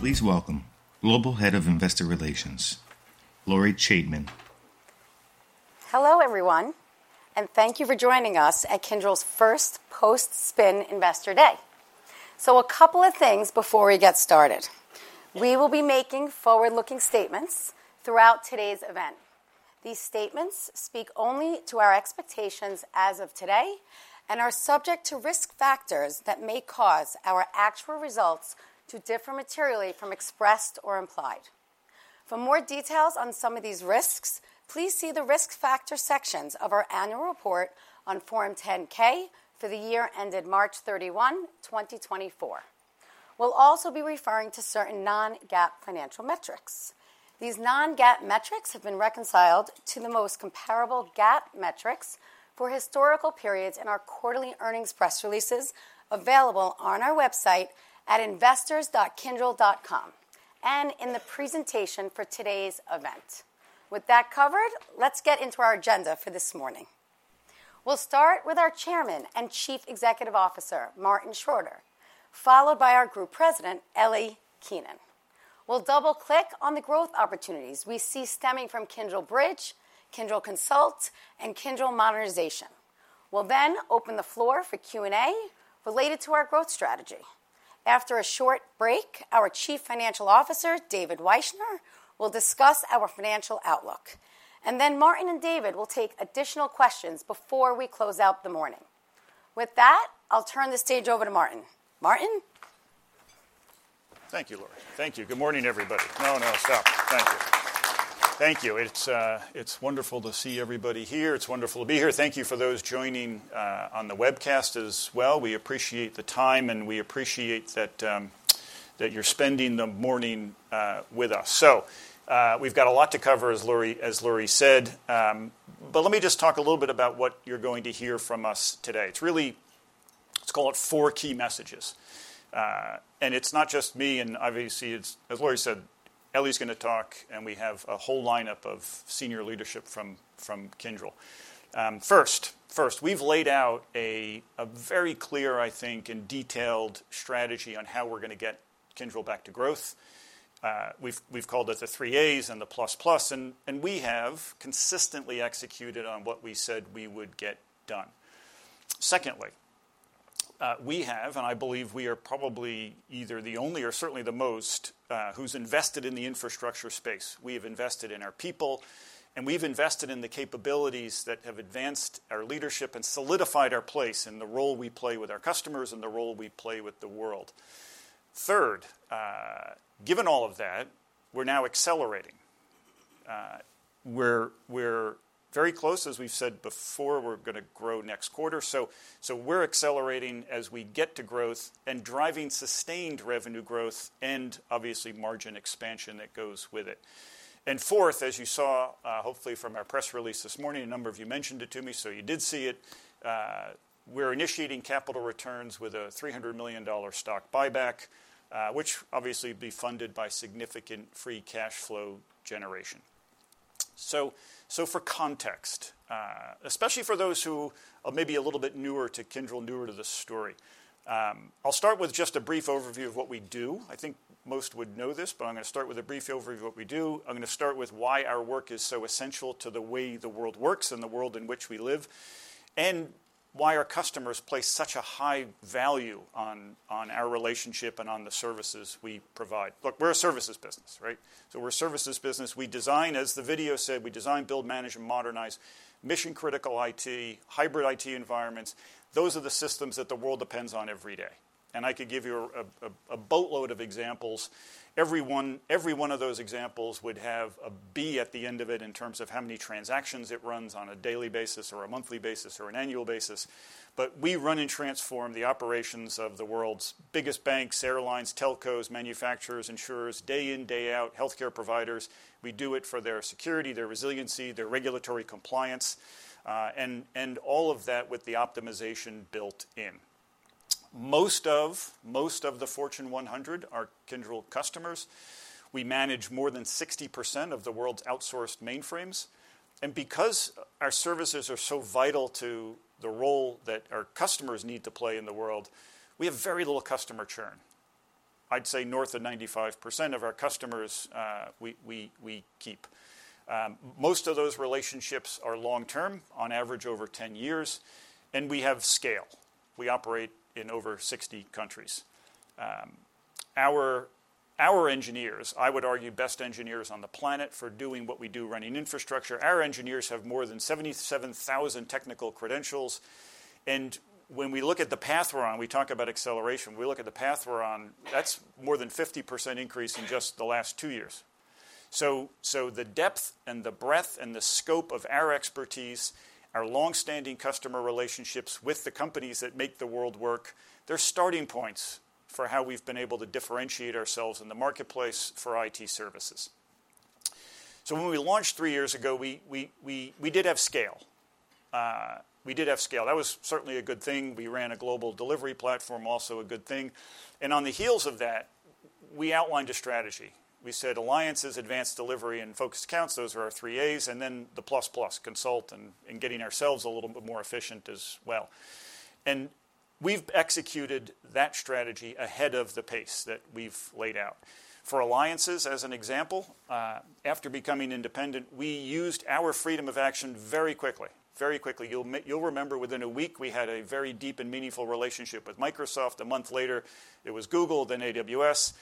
Please welcome Global Head of Investor Relations, Lori Chaitman. Hello, everyone, and thank you for joining us at Kyndryl's first Post-Spin Investor Day. So, a couple of things before we get started. We will be making forward-looking statements throughout today's event. These statements speak only to our expectations as of today and are subject to risk factors that may cause our actual results to differ materially from expressed or implied. For more details on some of these risks, please see the risk factor sections of our annual report on Form 10-K for the year ended March 31, 2024. We'll also be referring to certain non-GAAP financial metrics. These non-GAAP metrics have been reconciled to the most comparable GAAP metrics for historical periods in our quarterly earnings press releases available on our website at investors.kyndryl.com and in the presentation for today's event. With that covered, let's get into our agenda for this morning. We'll start with our Chairman and Chief Executive Officer, Martin Schroeter, followed by our Group President, Elly Keinan. We'll double-click on the growth opportunities we see stemming from Kyndryl Bridge, Kyndryl Consult, and Kyndryl modernization. We'll then open the floor for Q&A related to our growth strategy. After a short break, our Chief Financial Officer, David Wyshner, will discuss our financial outlook. And then Martin and David will take additional questions before we close out the morning. With that, I'll turn the stage over to Martin. Martin? Thank you, Lori. Thank you. Good morning, everybody. No, no, stop. Thank you. Thank you. It's wonderful to see everybody here. It's wonderful to be here. Thank you for those joining on the webcast as well. We appreciate the time, and we appreciate that you're spending the morning with us. So, we've got a lot to cover, as Lori said. But let me just talk a little bit about what you're going to hear from us today. It's really, let's call it four key messages. And it's not just me, and obviously, as Lori said, Elly's going to talk, and we have a whole lineup of senior leadership from Kyndryl. First, we've laid out a very clear, I think, and detailed strategy on how we're going to get Kyndryl back to growth. We've called it the Three A's and the Plus Plus, and we have consistently executed on what we said we would get done. Secondly, we have, and I believe we are probably either the only or certainly the most, who's invested in the infrastructure space. We have invested in our people, and we've invested in the capabilities that have advanced our leadership and solidified our place in the role we play with our customers and the role we play with the world. Third, given all of that, we're now accelerating. We're very close, as we've said before, we're going to grow next quarter. So, we're accelerating as we get to growth and driving sustained revenue growth and, obviously, margin expansion that goes with it. And fourth, as you saw, hopefully, from our press release this morning, a number of you mentioned it to me, so you did see it. We're initiating capital returns with a $300 million stock buyback, which, obviously, will be funded by significant free cash flow generation. So, for context, especially for those who are maybe a little bit newer to Kyndryl, newer to the story, I'll start with just a brief overview of what we do. I think most would know this, but I'm going to start with a brief overview of what we do. I'm going to start with why our work is so essential to the way the world works and the world in which we live, and why our customers place such a high value on our relationship and on the services we provide. Look, we're a services business, right? So, we're a services business. We design, as the video said, build, manage, and modernize ission-critical IT, hybrid IT environments. Those are the systems that the world depends on every day. And I could give you a boatload of examples. Every one of those examples would have a B at the end of it in terms of how many transactions it runs on a daily basis or a monthly basis or an annual basis. But we run and transform the operations of the world's biggest banks, airlines, telcos, manufacturers, insurers day in, day out, healthcare providers. We do it for their security, their resiliency, their regulatory compliance, and all of that with the optimization built in. Most of the Fortune 100 are Kyndryl customers. We manage more than 60% of the world's outsourced mainframes. Because our services are so vital to the role that our customers need to play in the world, we have very little customer churn. I'd say north of 95% of our customers we keep. Most of those relationships are long-term, on average over 10 years. We have scale. We operate in over 60 countries. Our engineers, I would argue best engineers on the planet for doing what we do running infrastructure. Our engineers have more than 77,000 technical credentials. When we look at the path we're on, we talk about acceleration. When we look at the path we're on, that's more than 50% increase in just the last two years. The depth and the breadth and the scope of our expertise, our long-standing customer relationships with the companies that make the world work, they're starting points for how we've been able to differentiate ourselves in the marketplace for IT services. When we launched three years ago, we did have scale. We did have scale. That was certainly a good thing. We ran a global delivery platform, also a good thing. On the heels of that, we outlined a strategy. We said alliances, advanced delivery, and focused accounts, those are our Three A's, and then the Plus Plus, Consult and getting ourselves a little bit more efficient as well. We've executed that strategy ahead of the pace that we've laid out. For alliances, as an example, after becoming independent, we used our freedom of action very quickly, very quickly. You'll remember within a week, we had a very deep and meaningful relationship with Microsoft. A month later, it was Google, then AWS, and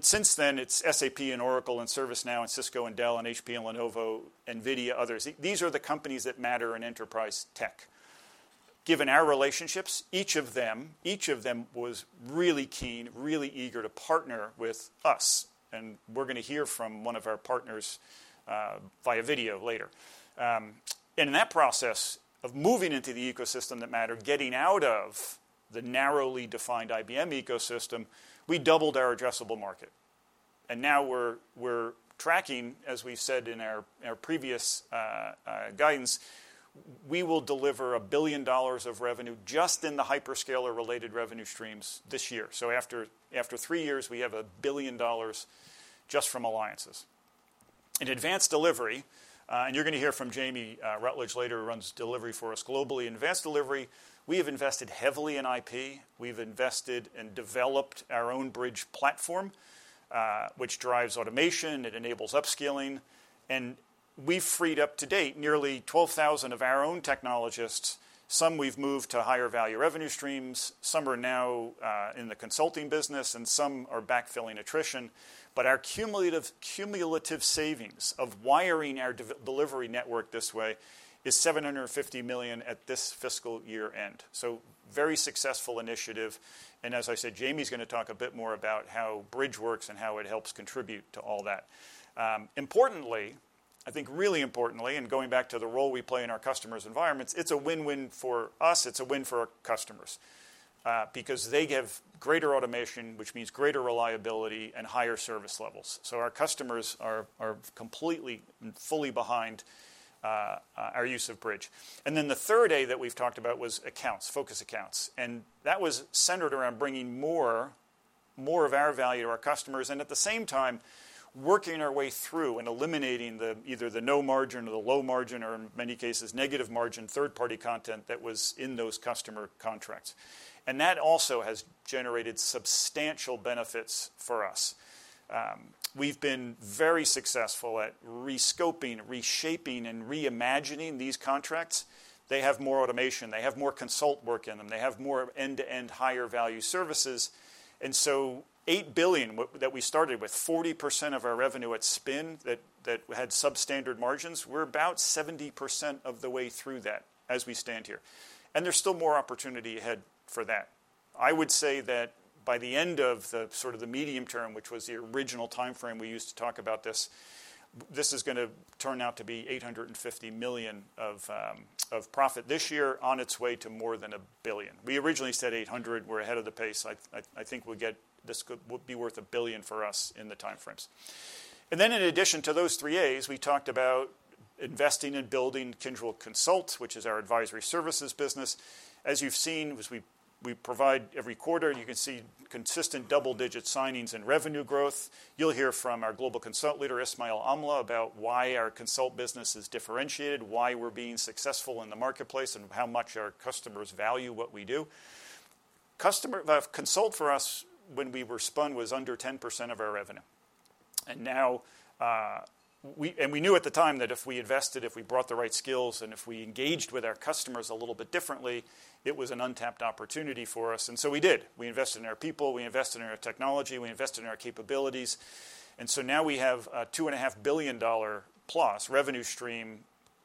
since then, it's SAP and Oracle and ServiceNow and Cisco and Dell and HP and Lenovo and NVIDIA, others. These are the companies that matter in enterprise tech. Given our relationships, each of them, each of them was really keen, really eager to partner with us, and we're going to hear from one of our partners via video later. And in that process of moving into the ecosystem that mattered, getting out of the narrowly defined IBM ecosystem, we doubled our addressable market, and now we're tracking, as we've said in our previous guidance, we will deliver $1 billion of revenue just in the hyperscaler-related revenue streams this year, so after three years, we have $1 billion just from alliances. In Advanced Delivery, and you're going to hear from Jamie Rutledge later, who runs delivery for us globally. In Advanced Delivery, we have invested heavily in IP. We've invested and developed our own Bridge platform, which drives automation. It enables upskilling. And we've freed up to date nearly 12,000 of our own technologists. Some we've moved to higher value revenue streams. Some are now in the consulting business, and some are backfilling attrition. But our cumulative savings of wiring our delivery network this way is $750 million at this fiscal year end. So, very successful initiative. And as I said, Jamie's going to talk a bit more about how Bridge works and how it helps contribute to all that. Importantly, I think really importantly, and going back to the role we play in our customers' environments, it's a win-win for us. It's a win for our customers because they have greater automation, which means greater reliability and higher service levels. So, our customers are completely and fully behind our use of Bridge. And then the third A that we've talked about was accounts, Focus Accounts. And that was centered around bringing more of our value to our customers and, at the same time, working our way through and eliminating either the no margin or the low margin or, in many cases, negative margin third-party content that was in those customer contracts. And that also has generated substantial benefits for us. We've been very successful at rescoping, reshaping, and reimagining these contracts. They have more automation. They have more Consult work in them. They have more end-to-end higher value services. So, $8 billion that we started with, 40% of our revenue at spin that had substandard margins. We're about 70% of the way through that as we stand here. There's still more opportunity ahead for that. I would say that by the end of the sort of the medium term, which was the original timeframe we used to talk about this, this is going to turn out to be $850 million of profit this year on its way to more than a billion. We originally said $800. We're ahead of the pace. I think we'll get this will be worth a billion for us in the timeframes. Then, in addition to those Three A's, we talked about investing and building Kyndryl Consult, which is our advisory services business. As you've seen, we provide every quarter, and you can see consistent double-digit signings and revenue growth. You'll hear from our global Consult leader, Ismail Amla, about why our Consult business is differentiated, why we're being successful in the marketplace, and how much our customers value what we do. Consult for us, when we were spun, was under 10% of our revenue. And we knew at the time that if we invested, if we brought the right skills, and if we engaged with our customers a little bit differently, it was an untapped opportunity for us. And so, we did. We invested in our people. We invested in our technology. We invested in our capabilities. And so, now we have a $2.5 billion plus revenue stream.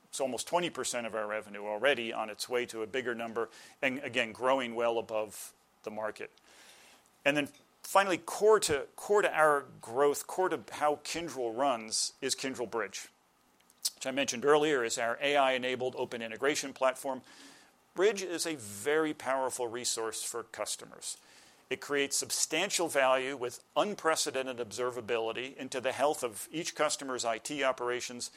It's almost 20% of our revenue already on its way to a bigger number and, again, growing well above the market. Then, finally, core to our growth, core to how Kyndryl runs, is Kyndryl Bridge, which I mentioned earlier is our AI-enabled open integration platform. Bridge is a very powerful resource for customers. It creates substantial value with unprecedented observability into the health of each customer's IT operations,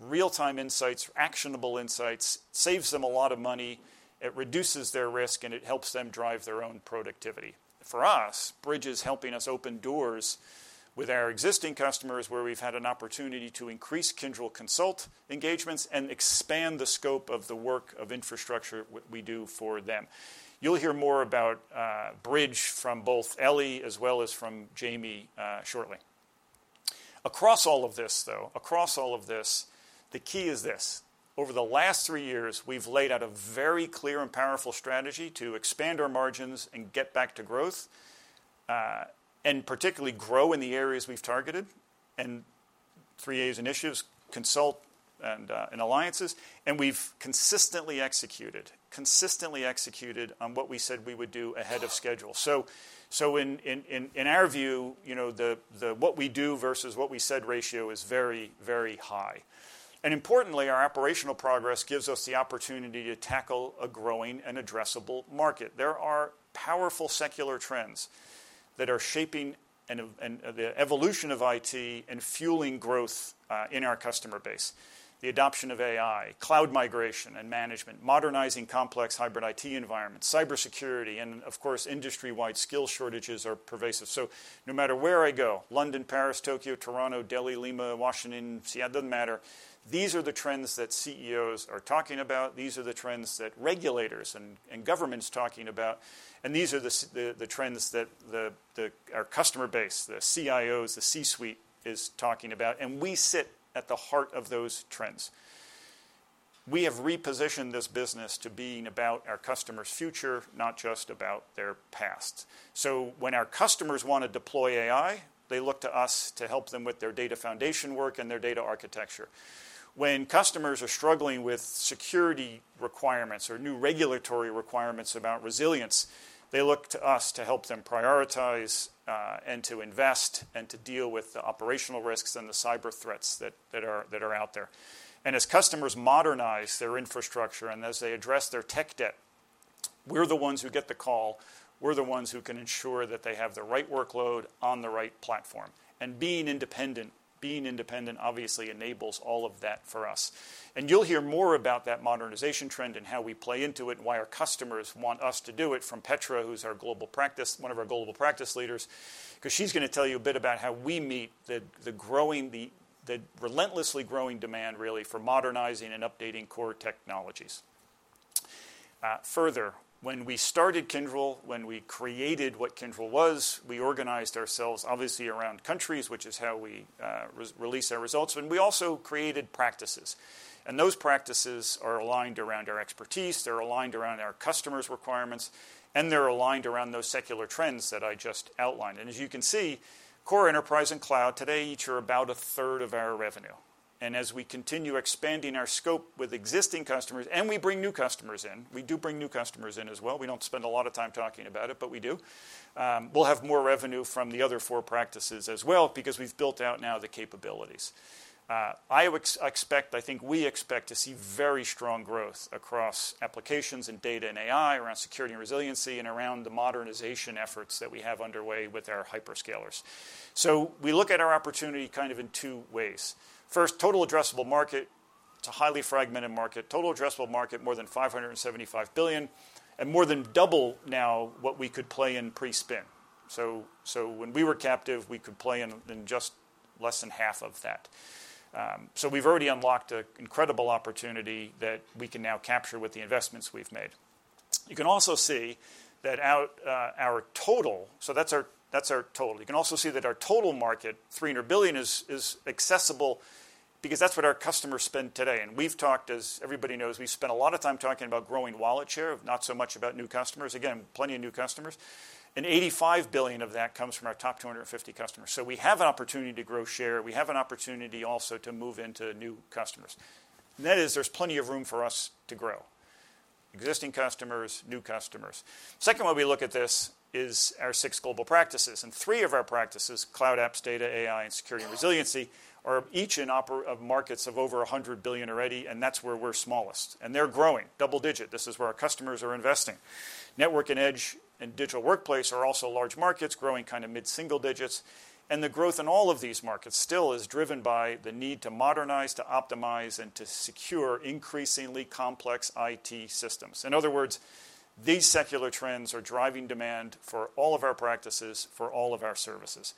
real-time insights, actionable insights, saves them a lot of money. It reduces their risk, and it helps them drive their own productivity. For us, Bridge is helping us open doors with our existing customers where we've had an opportunity to increase Kyndryl Consult engagements and expand the scope of the work of infrastructure we do for them. You'll hear more about Bridge from both Elly as well as from Jamie shortly. Across all of this, though, across all of this, the key is this: over the last three years, we've laid out a very clear and powerful strategy to expand our margins and get back to growth and particularly grow in the areas we've targeted and Three A's initiatives, Consult and alliances. And we've consistently executed, consistently executed on what we said we would do ahead of schedule. So, in our view, what we do versus what we said ratio is very, very high. And importantly, our operational progress gives us the opportunity to tackle a growing and addressable market. There are powerful secular trends that are shaping the evolution of IT and fueling growth in our customer base: the adoption of AI, cloud migration and management, modernizing complex hybrid IT environments, cybersecurity, and, of course, industry-wide skill shortages are pervasive. So, no matter where I go, London, Paris, Tokyo, Toronto, Delhi, Lima, Washington, Seattle, it doesn't matter. These are the trends that CEOs are talking about. These are the trends that regulators and governments are talking about. And these are the trends that our customer base, the CIOs, the C-suite is talking about. And we sit at the heart of those trends. We have repositioned this business to being about our customers' future, not just about their past. So, when our customers want to deploy AI, they look to us to help them with their data foundation work and their data architecture. When customers are struggling with security requirements or new regulatory requirements about resilience, they look to us to help them prioritize and to invest and to deal with the operational risks and the cyber threats that are out there. As customers modernize their infrastructure and as they address their tech debt, we're the ones who get the call. We're the ones who can ensure that they have the right workload on the right platform. Being independent, being independent, obviously, enables all of that for us. You'll hear more about that modernization trend and how we play into it and why our customers want us to do it from Petra, who's our global practice, one of our global practice leaders, because she's going to tell you a bit about how we meet the relentlessly growing demand, really, for modernizing and updating core technologies. Further, when we started Kyndryl, when we created what Kyndryl was, we organized ourselves, obviously, around countries, which is how we release our results. We also created practices. Those practices are aligned around our expertise. They're aligned around our customers' requirements. They're aligned around those secular trends that I just outlined. And as you can see, Core Enterprise and Cloud today each are about a third of our revenue. And as we continue expanding our scope with existing customers and we bring new customers in, we do bring new customers in as well. We don't spend a lot of time talking about it, but we do. We'll have more revenue from the other four practices as well because we've built out now the capabilities. I expect, I think we expect to see very strong growth across applications and data and AI around Security and Resiliency and around the modernization efforts that we have underway with our hyperscalers. We look at our opportunity kind of in two ways. First, total addressable market to highly fragmented market, total addressable market more than $575 billion and more than double now what we could play in pre-spin. So, when we were captive, we could play in just less than half of that. So, we've already unlocked an incredible opportunity that we can now capture with the investments we've made. You can also see that our total—so that's our total. You can also see that our total market, $300 billion, is accessible because that's what our customers spend today. And we've talked, as everybody knows, we've spent a lot of time talking about growing wallet share, not so much about new customers. Again, plenty of new customers. And $85 billion of that comes from our top 250 customers. So, we have an opportunity to grow share. We have an opportunity also to move into new customers. That is, there's plenty of room for us to grow: existing customers, new customers. Second, when we look at this is our six global practices. And three of our practices, Cloud, Apps, Data, & AI, and Security &Resiliency, are each in markets of over $100 billion already. And that's where we're smallest. And they're growing double-digit. This is where our customers are investing. Network & Edge and Digital Workplace are also large markets, growing kind of mid-single digits. And the growth in all of these markets still is driven by the need to modernize, to optimize, and to secure increasingly complex IT systems. In other words, these secular trends are driving demand for all of our practices, for all of our services.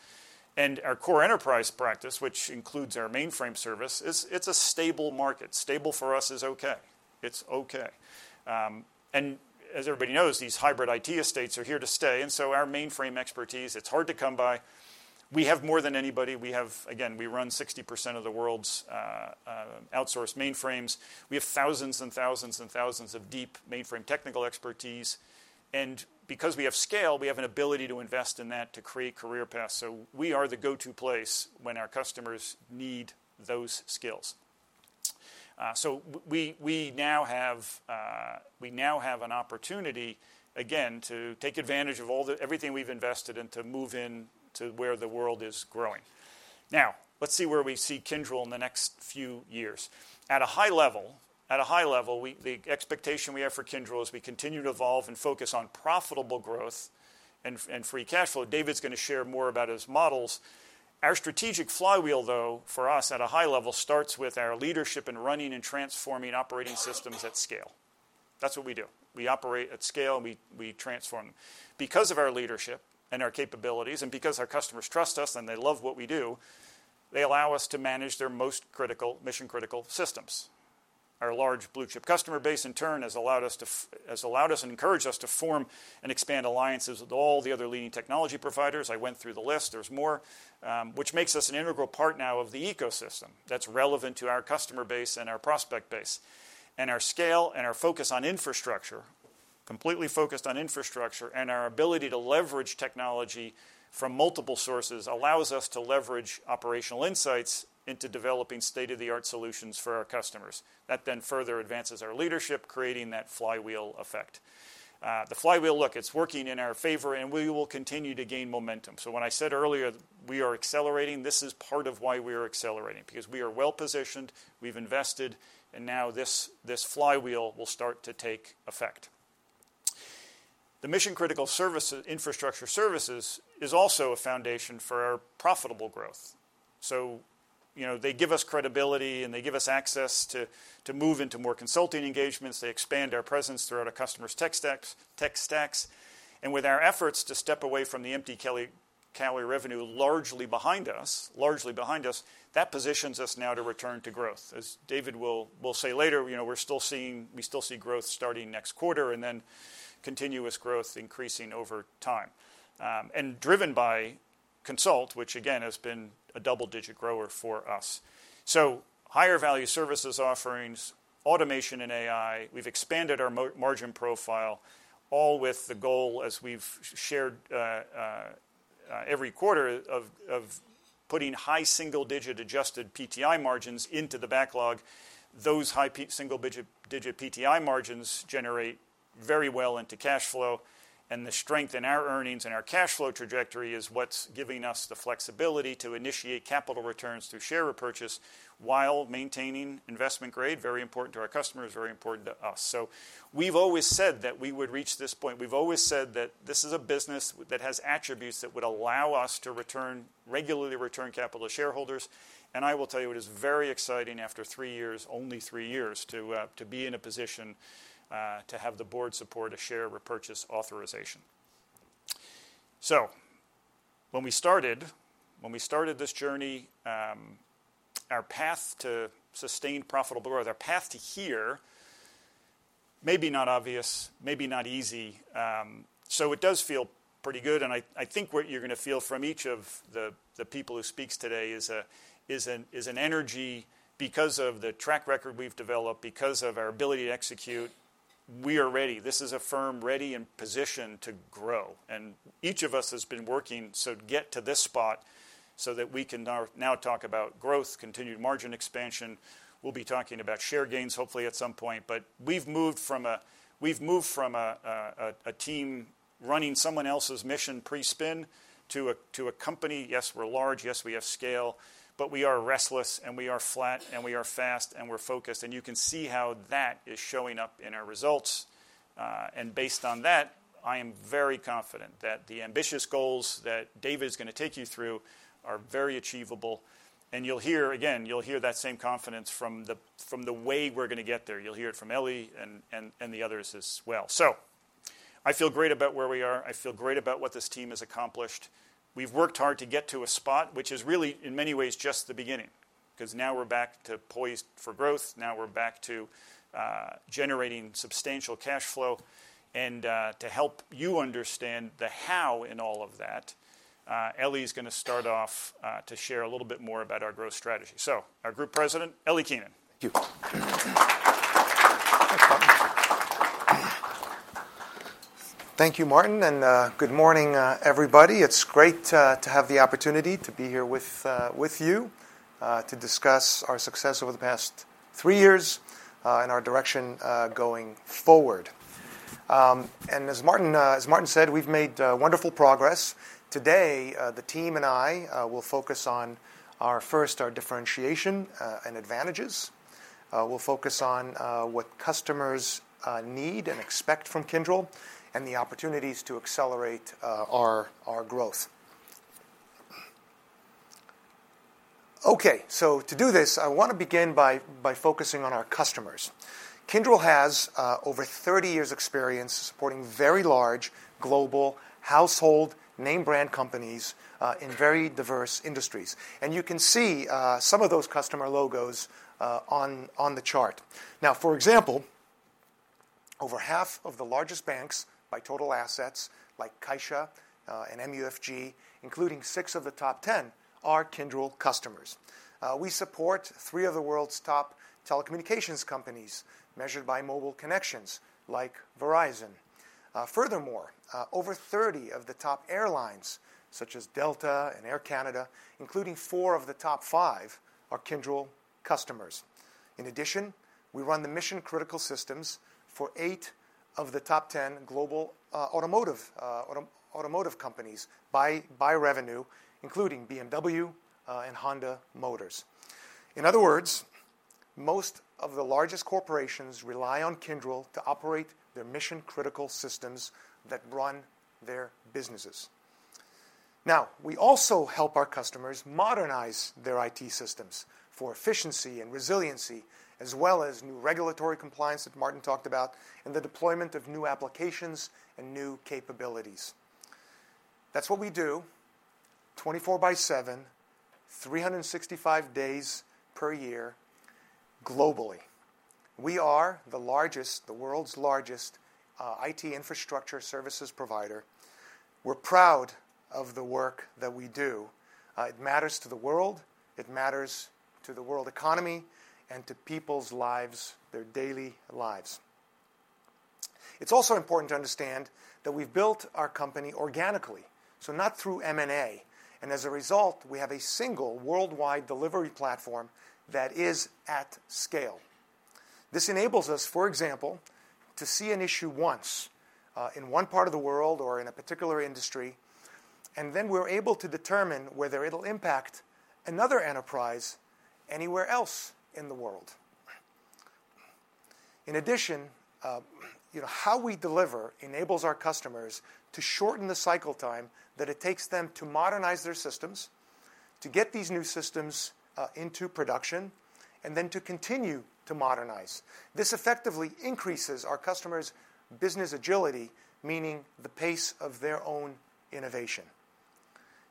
And our Core Enterprise practice, which includes our mainframe service, it's a stable market. Stable for us is okay. It's okay. As everybody knows, these hybrid IT estates are here to stay. Our mainframe expertise, it's hard to come by. We have more than anybody. We have, again, we run 60% of the world's outsourced mainframes. We have thousands and thousands and thousands of deep mainframe technical expertise. Because we have scale, we have an ability to invest in that to create career paths. We are the go-to place when our customers need those skills. We now have an opportunity, again, to take advantage of everything we've invested and to move into where the world is growing. Now, let's see where we see Kyndryl in the next few years. At a high level, the expectation we have for Kyndryl is we continue to evolve and focus on profitable growth and free cash flow. David's going to share more about his models. Our strategic flywheel, though, for us at a high level starts with our leadership in running and transforming operating systems at scale. That's what we do. We operate at scale, and we transform. Because of our leadership and our capabilities and because our customers trust us and they love what we do, they allow us to manage their most critical, mission-critical systems. Our large blue-chip customer base, in turn, has allowed us and encouraged us to form and expand alliances with all the other leading technology providers. I went through the list. There's more, which makes us an integral part now of the ecosystem that's relevant to our customer base and our prospect base. And our scale and our focus on infrastructure, completely focused on infrastructure, and our ability to leverage technology from multiple sources allows us to leverage operational insights into developing state-of-the-art solutions for our customers. That then further advances our leadership, creating that flywheel effect. The flywheel, look, it's working in our favor, and we will continue to gain momentum. So, when I said earlier we are accelerating, this is part of why we are accelerating because we are well-positioned. We've invested, and now this flywheel will start to take effect. The mission-critical infrastructure services is also a foundation for our profitable growth, so they give us credibility, and they give us access to move into more consulting engagements. They expand our presence throughout our customers' tech stacks, and with our efforts to step away from the end of legacy revenue largely behind us, that positions us now to return to growth. As David will say later, we still see growth starting next quarter and then continuous growth increasing over time and driven by Consult, which, again, has been a double-digit grower for us. So, higher value services offerings, automation and AI. We've expanded our margin profile, all with the goal, as we've shared every quarter, of putting high single-digit adjusted PTI margins into the backlog. Those high single-digit PTI margins generate very well into cash flow. And the strength in our earnings and our cash flow trajectory is what's giving us the flexibility to initiate capital returns through share repurchase while maintaining investment grade, very important to our customers, very important to us. So, we've always said that we would reach this point. We've always said that this is a business that has attributes that would allow us to regularly return capital to shareholders. And I will tell you, it is very exciting after three years, only three years, to be in a position to have the board support a share repurchase authorization. So, when we started this journey, our path to sustained profitable growth, our path to here may be not obvious, may be not easy, so it does feel pretty good, and I think what you're going to feel from each of the people who speaks today is an energy because of the track record we've developed, because of our ability to execute. We are ready. This is a firm ready and positioned to grow, and each of us has been working to get to this spot so that we can now talk about growth, continued margin expansion. We'll be talking about share gains, hopefully, at some point, but we've moved from a team running someone else's mission pre-spin to a company. Yes, we're large. Yes, we have scale, but we are restless, and we are fleet, and we are fast, and we're focused. You can see how that is showing up in our results. Based on that, I am very confident that the ambitious goals that David's going to take you through are very achievable. Again, you'll hear that same confidence from the way we're going to get there. You'll hear it from Elly and the others as well. I feel great about where we are. I feel great about what this team has accomplished. We've worked hard to get to a spot, which is really, in many ways, just the beginning because now we're back to poised for growth. Now we're back to generating substantial cash flow. To help you understand the how in all of that, Elly is going to start off to share a little bit more about our growth strategy. Our Group President, Elly Keinan. Thank you. Thank you, Martin. Good morning, everybody. It's great to have the opportunity to be here with you to discuss our success over the past three years and our direction going forward. As Martin said, we've made wonderful progress. Today, the team and I will focus on, first, our differentiation and advantages. We'll focus on what customers need and expect from Kyndryl and the opportunities to accelerate our growth. Okay. To do this, I want to begin by focusing on our customers. Kyndryl has over 30 years' experience supporting very large global household name brand companies in very diverse industries. You can see some of those customer logos on the chart. Now, for example, over half of the largest banks by total assets, like Caixa and MUFG, including six of the top 10, are Kyndryl customers. We support three of the world's top telecommunications companies measured by mobile connections, like Verizon. Furthermore, over 30 of the top airlines, such as Delta and Air Canada, including four of the top five, are Kyndryl customers. In addition, we run the mission-critical systems for eight of the top 10 global automotive companies by revenue, including BMW and Honda Motors. In other words, most of the largest corporations rely on Kyndryl to operate their mission-critical systems that run their businesses. Now, we also help our customers modernize their IT systems for efficiency and resiliency, as well as new regulatory compliance that Martin talked about and the deployment of new applications and new capabilities. That's what we do 24 by 7, 365 days per year globally. We are the largest, the world's largest IT infrastructure services provider. We're proud of the work that we do. It matters to the world. It matters to the world economy and to people's lives, their daily lives. It's also important to understand that we've built our company organically, so not through M&A. And as a result, we have a single worldwide delivery platform that is at scale. This enables us, for example, to see an issue once in one part of the world or in a particular industry, and then we're able to determine whether it'll impact another enterprise anywhere else in the world. In addition, how we deliver enables our customers to shorten the cycle time that it takes them to modernize their systems, to get these new systems into production, and then to continue to modernize. This effectively increases our customers' business agility, meaning the pace of their own innovation.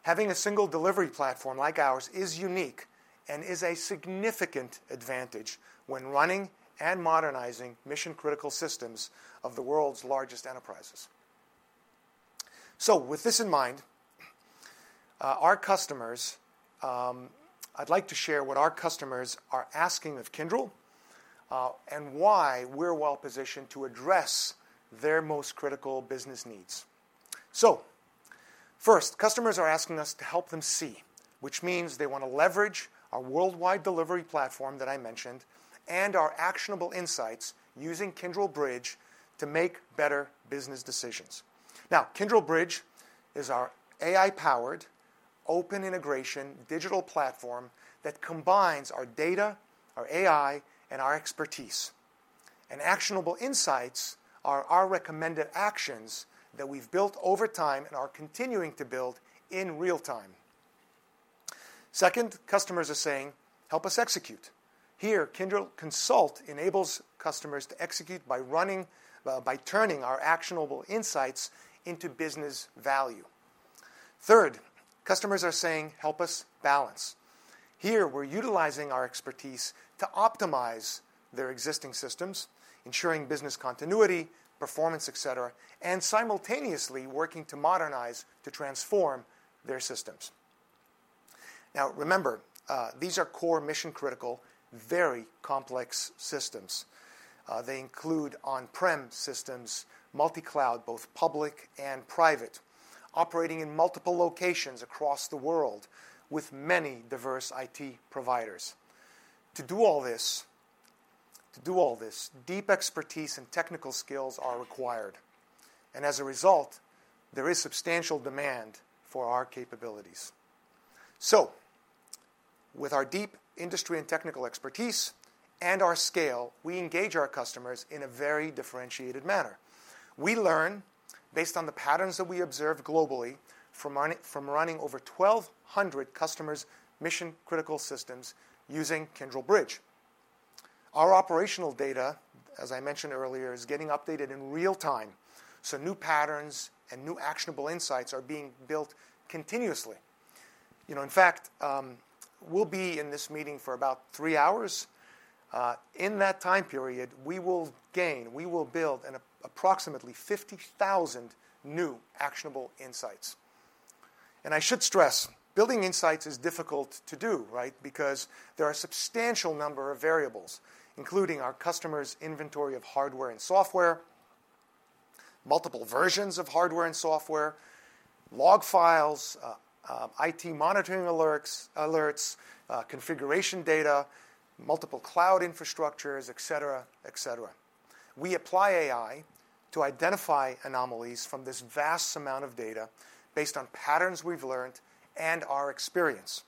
Having a single delivery platform like ours is unique and is a significant advantage when running and modernizing mission-critical systems of the world's largest enterprises. So, with this in mind, our customers, I'd like to share what our customers are asking of Kyndryl and why we're well-positioned to address their most critical business needs. So, first, customers are asking us to help them see, which means they want to leverage our worldwide delivery platform that I mentioned and our actionable insights using Kyndryl Bridge to make better business decisions. Now, Kyndryl Bridge is our AI-powered open integration digital platform that combines our data, our AI, and our expertise. And actionable insights are our recommended actions that we've built over time and are continuing to build in real time. Second, customers are saying, "Help us execute." Here, Kyndryl Consult enables customers to execute by turning our actionable insights into business value. Third, customers are saying, "Help us balance." Here, we're utilizing our expertise to optimize their existing systems, ensuring business continuity, performance, etc., and simultaneously working to modernize, to transform their systems. Now, remember, these are core mission-critical, very complex systems. They include on-prem systems, multi-cloud, both public and private, operating in multiple locations across the world with many diverse IT providers. To do all this, deep expertise and technical skills are required, and as a result, there is substantial demand for our capabilities, so with our deep industry and technical expertise and our scale, we engage our customers in a very differentiated manner. We learn based on the patterns that we observe globally from running over 1,200 customers' mission-critical systems using Kyndryl Bridge. Our operational data, as I mentioned earlier, is getting updated in real time, so new patterns and new actionable insights are being built continuously. In fact, we'll be in this meeting for about three hours. In that time period, we will gain, we will build approximately 50,000 new actionable insights. And I should stress, building insights is difficult to do, right, because there are a substantial number of variables, including our customers' inventory of hardware and software, multiple versions of hardware and software, log files, IT monitoring alerts, configuration data, multiple cloud infrastructures, etc., etc. We apply AI to identify anomalies from this vast amount of data based on patterns we've learned and our experience.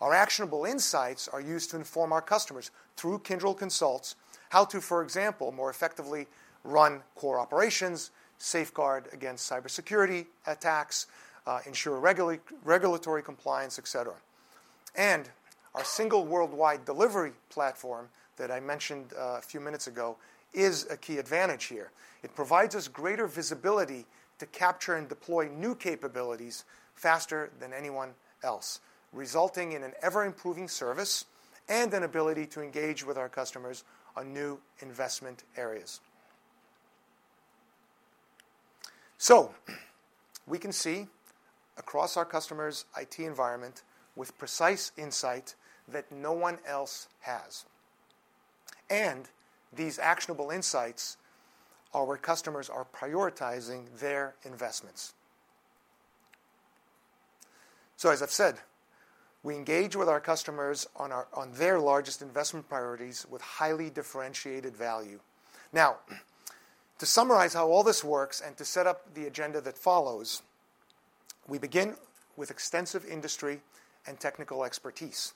Our actionable insights are used to inform our customers through Kyndryl Consult how to, for example, more effectively run core operations, safeguard against cybersecurity attacks, ensure regulatory compliance, etc. And our single worldwide delivery platform that I mentioned a few minutes ago is a key advantage here. It provides us greater visibility to capture and deploy new capabilities faster than anyone else, resulting in an ever-improving service and an ability to engage with our customers on new investment areas. So, we can see across our customers' IT environment with precise insight that no one else has. And these actionable insights are where customers are prioritizing their investments. So, as I've said, we engage with our customers on their largest investment priorities with highly differentiated value. Now, to summarize how all this works and to set up the agenda that follows, we begin with extensive industry and technical expertise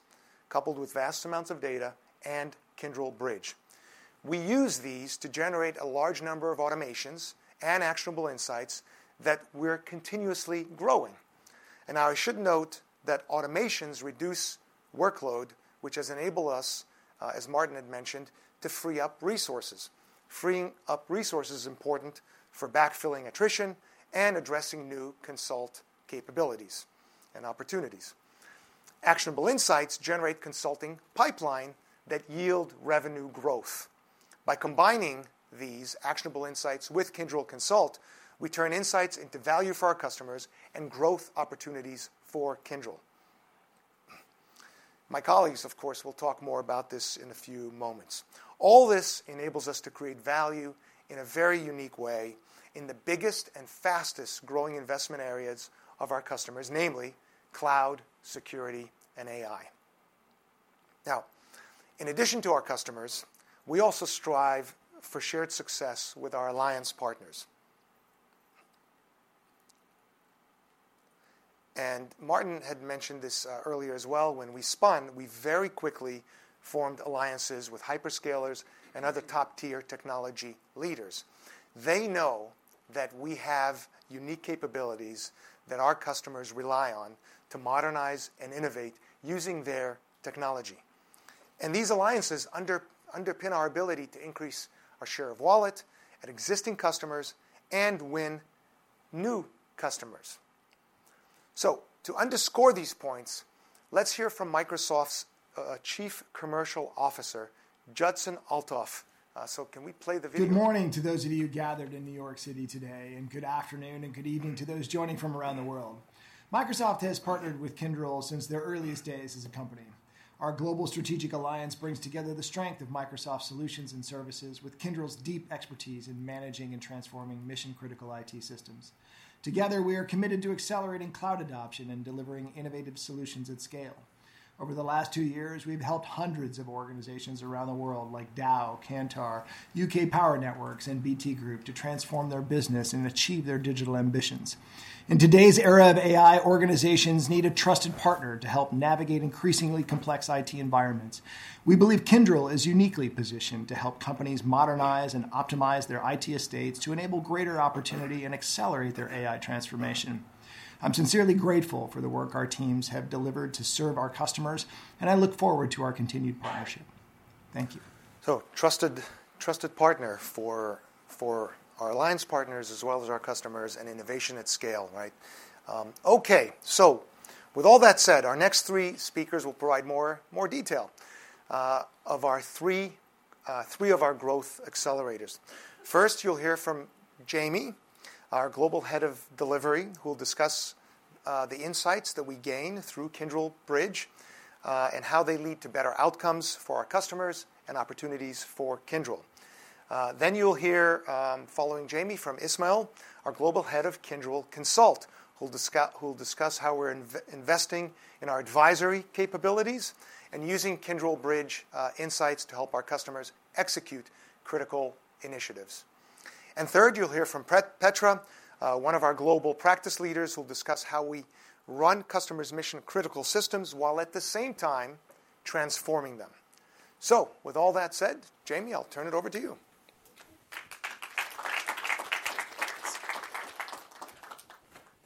coupled with vast amounts of data and Kyndryl Bridge. We use these to generate a large number of automations and actionable insights that we're continuously growing. And I should note that automations reduce workload, which has enabled us, as Martin had mentioned, to free up resources. Freeing up resources is important for backfilling attrition and addressing new Consult capabilities and opportunities. Actionable insights generate consulting pipeline that yield revenue growth. By combining these actionable insights with Kyndryl Consult, we turn insights into value for our customers and growth opportunities for Kyndryl. My colleagues, of course, will talk more about this in a few moments. All this enables us to create value in a very unique way in the biggest and fastest growing investment areas of our customers, namely cloud, security, and AI. Now, in addition to our customers, we also strive for shared success with our alliance partners. And Martin had mentioned this earlier as well. When we spun, we very quickly formed alliances with hyperscalers and other top-tier technology leaders. They know that we have unique capabilities that our customers rely on to modernize and innovate using their technology. These alliances underpin our ability to increase our share of wallet at existing customers and win new customers. To underscore these points, let's hear from Microsoft's Chief Commercial Officer, Judson Althoff. Can we play the video? Good morning to those of you gathered in New York City today, and good afternoon and good evening to those joining from around the world. Microsoft has partnered with Kyndryl since their earliest days as a company. Our global strategic alliance brings together the strength of Microsoft solutions and services with Kyndryl's deep expertise in managing and transforming mission-critical IT systems. Together, we are committed to accelerating cloud adoption and delivering innovative solutions at scale. Over the last two years, we've helped hundreds of organizations around the world, like Dow, Kantar, UK Power Networks, and BT Group, to transform their business and achieve their digital ambitions. In today's era of AI, organizations need a trusted partner to help navigate increasingly complex IT environments. We believe Kyndryl is uniquely positioned to help companies modernize and optimize their IT estates to enable greater opportunity and accelerate their AI transformation. I'm sincerely grateful for the work our teams have delivered to serve our customers, and I look forward to our continued partnership. Thank you. So, trusted partner for our alliance partners, as well as our customers, and innovation at scale, right? Okay. So, with all that said, our next three speakers will provide more detail of our three growth accelerators. First, you'll hear from Jamie, our global head of delivery, who will discuss the insights that we gain through Kyndryl Bridge and how they lead to better outcomes for our customers and opportunities for Kyndryl. Then you'll hear, following Jamie, from Ismail, our global head of Kyndryl Consult, who will discuss how we're investing in our advisory capabilities and using Kyndryl Bridge insights to help our customers execute critical initiatives. And third, you'll hear from Petra, one of our global practice leaders, who will discuss how we run customers' mission-critical systems while at the same time transforming them. So, with all that said, Jamie, I'll turn it over to you.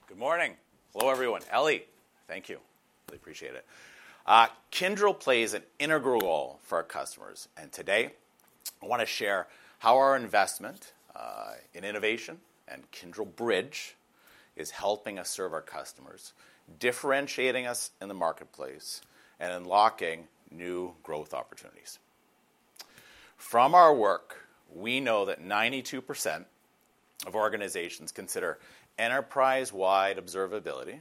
Good morning. Hello, everyone. Elly, thank you. Really appreciate it. Kyndryl plays an integral role for our customers. And today, I want to share how our investment in innovation and Kyndryl Bridge is helping us serve our customers, differentiating us in the marketplace, and unlocking new growth opportunities. From our work, we know that 92% of organizations consider enterprise-wide observability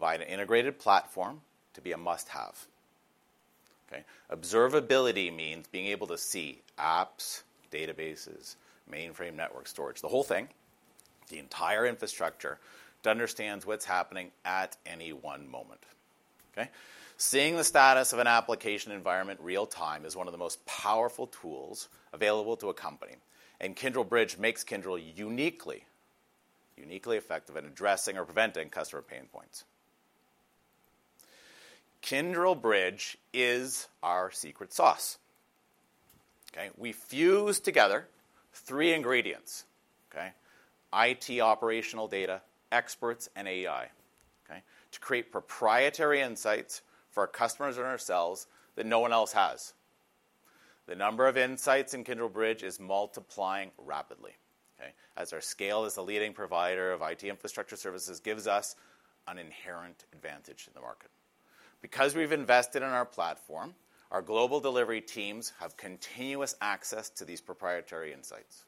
via an integrated platform to be a must-have. Observability means being able to see apps, databases, mainframe network storage, the whole thing, the entire infrastructure to understand what's happening at any one moment. Seeing the status of an application environment real-time is one of the most powerful tools available to a company, and Kyndryl Bridge makes Kyndryl uniquely, uniquely effective in addressing or preventing customer pain points. Kyndryl Bridge is our secret sauce. We fuse together three ingredients: IT operational data, experts, and AI to create proprietary insights for our customers and ourselves that no one else has. The number of insights in Kyndryl Bridge is multiplying rapidly as our scale as a leading provider of IT infrastructure services gives us an inherent advantage in the market. Because we've invested in our platform, our global delivery teams have continuous access to these proprietary insights.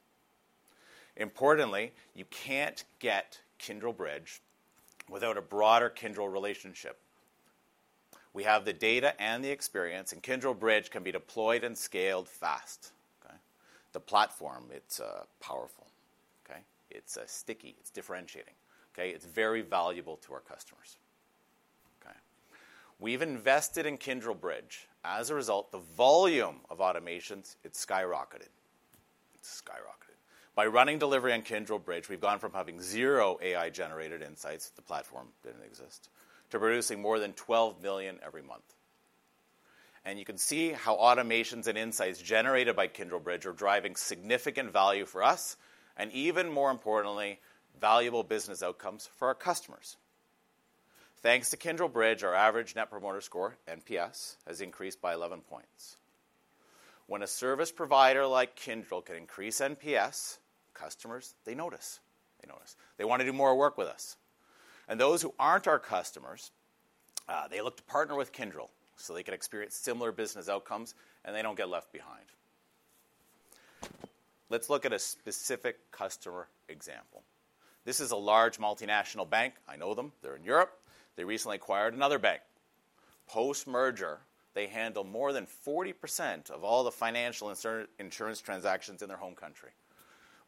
Importantly, you can't get Kyndryl Bridge without a broader Kyndryl relationship. We have the data and the experience, and Kyndryl Bridge can be deployed and scaled fast. The platform, it's powerful. It's sticky. It's differentiating. It's very valuable to our customers. We've invested in Kyndryl Bridge. As a result, the volume of automations, it's skyrocketed. It's skyrocketed. By running delivery on Kyndryl Bridge, we've gone from having zero AI-generated insights at the platform that didn't exist to producing more than 12 million every month. You can see how automations and insights generated by Kyndryl Bridge are driving significant value for us and, even more importantly, valuable business outcomes for our customers. Thanks to Kyndryl Bridge, our average net promoter score, NPS, has increased by 11 points. When a service provider like Kyndryl can increase NPS, customers, they notice. They notice. They want to do more work with us. And those who aren't our customers, they look to partner with Kyndryl so they can experience similar business outcomes, and they don't get left behind. Let's look at a specific customer example. This is a large multinational bank. I know them. They're in Europe. They recently acquired another bank. Post-merger, they handle more than 40% of all the financial insurance transactions in their home country.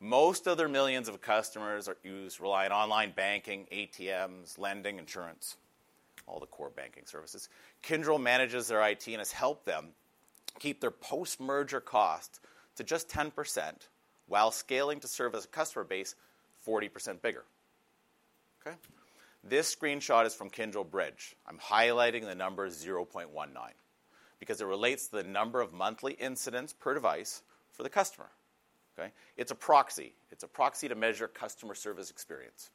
Most of their millions of customers rely on online banking, ATMs, lending, insurance, all the core banking services. Kyndryl manages their IT and has helped them keep their post-merger cost to just 10% while scaling to serve a customer base 40% bigger. This screenshot is from Kyndryl Bridge. I'm highlighting the number 0.19 because it relates to the number of monthly incidents per device for the customer. It's a proxy. It's a proxy to measure customer service experience.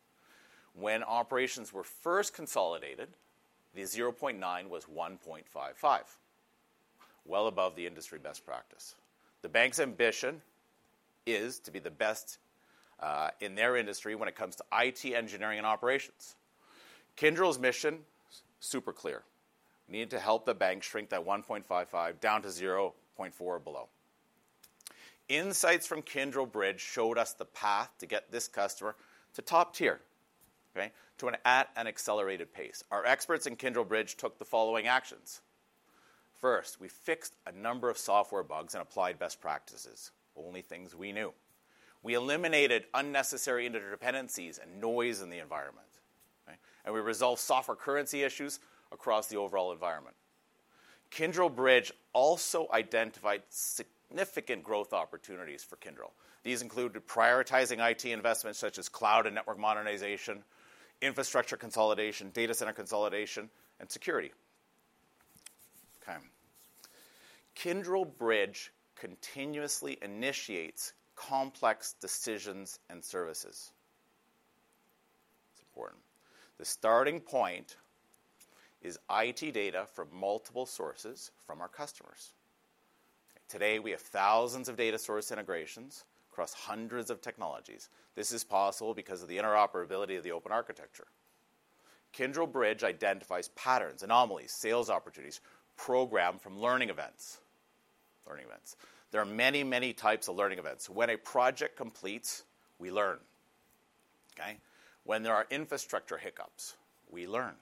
When operations were first consolidated, the 0.9 was 1.55, well above the industry best practice. The bank's ambition is to be the best in their industry when it comes to IT engineering and operations. Kyndryl's mission is super clear: need to help the bank shrink that 1.55 down to 0.4 or below. Insights from Kyndryl Bridge showed us the path to get this customer to top tier at an accelerated pace. Our experts in Kyndryl Bridge took the following actions. First, we fixed a number of software bugs and applied best practices, only things we knew. We eliminated unnecessary interdependencies and noise in the environment. And we resolved software currency issues across the overall environment. Kyndryl Bridge also identified significant growth opportunities for Kyndryl. These included prioritizing IT investments such as cloud and network modernization, infrastructure consolidation, data center consolidation, and security. Kyndryl Bridge continuously initiates complex decisions and services. It's important. The starting point is IT data from multiple sources from our customers. Today, we have thousands of data source integrations across hundreds of technologies. This is possible because of the interoperability of the open architecture. Kyndryl Bridge identifies patterns, anomalies, sales opportunities, programmed from learning events. Learning events. There are many, many types of learning events. When a project completes, we learn. When there are infrastructure hiccups, we learn.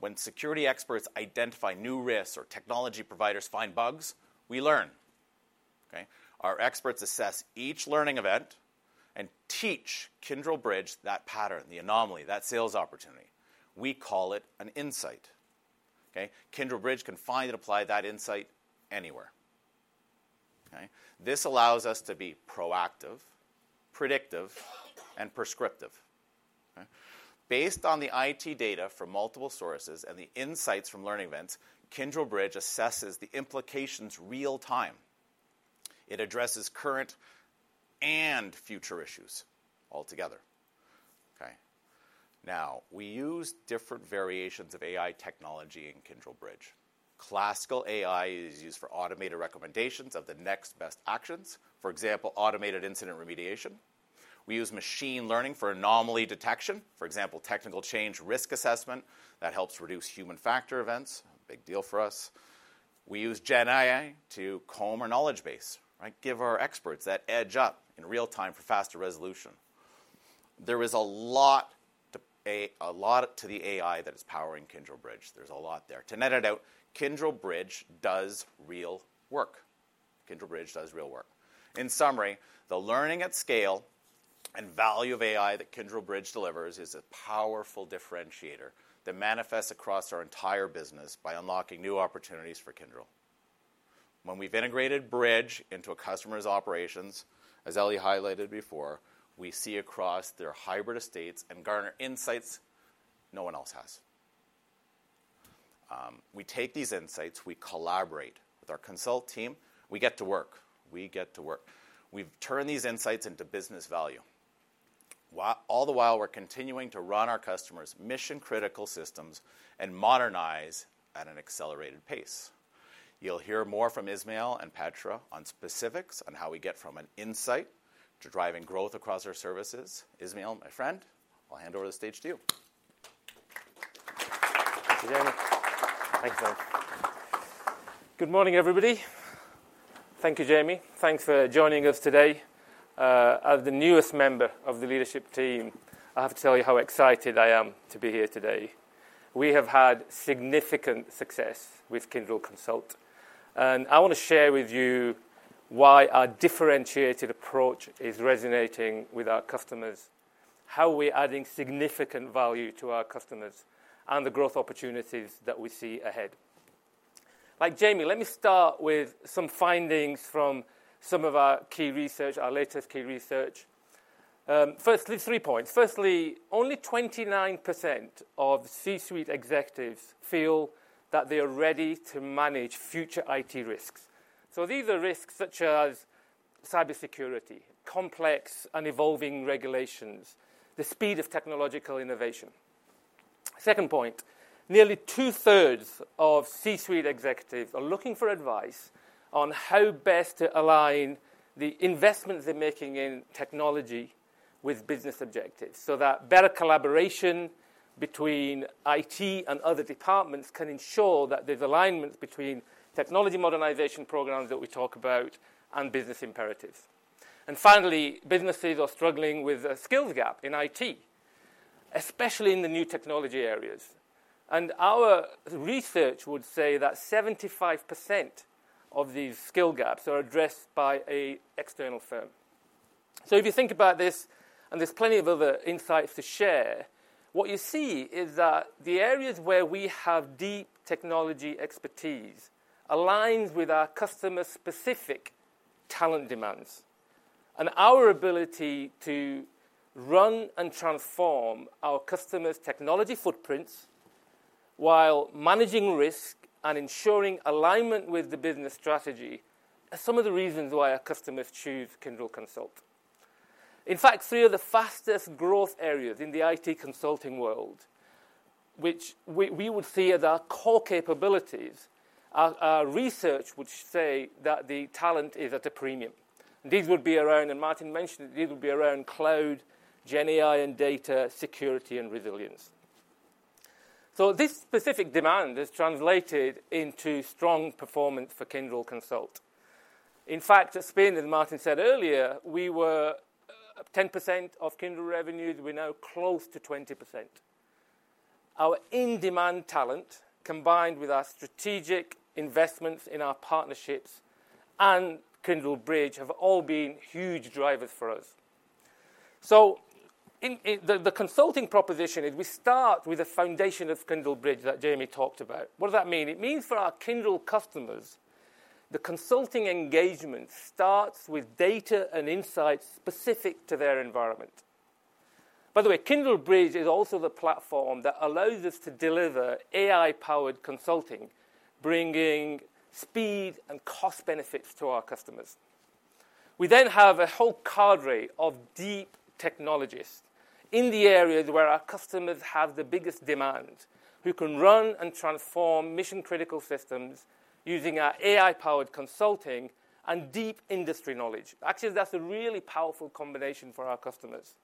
When security experts identify new risks or technology providers find bugs, we learn. Our experts assess each learning event and teach Kyndryl Bridge that pattern, the anomaly, that sales opportunity. We call it an insight. Kyndryl Bridge can find and apply that insight anywhere. This allows us to be proactive, predictive, and prescriptive. Based on the IT data from multiple sources and the insights from learning events, Kyndryl Bridge assesses the implications real-time. It addresses current and future issues altogether. Now, we use different variations of AI technology in Kyndryl Bridge. Classical AI is used for automated recommendations of the next best actions. For example, automated incident remediation. We use machine learning for anomaly detection. For example, technical change risk assessment that helps reduce human factor events. Big deal for us. We use GenAI to comb our knowledge base, give our experts that edge up in real-time for faster resolution. There is a lot to the AI that is powering Kyndryl Bridge. There's a lot there. To net it out, Kyndryl Bridge does real work. In summary, the learning at scale and value of AI that Kyndryl Bridge delivers is a powerful differentiator that manifests across our entire business by unlocking new opportunities for Kyndryl. When we've integrated Bridge into a customer's operations, as Elly highlighted before, we see across their hybrid estates and garner insights no one else has. We take these insights. We collaborate with our Consult team. We get to work. We get to work. We've turned these insights into business value. All the while, we're continuing to run our customers' mission-critical systems and modernize at an accelerated pace. You'll hear more from Ismail and Petra on specifics on how we get from an insight to driving growth across our services. Ismail, my friend, I'll hand over the stage to you. Thank you, Jamie. Thanks, guys. Good morning, everybody. Thank you, Jamie. Thanks for joining us today. As the newest member of the leadership team, I have to tell you how excited I am to be here today. We have had significant success with Kyndryl Consult. I want to share with you why our differentiated approach is resonating with our customers, how we're adding significant value to our customers, and the growth opportunities that we see ahead. Like Jamie, let me start with some findings from some of our key research, our latest key research. Firstly, three points. Firstly, only 29% of C-suite executives feel that they are ready to manage future IT risks, so these are risks such as cybersecurity, complex and evolving regulations, the speed of technological innovation. Second point, nearly two-thirds of C-suite executives are looking for advice on how best to align the investments they're making in technology with business objectives so that better collaboration between IT and other departments can ensure that there's alignment between technology modernization programs that we talk about and business imperatives. Finally, businesses are struggling with a skills gap in IT, especially in the new technology areas. Our research would say that 75% of these skill gaps are addressed by an external firm. If you think about this, and there's plenty of other insights to share, what you see is that the areas where we have deep technology expertise aligns with our customer-specific talent demands. Our ability to run and transform our customers' technology footprints while managing risk and ensuring alignment with the business strategy are some of the reasons why our customers choose Kyndryl Consult. In fact, three of the fastest growth areas in the IT consulting world, which we would see as our core capabilities, are research which says that the talent is at a premium. These would be around, and Martin mentioned, these would be around cloud, GenAI, and data security and resilience. So this specific demand is translated into strong performance for Kyndryl Consult. In fact, in Spain, as Martin said earlier, we were 10% of Kyndryl revenues. We're now close to 20%. Our in-demand talent, combined with our strategic investments in our partnerships and Kyndryl Bridge, have all been huge drivers for us. So the consulting proposition is we start with the foundation of Kyndryl Bridge that Jamie talked about. What does that mean? It means for our Kyndryl customers, the consulting engagement starts with data and insights specific to their environment. By the way, Kyndryl Bridge is also the platform that allows us to deliver AI-powered consulting, bringing speed and cost benefits to our customers. We then have a whole cadre of deep technologists in the areas where our customers have the biggest demand, who can run and transform mission-critical systems using our AI-powered consulting and deep industry knowledge. Actually, that's a really powerful combination for our customers.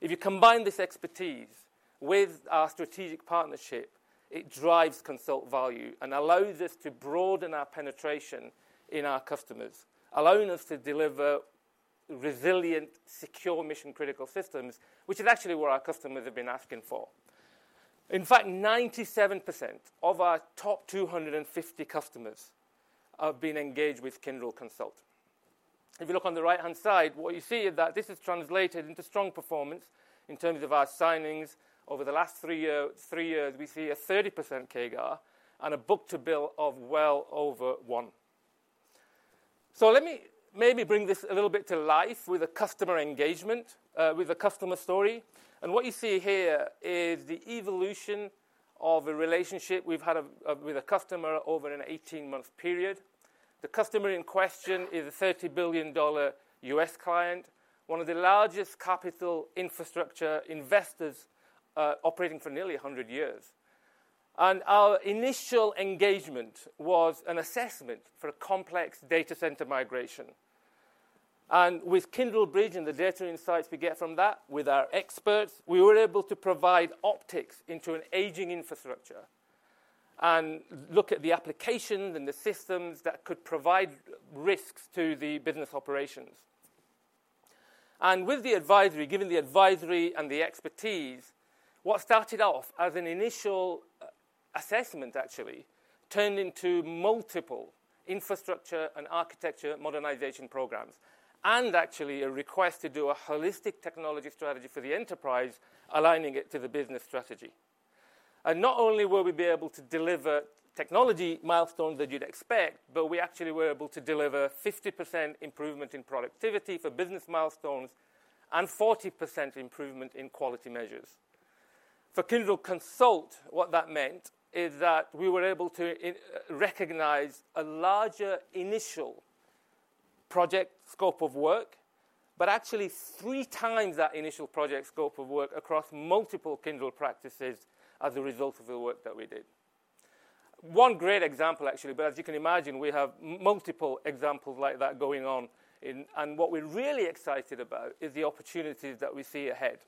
If you combine this expertise with our strategic partnership, it drives Consult value and allows us to broaden our penetration in our customers, allowing us to deliver resilient, secure, mission-critical systems, which is actually what our customers have been asking for. In fact, 97% of our top 250 customers have been engaged with Kyndryl Consult. If you look on the right-hand side, what you see is that this is translated into strong performance in terms of our signings over the last three years. We see a 30% CAGR and a book-to-bill of well over one, so let me maybe bring this a little bit to life with a customer engagement, with a customer story, and what you see here is the evolution of a relationship we've had with a customer over an 18-month period. The customer in question is a $30 billion U.S. client, one of the largest capital infrastructure investors operating for nearly 100 years, and our initial engagement was an assessment for a complex data center migration, and with Kyndryl Bridge and the data insights we get from that with our experts, we were able to provide optics into an aging infrastructure and look at the applications and the systems that could provide risks to the business operations, and with the advisory, given the advisory and the expertise, what started off as an initial assessment actually turned into multiple infrastructure and architecture modernization programs and actually a request to do a holistic technology strategy for the enterprise, aligning it to the business strategy. Not only will we be able to deliver technology milestones that you'd expect, but we actually were able to deliver 50% improvement in productivity for business milestones and 40% improvement in quality measures. For Kyndryl Consult, what that meant is that we were able to recognize a larger initial project scope of work, but actually three times that initial project scope of work across multiple Kyndryl practices as a result of the work that we did. One great example, actually, but as you can imagine, we have multiple examples like that going on. What we're really excited about is the opportunities that we see ahead.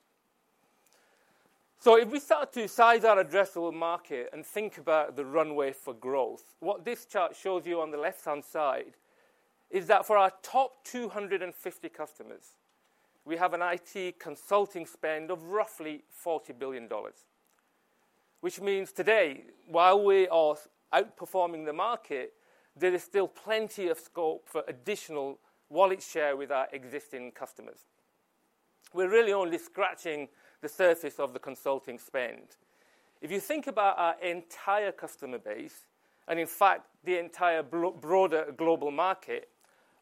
So if we start to size our addressable market and think about the runway for growth, what this chart shows you on the left-hand side is that for our top 250 customers, we have an IT consulting spend of roughly $40 billion, which means today, while we are outperforming the market, there is still plenty of scope for additional wallet share with our existing customers. We're really only scratching the surface of the consulting spend. If you think about our entire customer base and, in fact, the entire broader global market,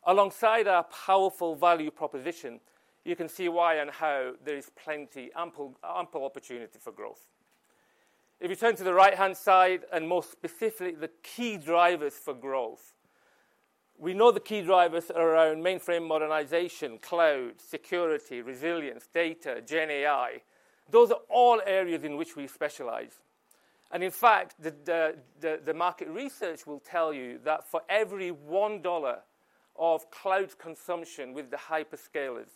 alongside our powerful value proposition, you can see why and how there is plenty, ample opportunity for growth. If you turn to the right-hand side and more specifically, the key drivers for growth, we know the key drivers are around mainframe modernization, cloud, security, resilience, data, GenAI. Those are all areas in which we specialize. And in fact, the market research will tell you that for every $1 of cloud consumption with the hyperscalers,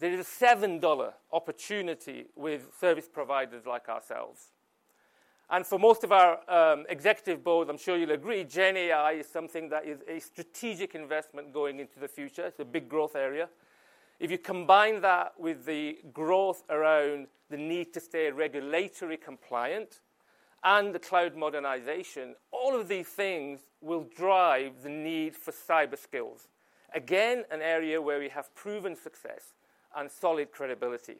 there is a $7 opportunity with service providers like ourselves. And for most of our executive boards, I'm sure you'll agree, GenAI is something that is a strategic investment going into the future. It's a big growth area. If you combine that with the growth around the need to stay regulatory compliant and the cloud modernization, all of these things will drive the need for cyber skills. Again, an area where we have proven success and solid credibility.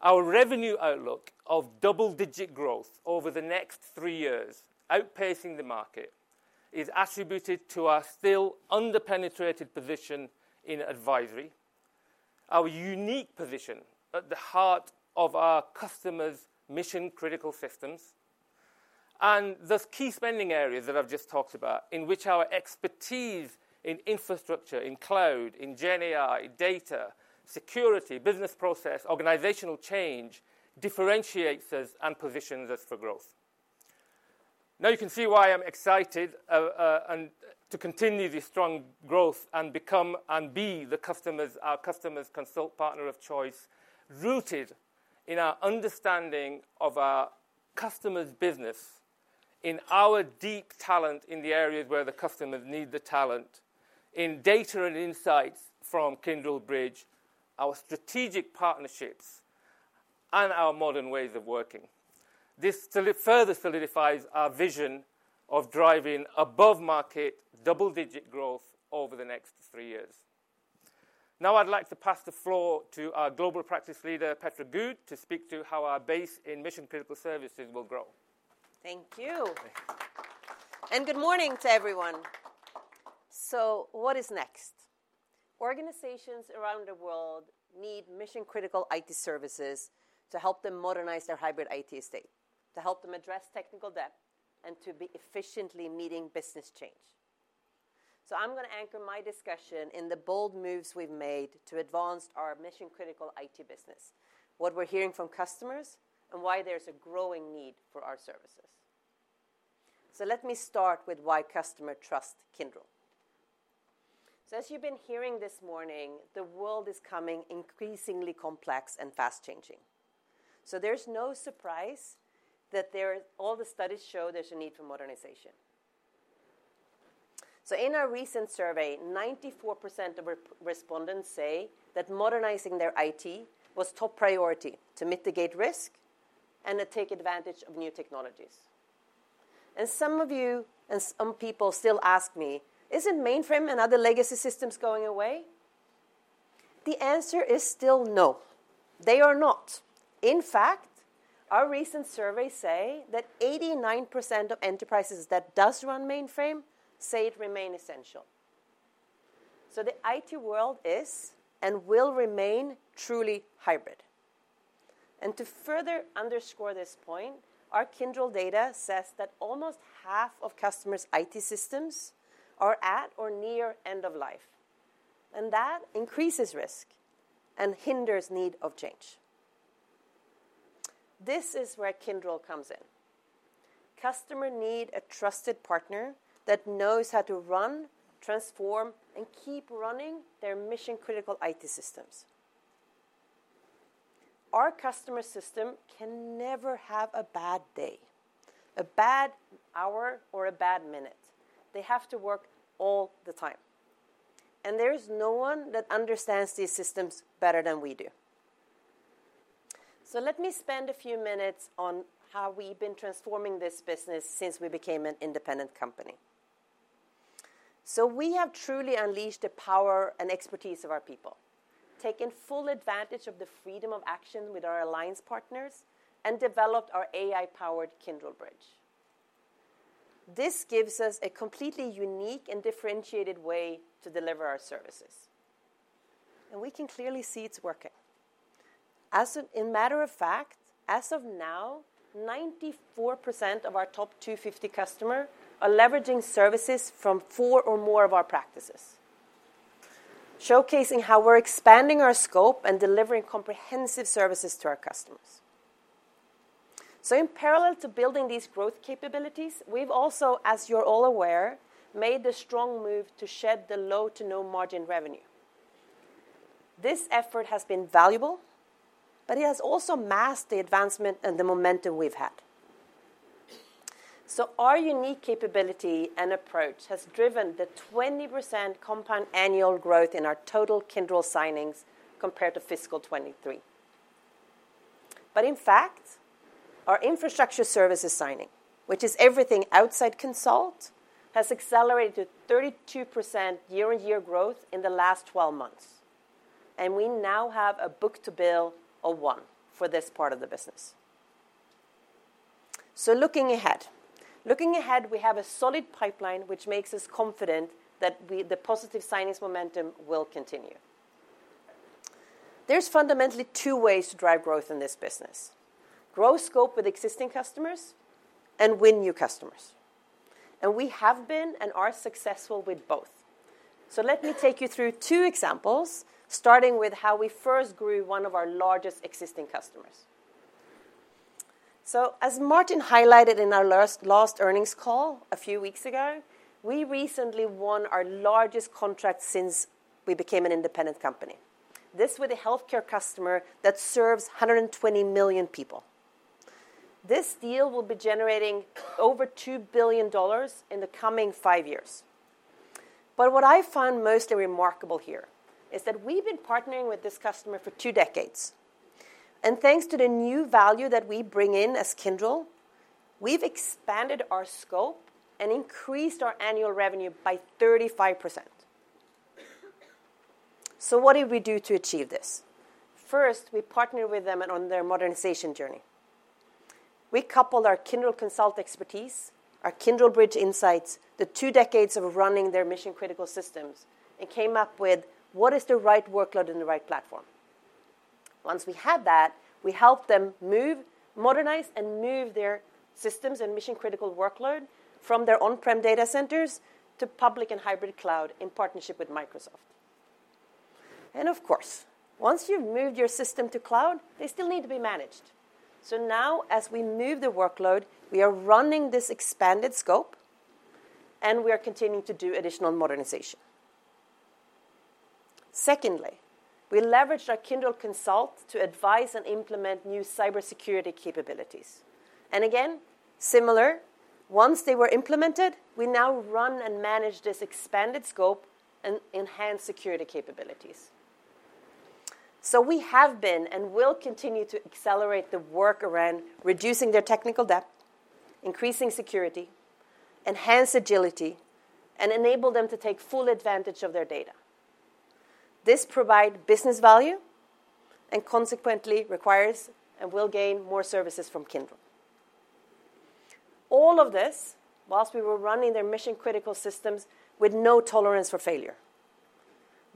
Our revenue outlook of double-digit growth over the next three years, outpacing the market, is attributed to our still underpenetrated position in advisory, our unique position at the heart of our customers' mission-critical systems, and those key spending areas that I've just talked about in which our expertise in infrastructure, in cloud, in GenAI, data, security, business process, organizational change differentiates us and positions us for growth. Now you can see why I'm excited to continue this strong growth and become and be our customers' consult partner of choice, rooted in our understanding of our customers' business, in our deep talent in the areas where the customers need the talent, in data and insights from Kyndryl Bridge, our strategic partnerships, and our modern ways of working. This further solidifies our vision of driving above-market double-digit growth over the next three years. Now I'd like to pass the floor to our global practice leader, Petra Goude, to speak to how our base in mission-critical services will grow. Thank you. And good morning to everyone. So what is next? Organizations around the world need mission-critical IT services to help them modernize their hybrid IT estate, to help them address technical debt, and to be efficiently meeting business change. So I'm going to anchor my discussion in the bold moves we've made to advance our mission-critical IT business, what we're hearing from customers, and why there's a growing need for our services. So let me start with why customers trust Kyndryl. So as you've been hearing this morning, the world is becoming increasingly complex and fast-changing. So there's no surprise that all the studies show there's a need for modernization. In our recent survey, 94% of respondents say that modernizing their IT was top priority to mitigate risk and to take advantage of new technologies. And some of you and some people still ask me, "Isn't mainframe and other legacy systems going away?" The answer is still no. They are not. In fact, our recent surveys say that 89% of enterprises that do run mainframe say it remains essential. So the IT world is and will remain truly hybrid. And to further underscore this point, our Kyndryl data says that almost half of customers' IT systems are at or near end of life. And that increases risk and hinders the need for change. This is where Kyndryl comes in. Customers need a trusted partner that knows how to run, transform, and keep running their mission-critical IT systems. Our customer system can never have a bad day, a bad hour, or a bad minute. They have to work all the time. And there is no one that understands these systems better than we do. So let me spend a few minutes on how we've been transforming this business since we became an independent company. So we have truly unleashed the power and expertise of our people, taken full advantage of the freedom of action with our alliance partners, and developed our AI-powered Kyndryl Bridge. This gives us a completely unique and differentiated way to deliver our services. And we can clearly see it's working. As a matter of fact, as of now, 94% of our top 250 customers are leveraging services from four or more of our practices, showcasing how we're expanding our scope and delivering comprehensive services to our customers. In parallel to building these growth capabilities, we've also, as you're all aware, made the strong move to shed the low-to-no-margin revenue. This effort has been valuable, but it has also masked the advancement and the momentum we've had. Our unique capability and approach has driven the 20% compound annual growth in our total Kyndryl signings compared to fiscal 2023. But in fact, our infrastructure services signing, which is everything outside Consult, has accelerated to 32% year-on-year growth in the last 12 months. And we now have a book-to-bill of one for this part of the business. Looking ahead, we have a solid pipeline which makes us confident that the positive signings momentum will continue. There's fundamentally two ways to drive growth in this business: grow scope with existing customers and win new customers. And we have been and are successful with both. So let me take you through two examples, starting with how we first grew one of our largest existing customers. So as Martin highlighted in our last earnings call a few weeks ago, we recently won our largest contract since we became an independent company, this with a healthcare customer that serves 120 million people. This deal will be generating over $2 billion in the coming five years. But what I find most remarkable here is that we've been partnering with this customer for two decades. And thanks to the new value that we bring in as Kyndryl, we've expanded our scope and increased our annual revenue by 35%. So what did we do to achieve this? First, we partnered with them on their modernization journey. We coupled our Kyndryl Consult expertise, our Kyndryl Bridge insights, the two decades of running their mission-critical systems, and came up with what is the right workload in the right platform. Once we had that, we helped them move, modernize, and move their systems and mission-critical workload from their on-prem data centers to public and hybrid cloud in partnership with Microsoft, and of course, once you've moved your system to cloud, they still need to be managed, so now, as we move the workload, we are running this expanded scope, and we are continuing to do additional modernization. Secondly, we leveraged our Kyndryl Consult to advise and implement new cybersecurity capabilities, and again, similar, once they were implemented, we now run and manage this expanded scope and enhanced security capabilities. We have been and will continue to accelerate the work around reducing their technical debt, increasing security, enhanced agility, and enable them to take full advantage of their data. This provides business value and consequently requires and will gain more services from Kyndryl. All of this while we were running their mission-critical systems with no tolerance for failure.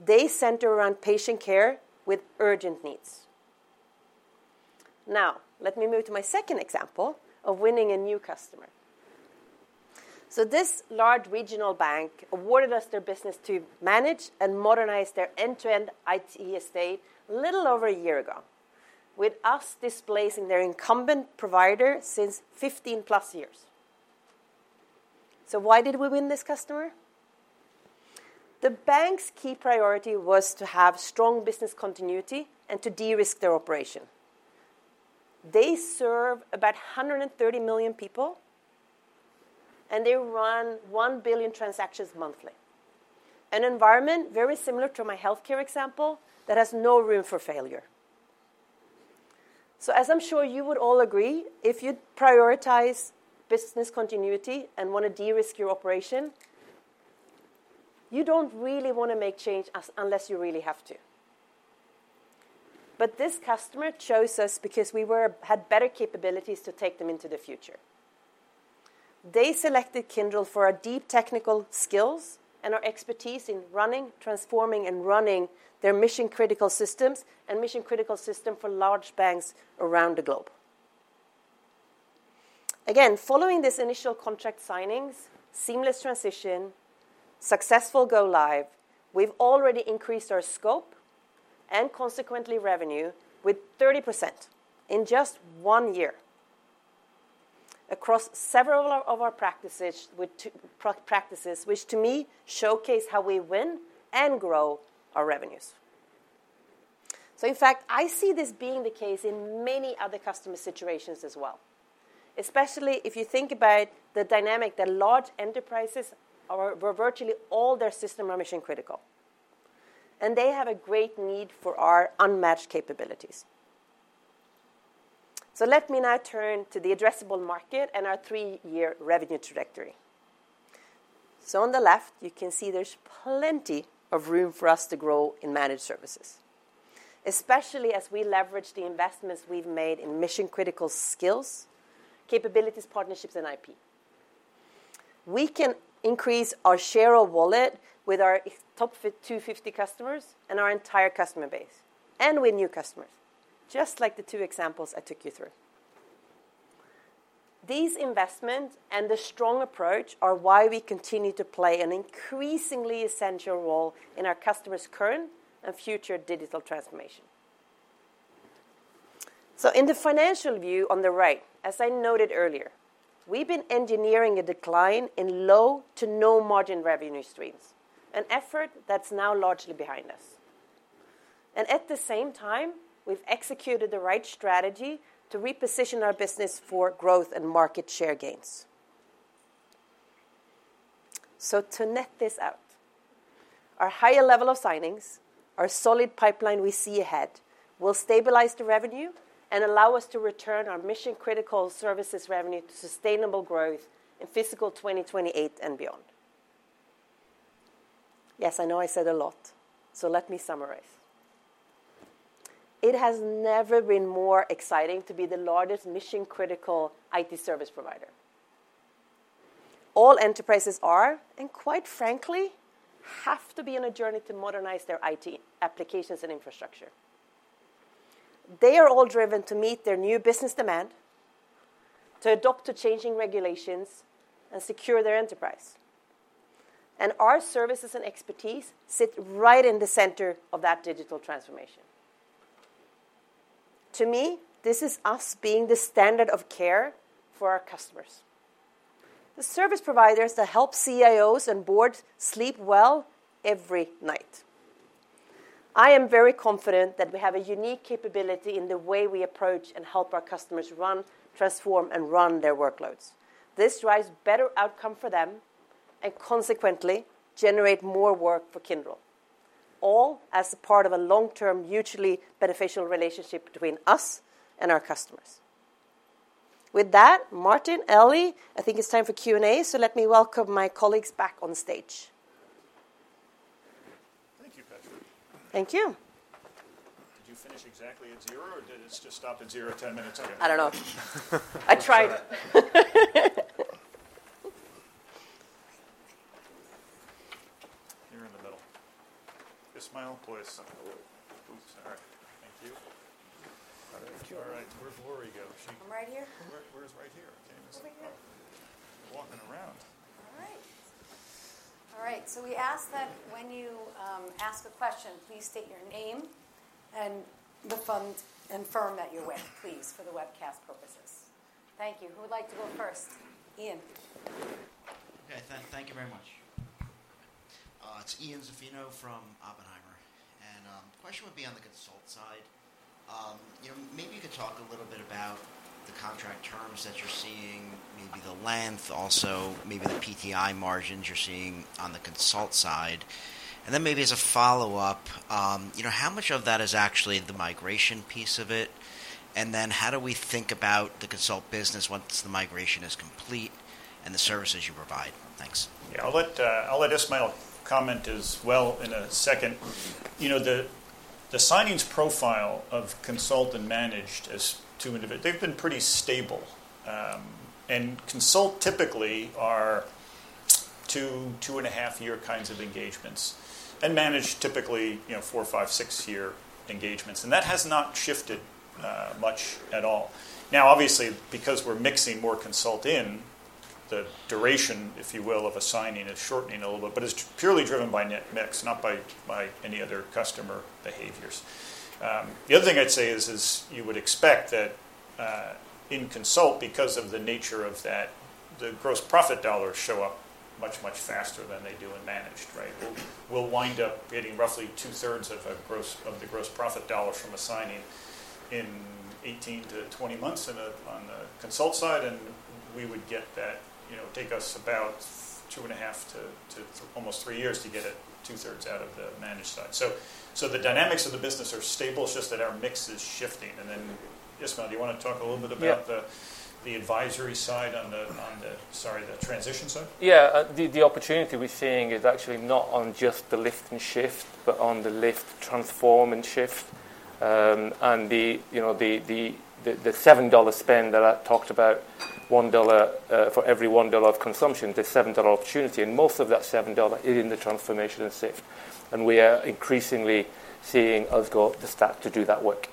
They center around patient care with urgent needs. Now, let me move to my second example of winning a new customer. This large regional bank awarded us their business to manage and modernize their end-to-end IT estate a little over a year ago, with us displacing their incumbent provider since 15-plus years. Why did we win this customer? The bank's key priority was to have strong business continuity and to de-risk their operation. They serve about 130 million people, and they run 1 billion transactions monthly, an environment very similar to my healthcare example that has no room for failure, so as I'm sure you would all agree, if you prioritize business continuity and want to de-risk your operation, you don't really want to make change unless you really have to, but this customer chose us because we had better capabilities to take them into the future. They selected Kyndryl for our deep technical skills and our expertise in running, transforming, and running their mission-critical systems for large banks around the globe. Again, following this initial contract signings, seamless transition, successful go-live, we've already increased our scope and consequently revenue with 30% in just one year across several of our practices, which to me showcase how we win and grow our revenues. So in fact, I see this being the case in many other customer situations as well, especially if you think about the dynamic that large enterprises where virtually all their systems are mission-critical, and they have a great need for our unmatched capabilities. So let me now turn to the addressable market and our three-year revenue trajectory. So on the left, you can see there's plenty of room for us to grow and manage services, especially as we leverage the investments we've made in mission-critical skills, capabilities, partnerships, and IP. We can increase our share of wallet with our top 250 customers and our entire customer base and with new customers, just like the two examples I took you through. These investments and the strong approach are why we continue to play an increasingly essential role in our customers' current and future digital transformation. So in the financial view on the right, as I noted earlier, we've been engineering a decline in low-to-no-margin revenue streams, an effort that's now largely behind us. And at the same time, we've executed the right strategy to reposition our business for growth and market share gains. So to net this out, our higher level of signings, our solid pipeline we see ahead will stabilize the revenue and allow us to return our mission-critical services revenue to sustainable growth in fiscal 2028 and beyond. Yes, I know I said a lot, so let me summarize. It has never been more exciting to be the largest mission-critical IT service provider. All enterprises are, and quite frankly, have to be on a journey to modernize their IT applications and infrastructure. They are all driven to meet their new business demand, to adopt changing regulations, and secure their enterprise. And our services and expertise sit right in the center of that digital transformation. To me, this is us being the standard of care for our customers, the service providers that help CIOs and boards sleep well every night. I am very confident that we have a unique capability in the way we approach and help our customers run, transform, and run their workloads. This drives better outcomes for them and consequently generates more work for Kyndryl, all as part of a long-term mutually beneficial relationship between us and our customers. With that, Martin, Elly, I think it's time for Q&A, so let me welcome my colleagues back on stage. Thank you, Petra. Thank you. Did you finish exactly at zero, or did it just stop at zero 10 minutes ago? I don't know. I tried. You're in the middle. Ismail, please. Hello. Oops. All right. Thank you. All right. All right. Where do we go? I'm right here. Where's right here? Okay. Over here. You're walking around. All right. All right. So we ask that when you ask a question, please state your name and the firm that you're with, please, for the webcast purposes. Thank you. Who would like to go first? Ian. Okay. Thank you very much. It's Ian Zaffino from Oppenheimer. And the question would be on the consult side. Maybe you could talk a little bit about the contract terms that you're seeing, maybe the length, also maybe the PTI margins you're seeing on the consult side. And then maybe as a follow-up, how much of that is actually the migration piece of it? And then how do we think about the consult business once the migration is complete and the services you provide? Thanks. Yeah. I'll let Ismail comment as well in a second. The signings profile of consult and managed is two individuals. They've been pretty stable. And consult typically are two, two-and-a-half-year kinds of engagements and managed typically four, five, six-year engagements. And that has not shifted much at all. Now, obviously, because we're mixing more consult in, the duration, if you will, of a signing is shortening a little bit, but it's purely driven by net mix, not by any other customer behaviors. The other thing I'd say is you would expect that in consult, because of the nature of that, the gross profit dollars show up much, much faster than they do in managed, right? We'll wind up getting roughly two-thirds of the gross profit dollars from a signing in 18-20 months on the consult side, and we would get that take us about two and a half to almost three years to get two-thirds out of the managed side. So the dynamics of the business are stable. It's just that our mix is shifting, and then, Ismail, do you want to talk a little bit about the advisory side on the, sorry, the transition side? Yeah. The opportunity we're seeing is actually not on just the lift and shift, but on the lift transform and shift and the $7 spend that I talked about, $1 for every $1 of consumption, the $7 opportunity. And most of that $7 is in the transformation and shift. And we are increasingly seeing us go to start to do that work.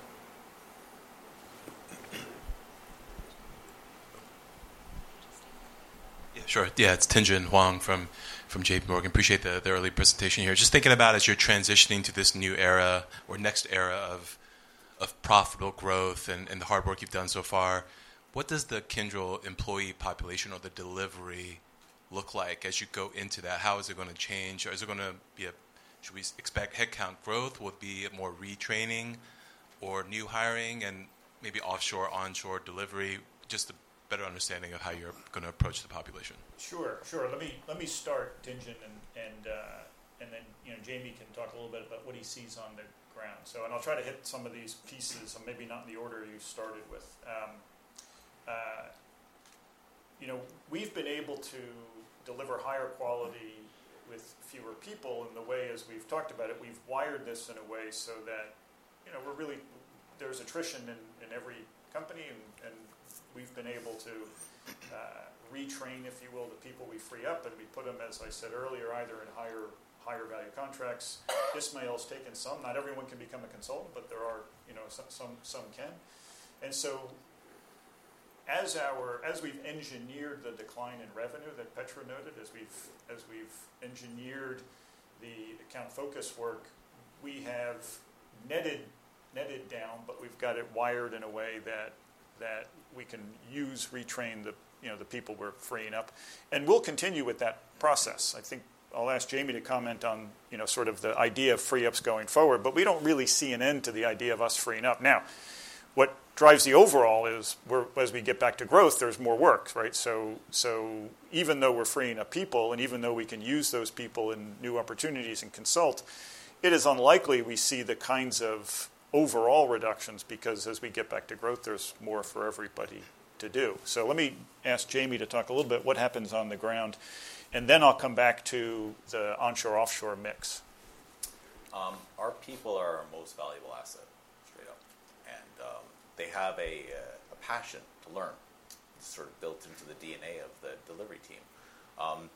Yeah. Sure. Yeah. It's Tien-tsin Huang from JPMorgan. Appreciate the early presentation here. Just thinking about as you're transitioning to this new era or next era of profitable growth and the hard work you've done so far, what does the Kyndryl employee population or the delivery look like as you go into that? How is it going to change? Is it going to be a, should we expect headcount growth? Will it be more retraining or new hiring and maybe offshore, onshore delivery? Just a better understanding of how you're going to approach the population. Sure. Sure. Let me start, Tien-tsin, and then Jamie can talk a little bit about what he sees on the ground. And I'll try to hit some of these pieces, and maybe not in the order you started with. We've been able to deliver higher quality with fewer people. And the way, as we've talked about it, we've wired this in a way so that we're really, there's attrition in every company, and we've been able to retrain, if you will, the people we free up, and we put them, as I said earlier, either in higher value contracts. Ismail's taken some. Not everyone can become a consultant, but there are some can. And so, as we've engineered the decline in revenue that Petra noted, as we've engineered the account focus work, we have netted down, but we've got it wired in a way that we can use retrain the people we're freeing up. And we'll continue with that process. I think I'll ask Jamie to comment on sort of the idea of freeups going forward, but we don't really see an end to the idea of us freeing up. Now, what drives the overall is as we get back to growth, there's more work, right? So even though we're freeing up people and even though we can use those people in new opportunities and consult, it is unlikely we see the kinds of overall reductions because as we get back to growth, there's more for everybody to do. So let me ask Jamie to talk a little bit what happens on the ground, and then I'll come back to the onshore/offshore mix. Our people are our most valuable asset, straight up, and they have a passion to learn. It's sort of built into the DNA of the delivery team.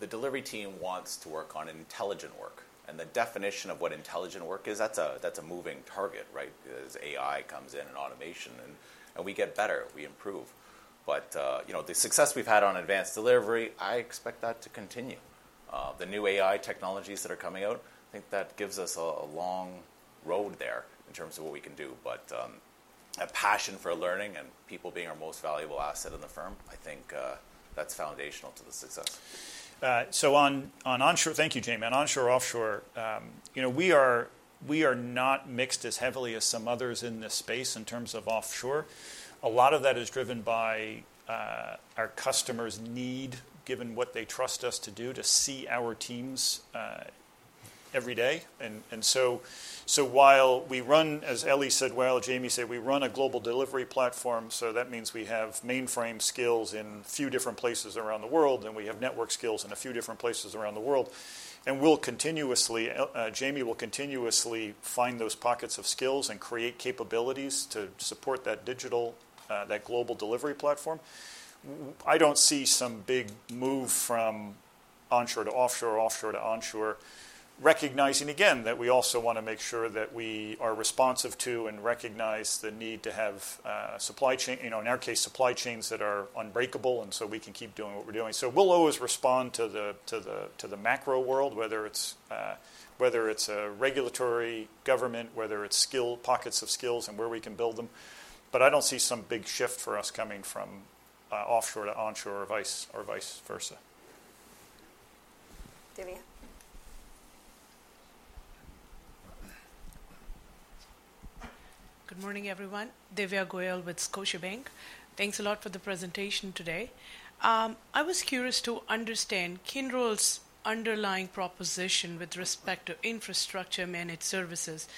The delivery team wants to work on intelligent work, and the definition of what intelligent work is, that's a moving target, right? As AI comes in and automation, and we get better, we improve, but the success we've had on Advanced Delivery, I expect that to continue. The new AI technologies that are coming out, I think that gives us a long road there in terms of what we can do, but a passion for learning and people being our most valuable asset in the firm, I think that's foundational to the success. On onshore, thank you, Jamie. On onshore/offshore, we are not mixed as heavily as some others in this space in terms of offshore. A lot of that is driven by our customers' need, given what they trust us to do, to see our teams every day. And so while we run, as Elly said, well, Jamie said, we run a global delivery platform, so that means we have mainframe skills in a few different places around the world, and we have network skills in a few different places around the world. And Jamie will continuously find those pockets of skills and create capabilities to support that digital, that global delivery platform. I don't see some big move from onshore to offshore or offshore to onshore, recognizing, again, that we also want to make sure that we are responsive to and recognize the need to have supply chain, in our case, supply chains that are unbreakable, and so we can keep doing what we're doing. So we'll always respond to the macro world, whether it's a regulatory government, whether it's skill pockets of skills and where we can build them. But I don't see some big shift for us coming from offshore to onshore or vice versa. Divya. Good morning, everyone. Divya Goyal with Scotiabank. Thanks a lot for the presentation today. I was curious to understand Kyndryl's underlying proposition with respect to infrastructure managed services.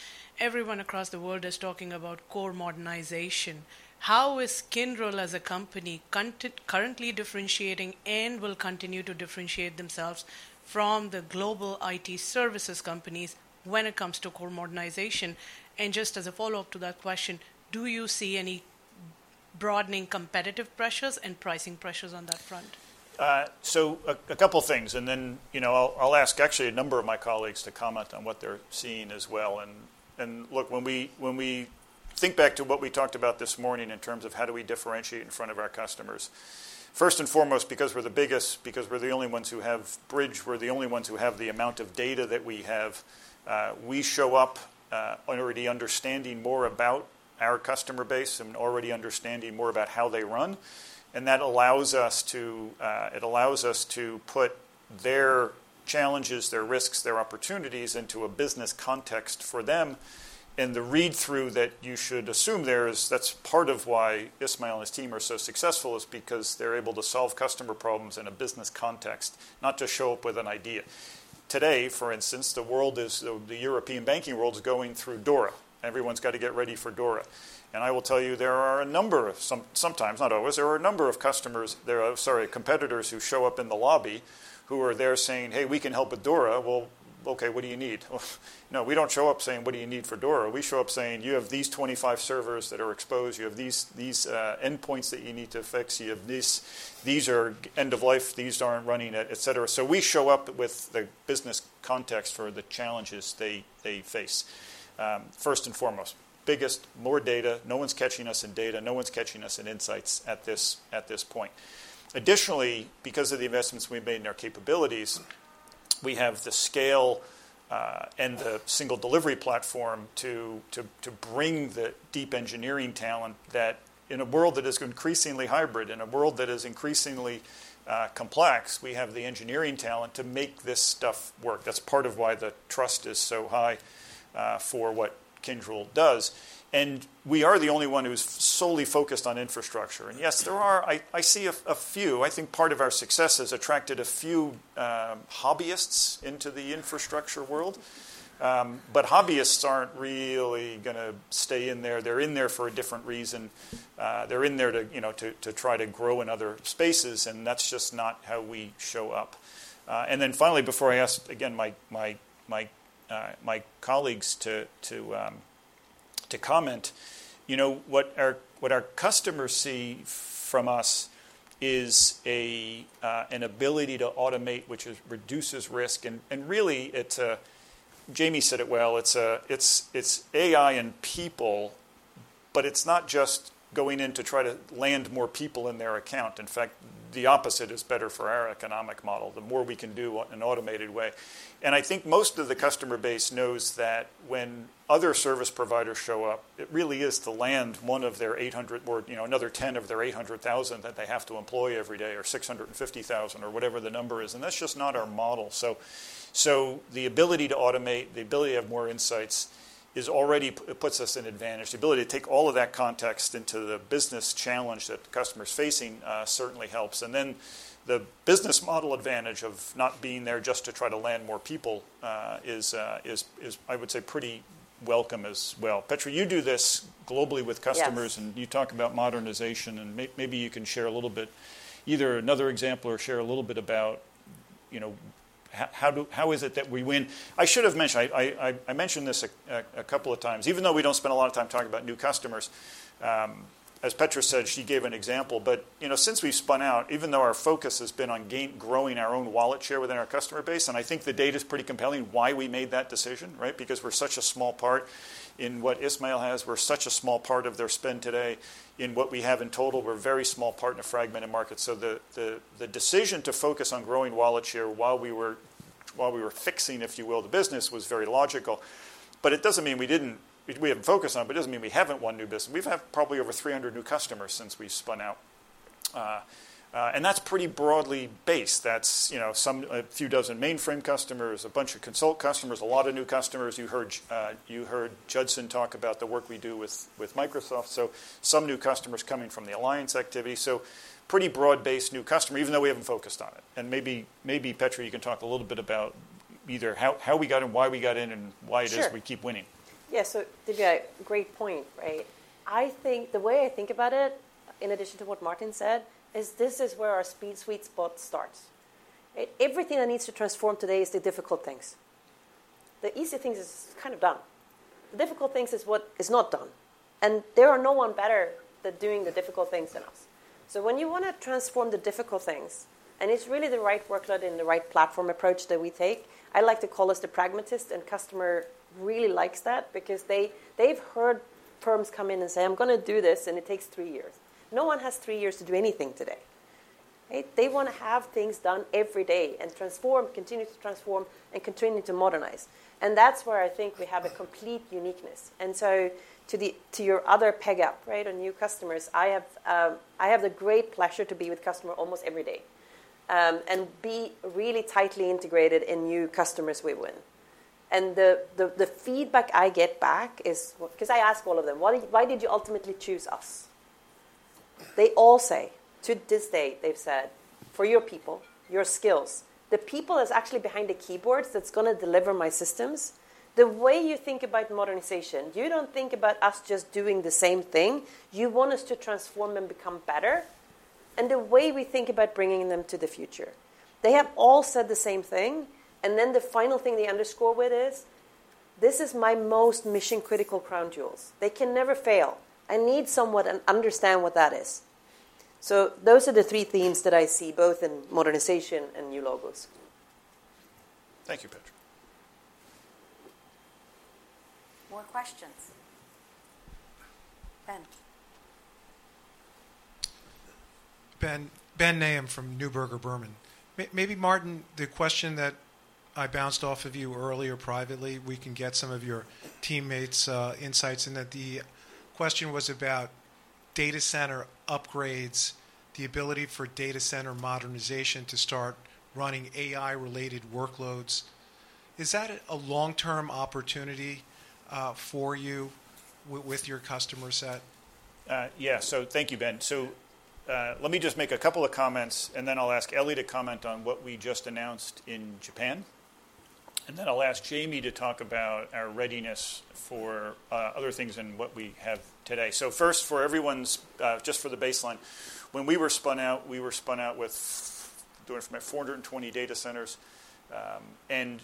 Everyone across the world is talking about core modernization. How is Kyndryl as a company currently differentiating and will continue to differentiate themselves from the global IT services companies when it comes to core modernization? And just as a follow-up to that question, do you see any broadening competitive pressures and pricing pressures on that front? So a couple of things. And then I'll ask actually a number of my colleagues to comment on what they're seeing as well. And look, when we think back to what we talked about this morning in terms of how do we differentiate in front of our customers, first and foremost, because we're the biggest, because we're the only ones who have Bridge, we're the only ones who have the amount of data that we have, we show up already understanding more about our customer base and already understanding more about how they run. And that allows us to, it allows us to put their challenges, their risks, their opportunities into a business context for them. The read-through that you should assume there is, that's part of why Ismail and his team are so successful, is because they're able to solve customer problems in a business context, not to show up with an idea. Today, for instance, the world is, the European banking world is going through DORA. Everyone's got to get ready for DORA. I will tell you, there are a number of, sometimes, not always, there are a number of customers, sorry, competitors who show up in the lobby who are there saying, "Hey, we can help with DORA." Well, okay, what do you need? No, we don't show up saying, "What do you need for DORA?" We show up saying, "You have these 25 servers that are exposed. You have these endpoints that you need to fix. You have these. These are end of life. These aren't running," etc. So we show up with the business context for the challenges they face, first and foremost. Biggest, more data. No one's catching us in data. No one's catching us in insights at this point. Additionally, because of the investments we've made in our capabilities, we have the scale and the single delivery platform to bring the deep engineering talent that, in a world that is increasingly hybrid, in a world that is increasingly complex, we have the engineering talent to make this stuff work. That's part of why the trust is so high for what Kyndryl does. And we are the only one who's solely focused on infrastructure. And yes, there are, I see a few. I think part of our success has attracted a few hobbyists into the infrastructure world. But hobbyists aren't really going to stay in there. They're in there for a different reason. They're in there to try to grow in other spaces, and that's just not how we show up. And then finally, before I ask again my colleagues to comment, what our customers see from us is an ability to automate, which reduces risk. And really, Jamie said it well, it's AI and people, but it's not just going in to try to land more people in their account. In fact, the opposite is better for our economic model, the more we can do in an automated way. And I think most of the customer base knows that when other service providers show up, it really is to land one of their 800, or another 10 of their 800,000 that they have to employ every day, or 650,000, or whatever the number is. And that's just not our model. So the ability to automate, the ability to have more insights is already. It puts us in advantage. The ability to take all of that context into the business challenge that customers are facing certainly helps. And then the business model advantage of not being there just to try to land more people is, I would say, pretty welcome as well. Petra, you do this globally with customers, and you talk about modernization, and maybe you can share a little bit, either another example or share a little bit about how is it that we win? I should have mentioned. I mentioned this a couple of times, even though we do not spend a lot of time talking about new customers. As Petra said, she gave an example. But since we've spun out, even though our focus has been on growing our own wallet share within our customer base, and I think the data is pretty compelling why we made that decision, right? Because we're such a small part in what Ismail has. We're such a small part of their spend today. In what we have in total, we're a very small part in a fragmented market. So the decision to focus on growing wallet share while we were fixing, if you will, the business was very logical. But it doesn't mean we didn't, we haven't focused on it, but it doesn't mean we haven't won new business. We've had probably over 300 new customers since we spun out. And that's pretty broadly based. That's a few dozen mainframe customers, a bunch of consult customers, a lot of new customers. You heard Judson talk about the work we do with Microsoft. So some new customers coming from the alliance activity. So pretty broad-based new customer, even though we haven't focused on it. And maybe, Petra, you can talk a little bit about either how we got in, why we got in, and why it is we keep winning. Yeah. So Divya, great point, right? I think the way I think about it, in addition to what Martin said, is this is where our speed sweet spot starts. Everything that needs to transform today is the difficult things. The easy things are kind of done. The difficult things are what is not done. And there is no one better at doing the difficult things than us. So when you want to transform the difficult things, and it's really the right workload and the right platform approach that we take, I like to call us the pragmatists, and customer really likes that because they've heard firms come in and say, "I'm going to do this, and it takes three years." No one has three years to do anything today. They want to have things done every day and transform, continue to transform, and continue to modernize. And that's where I think we have a complete uniqueness. And so to your other peg up, right, on new customers, I have the great pleasure to be with customer almost every day and be really tightly integrated in new customers we win. And the feedback I get back is, because I ask all of them, "Why did you ultimately choose us?" They all say, to this day, they've said, "For your people, your skills. The people that's actually behind the keyboards that's going to deliver my systems." The way you think about modernization, you don't think about us just doing the same thing. You want us to transform and become better. And the way we think about bringing them to the future. They have all said the same thing. And then the final thing they underscore with is, "This is my most mission-critical crown jewels. They can never fail. I need someone to understand what that is." So those are the three themes that I see both in modernization and new logos. Thank you, Petra. More questions. Ben. Ben Nahum from Neuberger Berman. Maybe, Martin, the question that I bounced off of you earlier privately, we can get some of your teammates' insights into that. The question was about data center upgrades, the ability for data center modernization to start running AI-related workloads. Is that a long-term opportunity for you with your customer set? Yeah, so thank you, Ben. So let me just make a couple of comments, and then I'll ask Elly to comment on what we just announced in Japan. And then I'll ask Jamie to talk about our readiness for other things and what we have today. So first, for everyone's, just for the baseline, when we were spun out, we were spun out with, I'm doing it from here, 420 data centers. And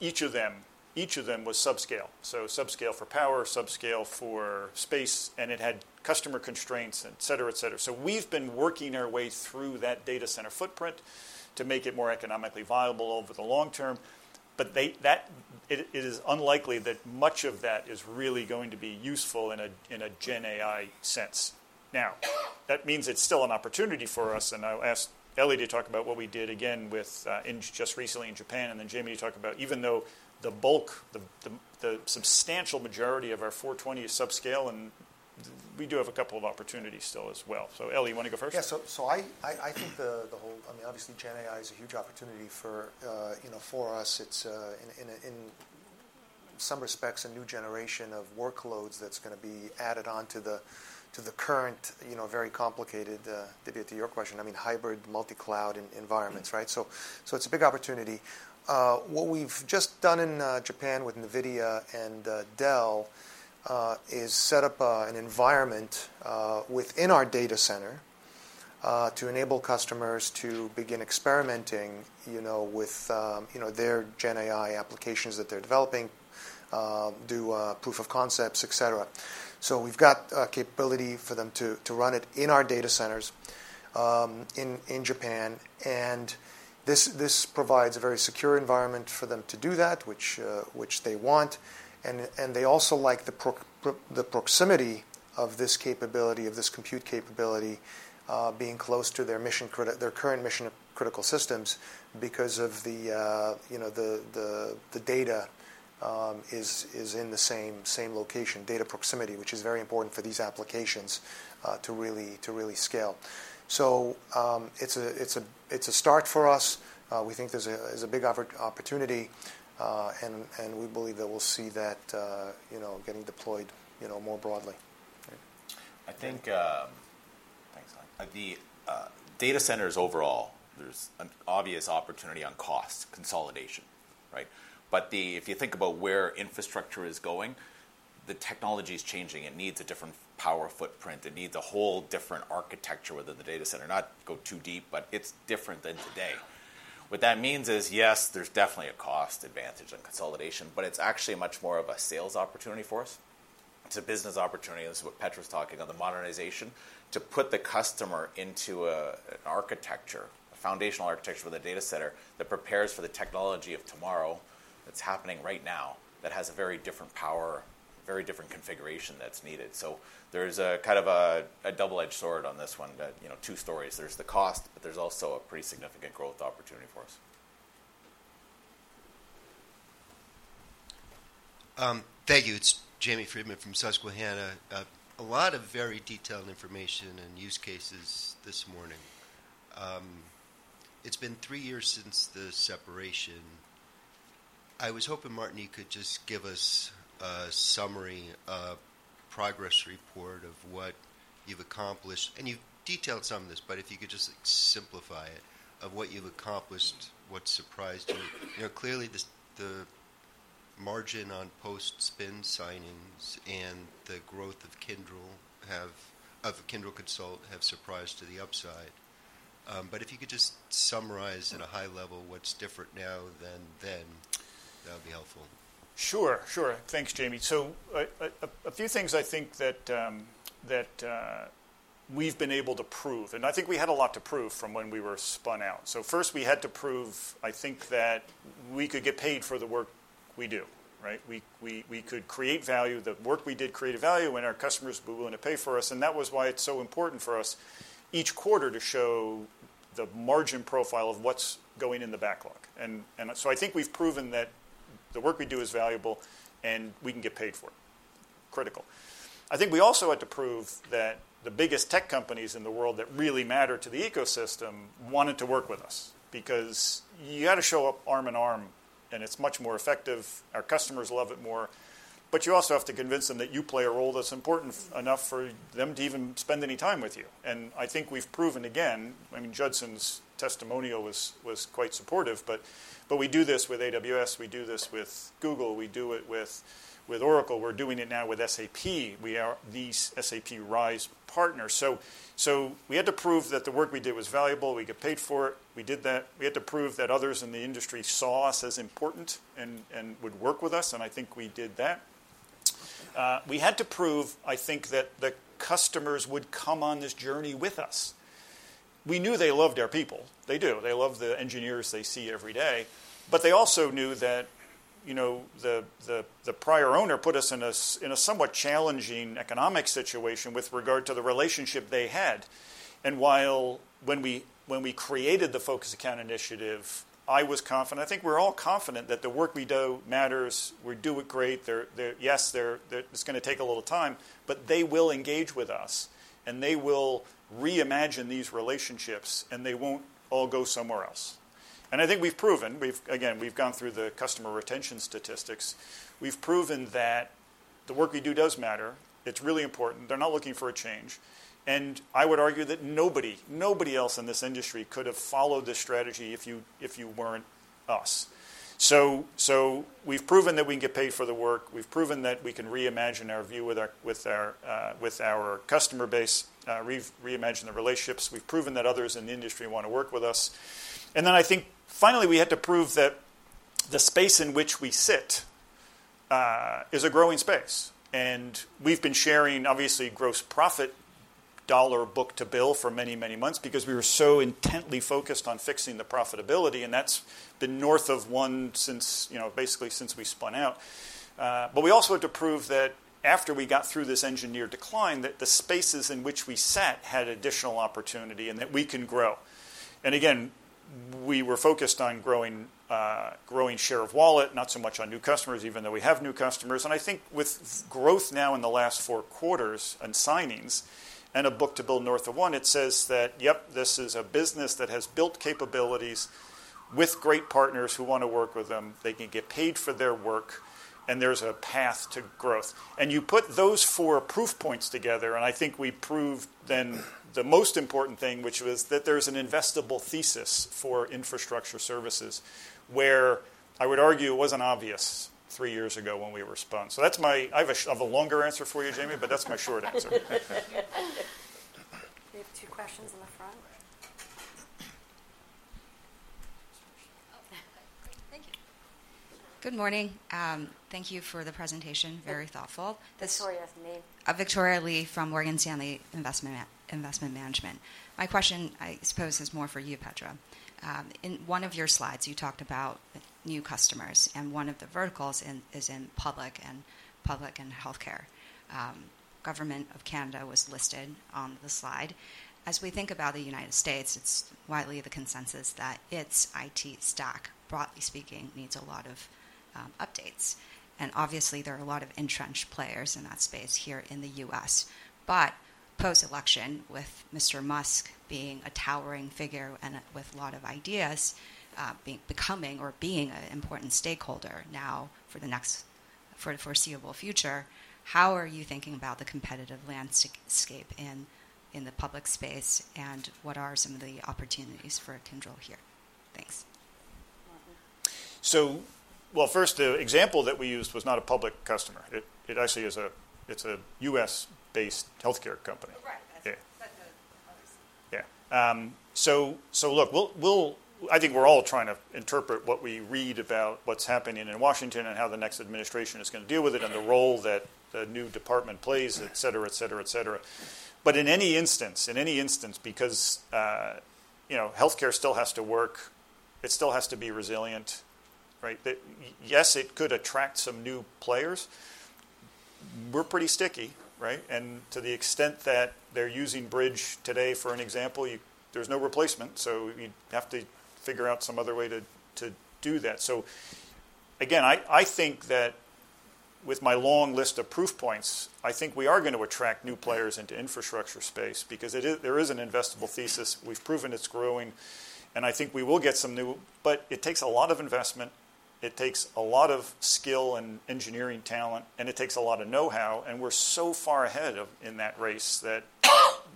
each of them, each of them was subscale. So subscale for power, subscale for space, and it had customer constraints, et cetera, et cetera. So we've been working our way through that data center footprint to make it more economically viable over the long term. But it is unlikely that much of that is really going to be useful in a GenAI sense. Now, that means it's still an opportunity for us. And I'll ask Elly to talk about what we did again just recently in Japan, and then Jamie to talk about, even though the bulk, the substantial majority of our 420 is subscale, and we do have a couple of opportunities still as well. So Elly, you want to go first? Yeah. So I think the whole, I mean, obviously, GenAI is a huge opportunity for us. It's, in some respects, a new generation of workloads that's going to be added onto the current, very complicated, to your question, I mean, hybrid multi-cloud environments, right? So it's a big opportunity. What we've just done in Japan with NVIDIA and Dell is set up an environment within our data center to enable customers to begin experimenting with their GenAI applications that they're developing, do proof of concepts, et cetera. So we've got capability for them to run it in our data centers in Japan. And this provides a very secure environment for them to do that, which they want. And they also like the proximity of this capability, of this compute capability, being close to their current mission-critical systems because the data is in the same location, data proximity, which is very important for these applications to really scale. So it's a start for us. We think there's a big opportunity, and we believe that we'll see that getting deployed more broadly. I think. Thanks. The data centers overall, there's an obvious opportunity on cost consolidation, right? But if you think about where infrastructure is going, the technology is changing. It needs a different power footprint. It needs a whole different architecture within the data center. Not go too deep, but it's different than today. What that means is, yes, there's definitely a cost advantage on consolidation, but it's actually much more of a sales opportunity for us. It's a business opportunity. This is what Petra was talking on, the modernization, to put the customer into an architecture, a foundational architecture for the data center that prepares for the technology of tomorrow that's happening right now that has a very different power, very different configuration that's needed. So there's kind of a double-edged sword on this one, but two stories. There's the cost, but there's also a pretty significant growth opportunity for us. Thank you. It's Jamie Friedman from Susquehanna. A lot of very detailed information and use cases this morning. It's been three years since the separation. I was hoping, Martin, you could just give us a summary of progress report of what you've accomplished, and you've detailed some of this, but if you could just simplify it of what you've accomplished, what surprised you. Clearly, the margin on post-spin signings and the growth of Kyndryl have surprised to the upside, but if you could just summarize at a high level what's different now than then, that would be helpful. Sure, sure. Thanks, Jamie. So a few things I think that we've been able to prove. And I think we had a lot to prove from when we were spun out. So first, we had to prove, I think, that we could get paid for the work we do, right? We could create value. The work we did created value, and our customers were willing to pay for us. And that was why it's so important for us each quarter to show the margin profile of what's going in the backlog. And so I think we've proven that the work we do is valuable, and we can get paid for it. Critical. I think we also had to prove that the biggest tech companies in the world that really matter to the ecosystem wanted to work with us because you got to show up arm in arm, and it's much more effective. Our customers love it more. But you also have to convince them that you play a role that's important enough for them to even spend any time with you. And I think we've proven again, I mean, Judson's testimonial was quite supportive, but we do this with AWS. We do this with Google. We do it with Oracle. We're doing it now with SAP. We are the SAP RISE partner. So we had to prove that the work we did was valuable. We got paid for it. We did that. We had to prove that others in the industry saw us as important and would work with us. I think we did that. We had to prove, I think, that the customers would come on this journey with us. We knew they loved our people. They do. They love the engineers they see every day. But they also knew that the prior owner put us in a somewhat challenging economic situation with regard to the relationship they had. And while we created the Focus Account Initiative, I was confident, I think we're all confident that the work we do matters. We do it great. Yes, it's going to take a little time, but they will engage with us, and they will reimagine these relationships, and they won't all go somewhere else. And I think we've proven, again, we've gone through the customer retention statistics. We've proven that the work we do does matter. It's really important. They're not looking for a change. I would argue that nobody, nobody else in this industry could have followed this strategy if you weren't us. So we've proven that we can get paid for the work. We've proven that we can reimagine our view with our customer base, reimagine the relationships. We've proven that others in the industry want to work with us. And then I think finally we had to prove that the space in which we sit is a growing space. And we've been sharing, obviously, gross profit dollar book-to-bill for many, many months because we were so intently focused on fixing the profitability. And that's been north of one basically since we spun out. But we also had to prove that after we got through this engineer decline, that the spaces in which we sat had additional opportunity and that we can grow. And again, we were focused on growing share of wallet, not so much on new customers, even though we have new customers. And I think with growth now in the last four quarters and signings and a book-to-bill north of one, it says that, yep, this is a business that has built capabilities with great partners who want to work with them. They can get paid for their work, and there's a path to growth. And you put those four proof points together, and I think we proved then the most important thing, which was that there's an investable thesis for infrastructure services where I would argue it wasn't obvious three years ago when we were spun. So I have a longer answer for you, Jamie, but that's my short answer. We have two questions in the front. Oh, great. Thank you. Good morning. Thank you for the presentation. Very thoughtful. Victoria's name. Victoria Lee from Morgan Stanley Investment Management. My question, I suppose, is more for you, Petra. In one of your slides, you talked about new customers, and one of the verticals is in public and healthcare. Government of Canada was listed on the slide. As we think about the United States, it's widely the consensus that its IT stack, broadly speaking, needs a lot of updates. And obviously, there are a lot of entrenched players in that space here in the US. But post-election, with Mr. Musk being a towering figure and with a lot of ideas becoming or being an important stakeholder now for the foreseeable future, how are you thinking about the competitive landscape in the public space, and what are some of the opportunities for Kyndryl here? Thanks. First, the example that we used was not a public customer. It actually is a U.S.-based healthcare company. Right. That's what others see. Yeah. So look, I think we're all trying to interpret what we read about what's happening in Washington and how the next administration is going to deal with it and the role that the new department plays, et cetera, et cetera, et cetera. But in any instance, in any instance, because healthcare still has to work, it still has to be resilient, right? Yes, it could attract some new players. We're pretty sticky, right? And to the extent that they're using bridge today, for an example, there's no replacement. So you have to figure out some other way to do that. So again, I think that with my long list of proof points, I think we are going to attract new players into infrastructure space because there is an investable thesis. We've proven it's growing, and I think we will get some new. But it takes a lot of investment. It takes a lot of skill and engineering talent, and it takes a lot of know-how, and we're so far ahead in that race that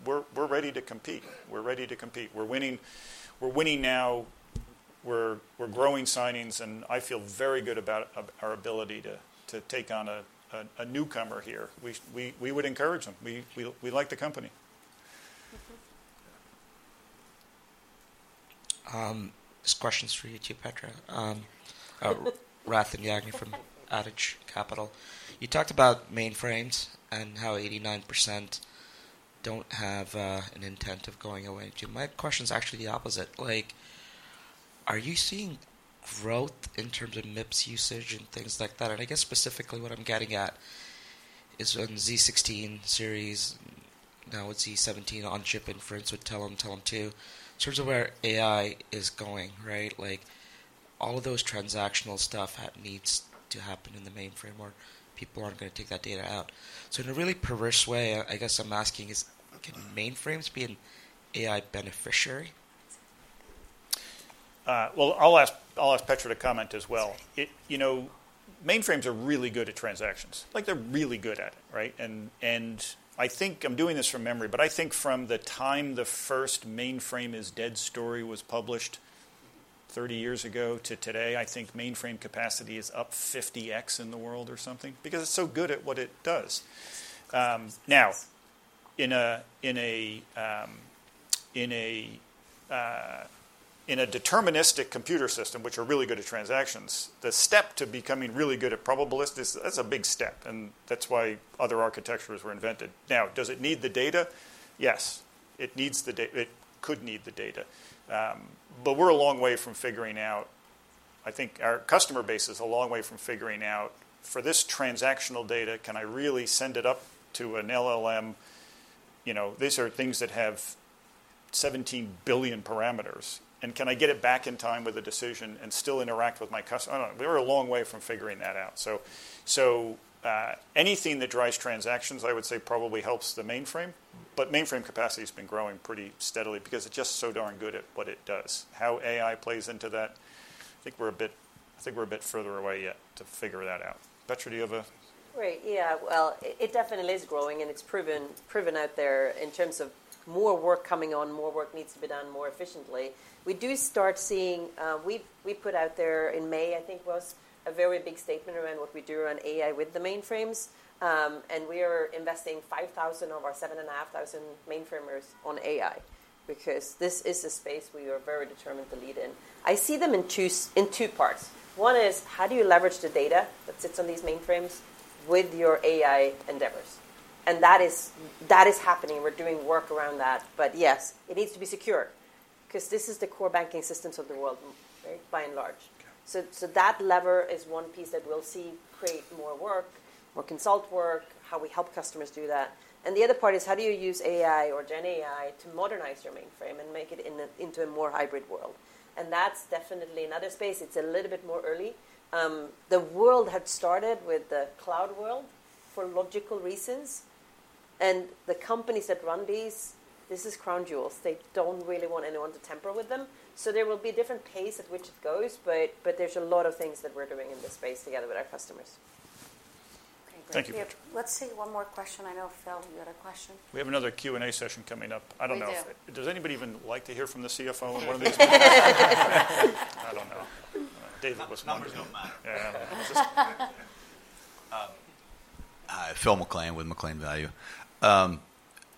we're ready to compete. We're ready to compete. We're winning now. We're growing signings, and I feel very good about our ability to take on a newcomer here. We would encourage them. We like the company. This question's for you too, Petra. Wathan Yagnik from Adage Capital. You talked about mainframes and how 89% don't have an intent of going away. My question's actually the opposite. Are you seeing growth in terms of MIPS usage and things like that? And I guess specifically what I'm getting at is on z16 series, now with z17 on-chip inference with Telum, Telum II. In terms of where AI is going, right? All of those transactional stuff needs to happen in the mainframe or people aren't going to take that data out. So in a really perverse way, I guess I'm asking, can mainframes be an AI beneficiary? I'll ask Petra to comment as well. Mainframes are really good at transactions. They're really good at it, right? I think I'm doing this from memory, but I think from the time the first mainframe is dead story was published 30 years ago to today, I think mainframe capacity is up 50x in the world or something because it's so good at what it does. Now, in a deterministic computer system, which are really good at transactions, the step to becoming really good at probabilistic, that's a big step. That's why other architectures were invented. Now, does it need the data? Yes. It could need the data. We're a long way from figuring out. I think our customer base is a long way from figuring out, for this transactional data, can I really send it up to an LLM? These are things that have 17 billion parameters. And can I get it back in time with a decision and still interact with my customer? We're a long way from figuring that out. So anything that drives transactions, I would say, probably helps the mainframe. But mainframe capacity has been growing pretty steadily because it's just so darn good at what it does. How AI plays into that, I think we're a bit further away yet to figure that out. Petra, do you have a? Right. Yeah. Well, it definitely is growing, and it's proven out there in terms of more work coming on, more work needs to be done more efficiently. We do start seeing. We put out there in May, I think, was a very big statement around what we do around AI with the mainframes. And we are investing 5,000 of our 7,500 mainframe on AI because this is a space we are very determined to lead in. I see them in two parts. One is how do you leverage the data that sits on these mainframes with your AI endeavors? And that is happening. We're doing work around that. But yes, it needs to be secure because this is the core banking systems of the world, right, by and large. So that lever is one piece that we'll see create more work, more consult work, how we help customers do that. And the other part is how do you use AI or GenAI to modernize your mainframe and make it into a more hybrid world? And that's definitely another space. It's a little bit more early. The world had started with the cloud world for logical reasons. And the companies that run these, this is crown jewels. They don't really want anyone to tamper with them. So there will be a different pace at which it goes, but there's a lot of things that we're doing in this space together with our customers. Thank you. Let's see one more question. I know, Phil, you had a question. We have another Q&A session coming up. I don't know. Does anybody even like to hear from the CFO on one of these? I don't know. David was wondering. Hi, Phil McLean with McLean Value.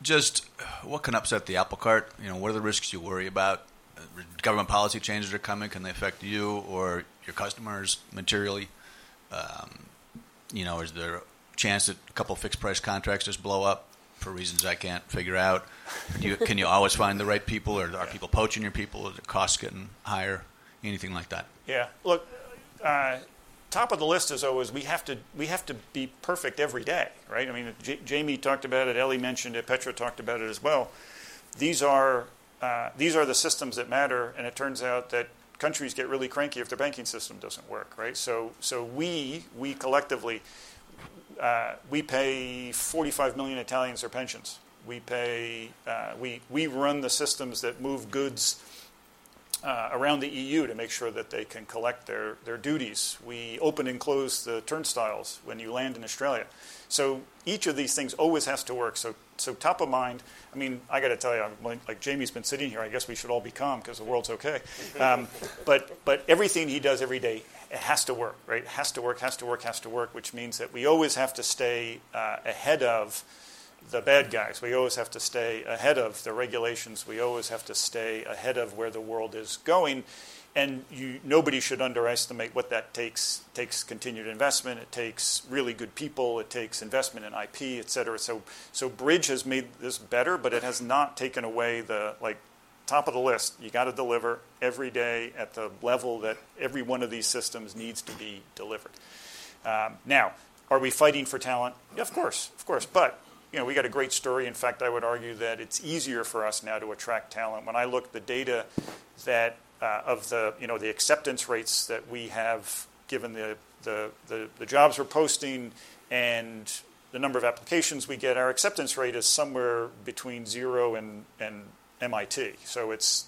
Just what can upset the apple cart? What are the risks you worry about? Government policy changes are coming. Can they affect you or your customers materially? Is there a chance that a couple of fixed price contracts just blow up for reasons I can't figure out? Can you always find the right people? Are people poaching your people? Is the cost getting higher? Anything like that? Yeah. Look, top of the list is always we have to be perfect every day, right? I mean, Jamie talked about it. Elly mentioned it. Petra talked about it as well. These are the systems that matter, and it turns out that countries get really cranky if their banking system doesn't work, right? So we collectively, we pay 45 million Italians their pensions. We run the systems that move goods around the EU to make sure that they can collect their duties. We open and close the turnstiles when you land in Australia. So each of these things always has to work. So top of mind, I mean, I got to tell you, like Jamie's been sitting here, I guess we should all be calm because the world's okay. But everything he does every day, it has to work, right? It has to work, has to work, has to work, which means that we always have to stay ahead of the bad guys. We always have to stay ahead of the regulations. We always have to stay ahead of where the world is going. And nobody should underestimate what that takes. It takes continued investment. It takes really good people. It takes investment in IP, et cetera. So Bridge has made this better, but it has not taken away the top of the list. You got to deliver every day at the level that every one of these systems needs to be delivered. Now, are we fighting for talent? Yeah, of course. Of course. But we got a great story. In fact, I would argue that it's easier for us now to attract talent. When I look at the data of the acceptance rates that we have given the jobs we're posting and the number of applications we get, our acceptance rate is somewhere between zero and 1%.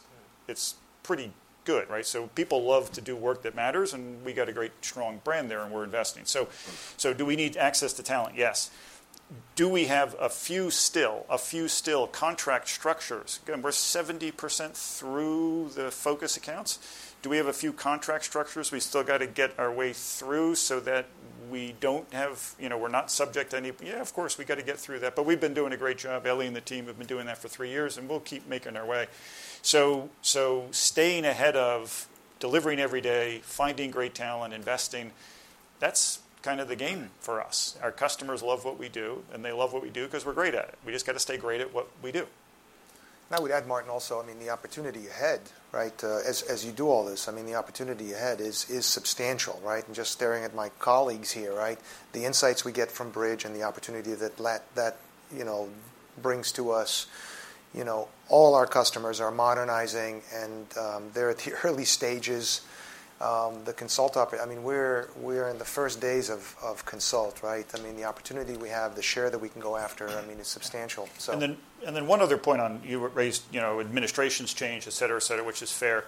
It's pretty good, right? People love to do work that matters, and we got a great strong brand there, and we're investing. Do we need access to talent? Yes. Do we have a few still contract structures? Again, we're 70% through the focus accounts. Do we have a few contract structures we still got to get our way through so that we don't have, we're not subject to any? Yeah, of course, we got to get through that. But we've been doing a great job. Elly and the team have been doing that for three years, and we'll keep making our way. So staying ahead of delivering every day, finding great talent, investing, that's kind of the game for us. Our customers love what we do, and they love what we do because we're great at it. We just got to stay great at what we do. I would add, Martin, also, I mean, the opportunity ahead, right? As you do all this, I mean, the opportunity ahead is substantial, right? Just staring at my colleagues here, right? The insights we get from Bridge and the opportunity that brings to us, all our customers are modernizing, and they're at the early stages. The Consult operator, I mean, we're in the first days of Consult, right? I mean, the opportunity we have, the share that we can go after, I mean, is substantial. And then one other point on what you raised, administrations change, et cetera, et cetera, which is fair.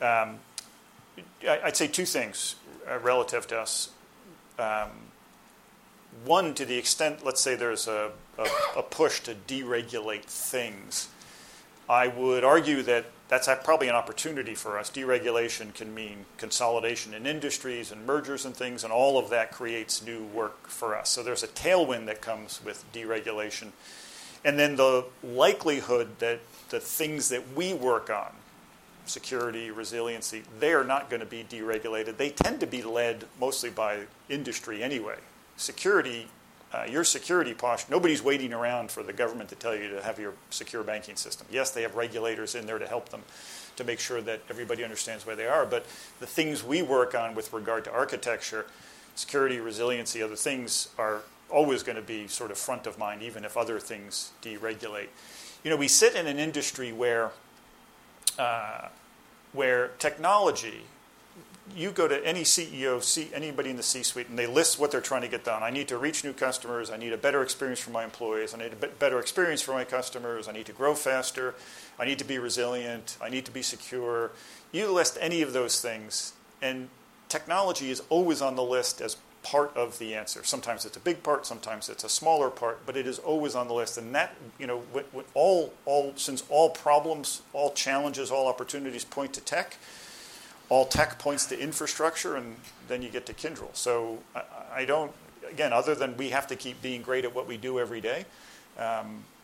I'd say two things relative to us. One, to the extent, let's say there's a push to deregulate things, I would argue that that's probably an opportunity for us. Deregulation can mean consolidation in industries and mergers and things, and all of that creates new work for us. So there's a tailwind that comes with deregulation. And then the likelihood that the things that we work on, security, resiliency, they are not going to be deregulated. They tend to be led mostly by industry anyway. Security, your security posture, nobody's waiting around for the government to tell you to have your secure banking system. Yes, they have regulators in there to help them to make sure that everybody understands where they are. But the things we work on with regard to architecture, security, resiliency, other things are always going to be sort of front of mind, even if other things deregulate. We sit in an industry where technology, you go to any CEO, see anybody in the C-suite, and they list what they're trying to get done. I need to reach new customers. I need a better experience for my employees. I need a better experience for my customers. I need to grow faster. I need to be resilient. I need to be secure. You list any of those things, and technology is always on the list as part of the answer. Sometimes it's a big part. Sometimes it's a smaller part, but it is always on the list. And since all problems, all challenges, all opportunities point to tech, all tech points to infrastructure, and then you get to Kyndryl. So again, other than we have to keep being great at what we do every day,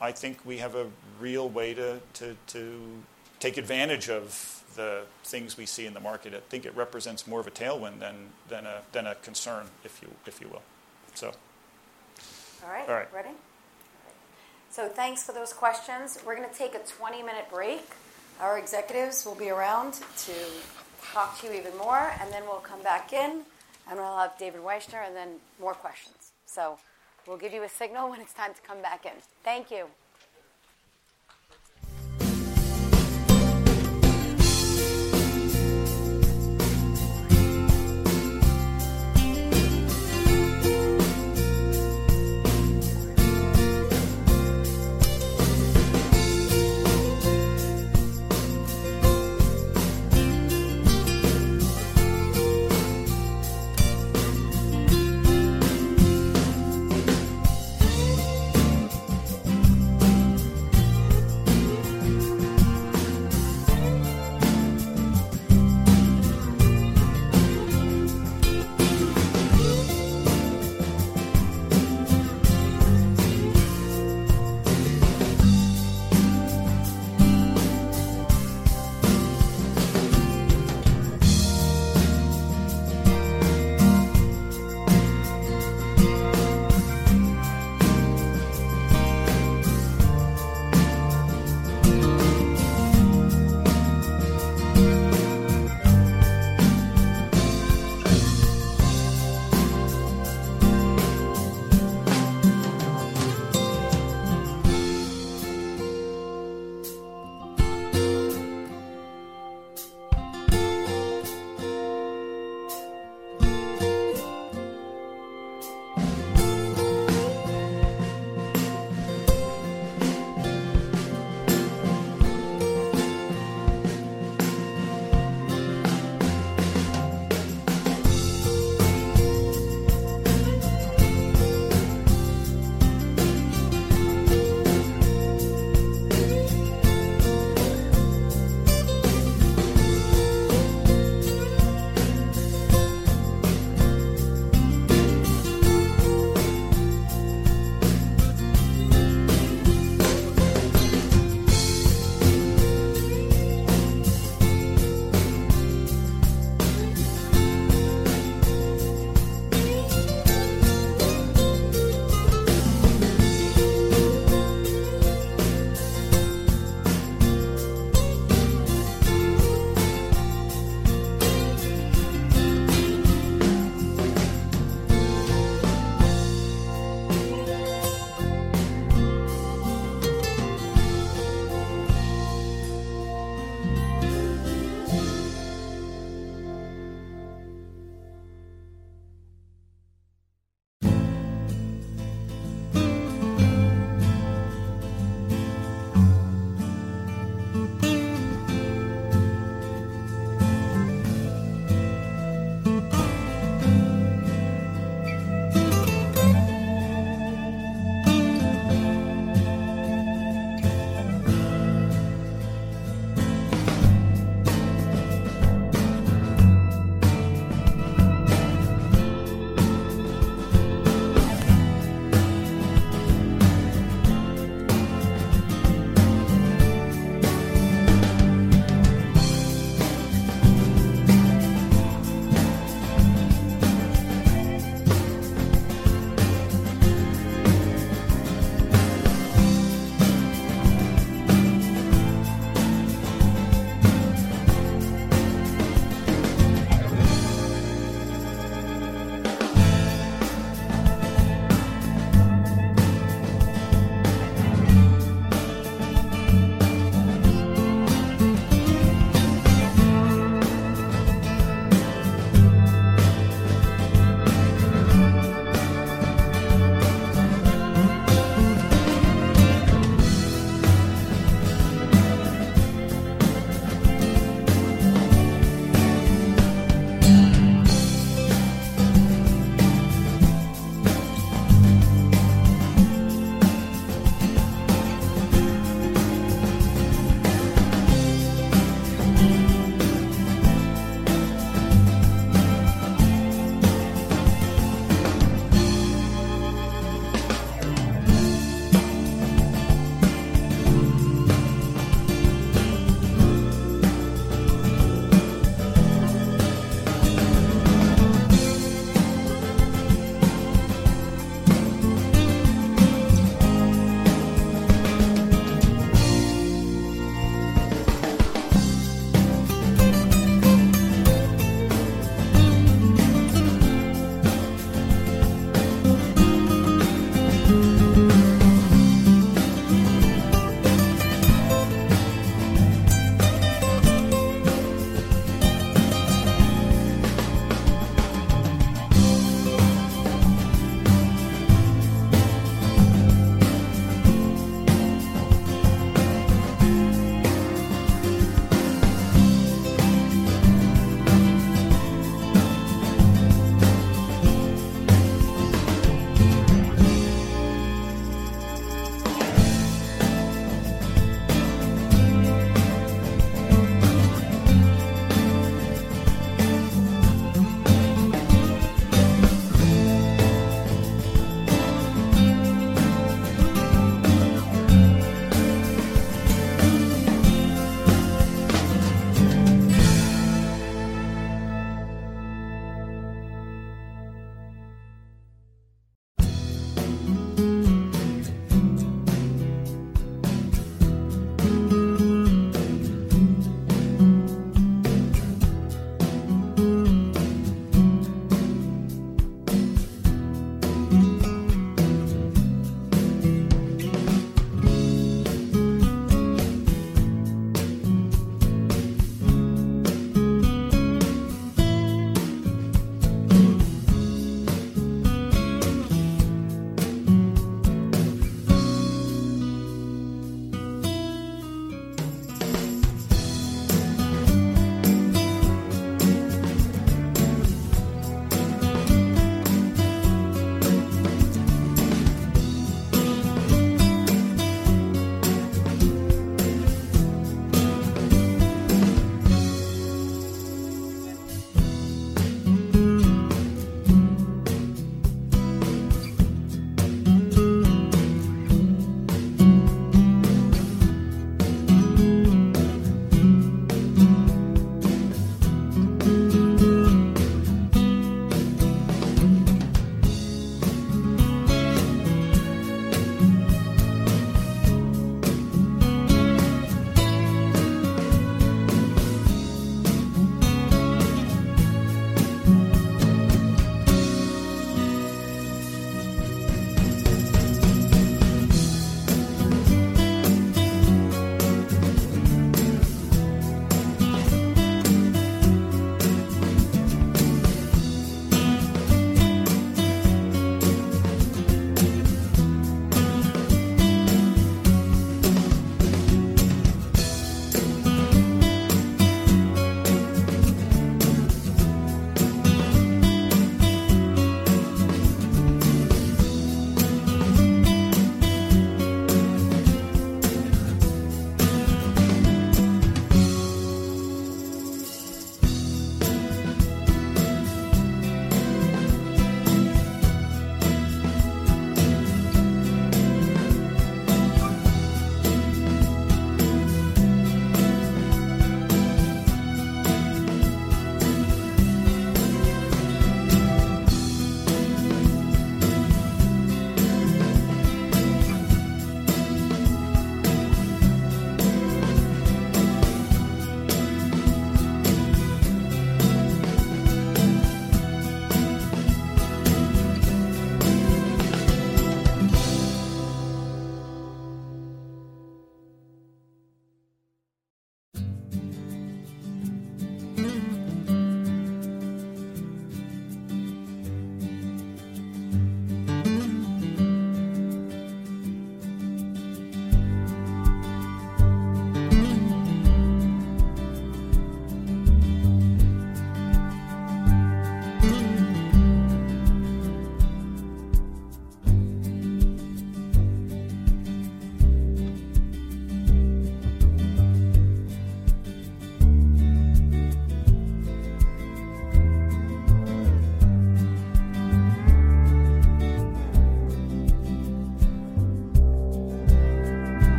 I think we have a real way to take advantage of the things we see in the market. I think it represents more of a tailwind than a concern, if you will, so. All right. Ready? All right. So thanks for those questions. We're going to take a 20-minute break. Our executives will be around to talk to you even more, and then we'll come back in, and we'll have David Wyshner and then more questions. So we'll give you a signal when it's time to come back in. Thank you.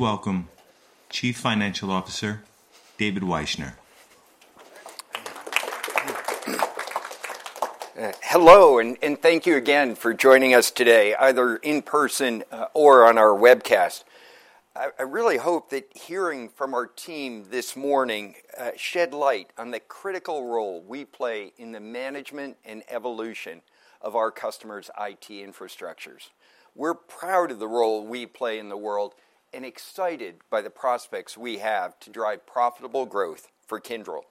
Please welcome Chief Financial Officer David Wyshner. Hello, and thank you again for joining us today, either in person or on our webcast. I really hope that hearing from our team this morning sheds light on the critical role we play in the management and evolution of our customers' IT infrastructures. We're proud of the role we play in the world and excited by the prospects we have to drive profitable growth for Kyndryl.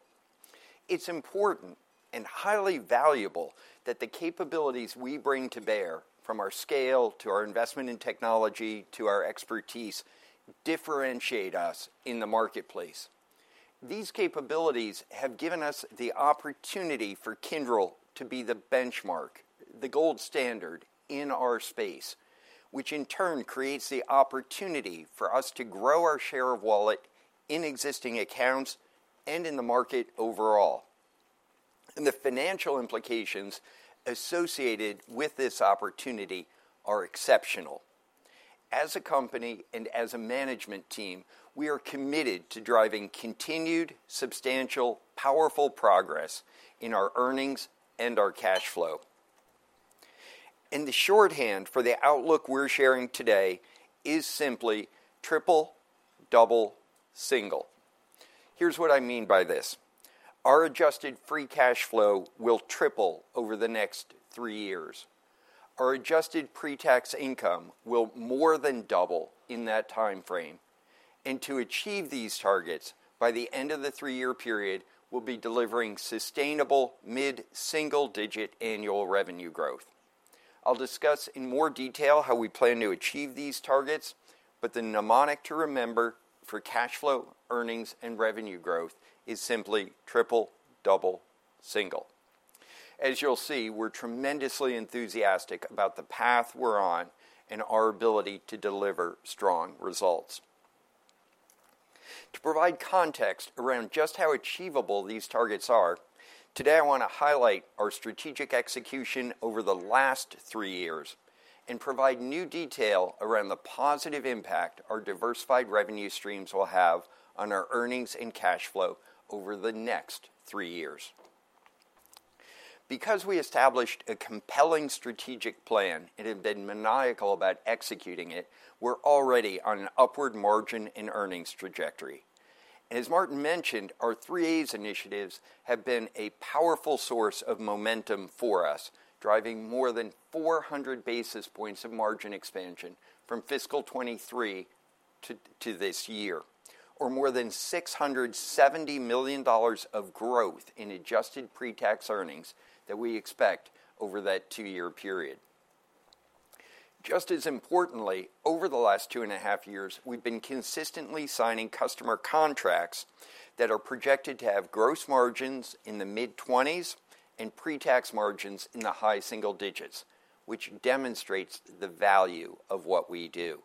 It's important and highly valuable that the capabilities we bring to bear, from our scale to our investment in technology to our expertise, differentiate us in the marketplace. These capabilities have given us the opportunity for Kyndryl to be the benchmark, the gold standard in our space, which in turn creates the opportunity for us to grow our share of wallet in existing accounts and in the market overall. The financial implications associated with this opportunity are exceptional. As a company and as a management team, we are committed to driving continued, substantial, powerful progress in our earnings and our cash flow. The shorthand for the outlook we're sharing today is simply triple, double, single. Here's what I mean by this: our Adjusted Free Cash Flow will triple over the next three years. Our Adjusted Pre-Tax Income will more than double in that timeframe. To achieve these targets by the end of the three-year period, we'll be delivering sustainable mid-single-digit annual revenue growth. I'll discuss in more detail how we plan to achieve these targets, but the mnemonic to remember for cash flow, earnings, and revenue growth is simply triple, double, single. As you'll see, we're tremendously enthusiastic about the path we're on and our ability to deliver strong results. To provide context around just how achievable these targets are, today I want to highlight our strategic execution over the last three years and provide new detail around the positive impact our diversified revenue streams will have on our earnings and cash flow over the next three years. Because we established a compelling strategic plan and have been maniacal about executing it, we're already on an upward margin and earnings trajectory. As Martin mentioned, our 3As initiatives have been a powerful source of momentum for us, driving more than 400 basis points of margin expansion from fiscal 2023 to this year, or more than $670 million of growth in adjusted pre-tax earnings that we expect over that two-year period. Just as importantly, over the last two and a half years, we've been consistently signing customer contracts that are projected to have gross margins in the mid-20s and pre-tax margins in the high single digits, which demonstrates the value of what we do.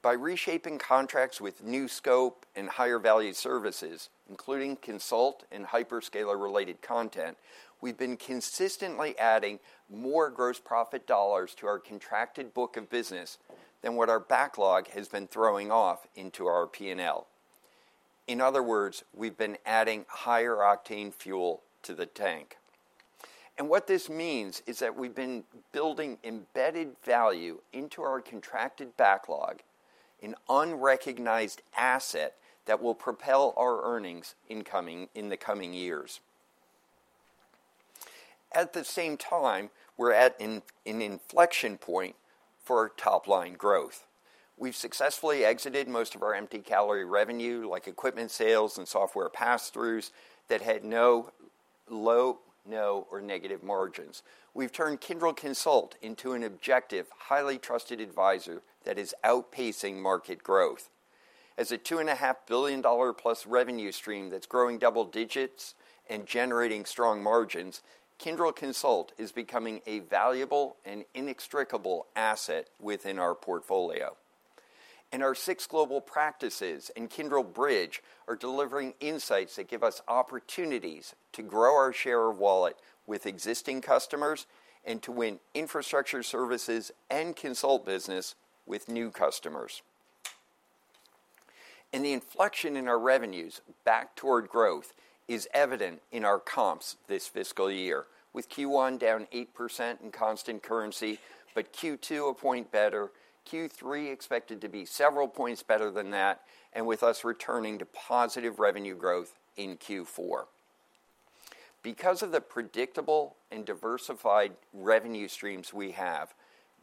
By reshaping contracts with new scope and higher value services, including consult and hyperscaler-related content, we've been consistently adding more gross profit dollars to our contracted book of business than what our backlog has been throwing off into our P&L. In other words, we've been adding higher octane fuel to the tank. What this means is that we've been building embedded value into our contracted backlog, an unrecognized asset that will propel our earnings in the coming years. At the same time, we're at an inflection point for top-line growth. We've successfully exited most of our empty calorie revenue, like equipment sales and software pass-throughs that had low, no, or negative margins. We've turned Kyndryl Consult into an objective, highly trusted advisor that is outpacing market growth. As a $2.5 billion plus revenue stream that's growing double digits and generating strong margins, Kyndryl Consult is becoming a valuable and inextricable asset within our portfolio. Our six global practices and Kyndryl Bridge are delivering insights that give us opportunities to grow our share of wallet with existing customers and to win infrastructure services and consult business with new customers. The inflection in our revenues back toward growth is evident in our comps this fiscal year, with Q1 down 8% in constant currency, but Q2 a point better, Q3 expected to be several points better than that, and with us returning to positive revenue growth in Q4. Because of the predictable and diversified revenue streams we have,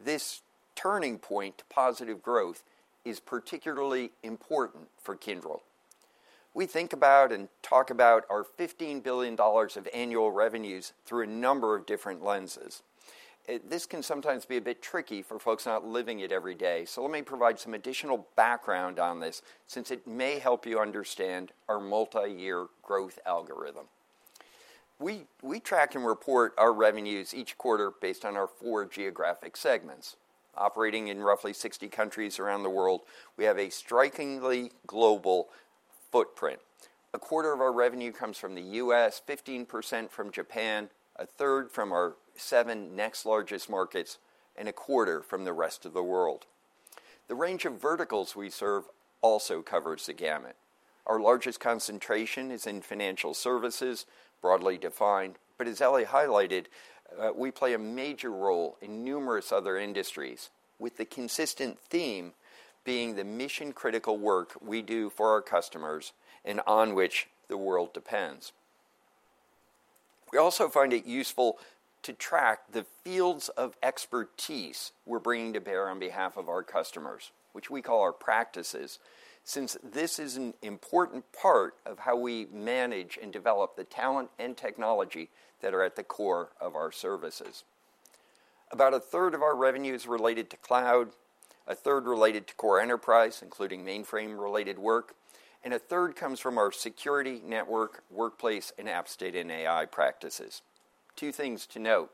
this turning point to positive growth is particularly important for Kyndryl. We think about and talk about our $15 billion of annual revenues through a number of different lenses. This can sometimes be a bit tricky for folks not living it every day, so let me provide some additional background on this since it may help you understand our multi-year growth algorithm. We track and report our revenues each quarter based on our four geographic segments. Operating in roughly 60 countries around the world, we have a strikingly global footprint. A quarter of our revenue comes from the U.S., 15% from Japan, a third from our seven next largest markets, and a quarter from the rest of the world. The range of verticals we serve also covers the gamut. Our largest concentration is in financial services, broadly defined, but as Elly highlighted, we play a major role in numerous other industries, with the consistent theme being the mission-critical work we do for our customers and on which the world depends. We also find it useful to track the fields of expertise we're bringing to bear on behalf of our customers, which we call our practices, since this is an important part of how we manage and develop the talent and technology that are at the core of our services. About a third of our revenue is related to cloud, a third related to Core Enterprise, including mainframe-related work, and a third comes from our Security, Network, Workplace, and Apps, Data and AI practices. Two things to note.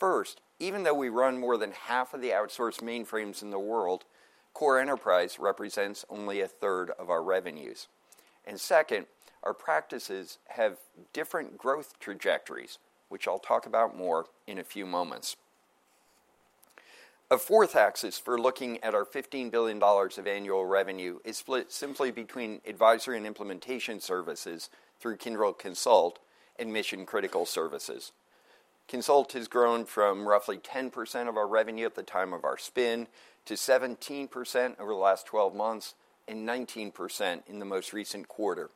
First, even though we run more than half of the outsourced mainframes in the world, Core Enterprise represents only a third of our revenues. And second, our practices have different growth trajectories, which I'll talk about more in a few moments. A fourth axis for looking at our $15 billion of annual revenue is split simply between advisory and implementation services through Kyndryl Consult and mission-critical services. Consult has grown from roughly 10% of our revenue at the time of our spin to 17% over the last 12 months and 19% in the most recent quarter,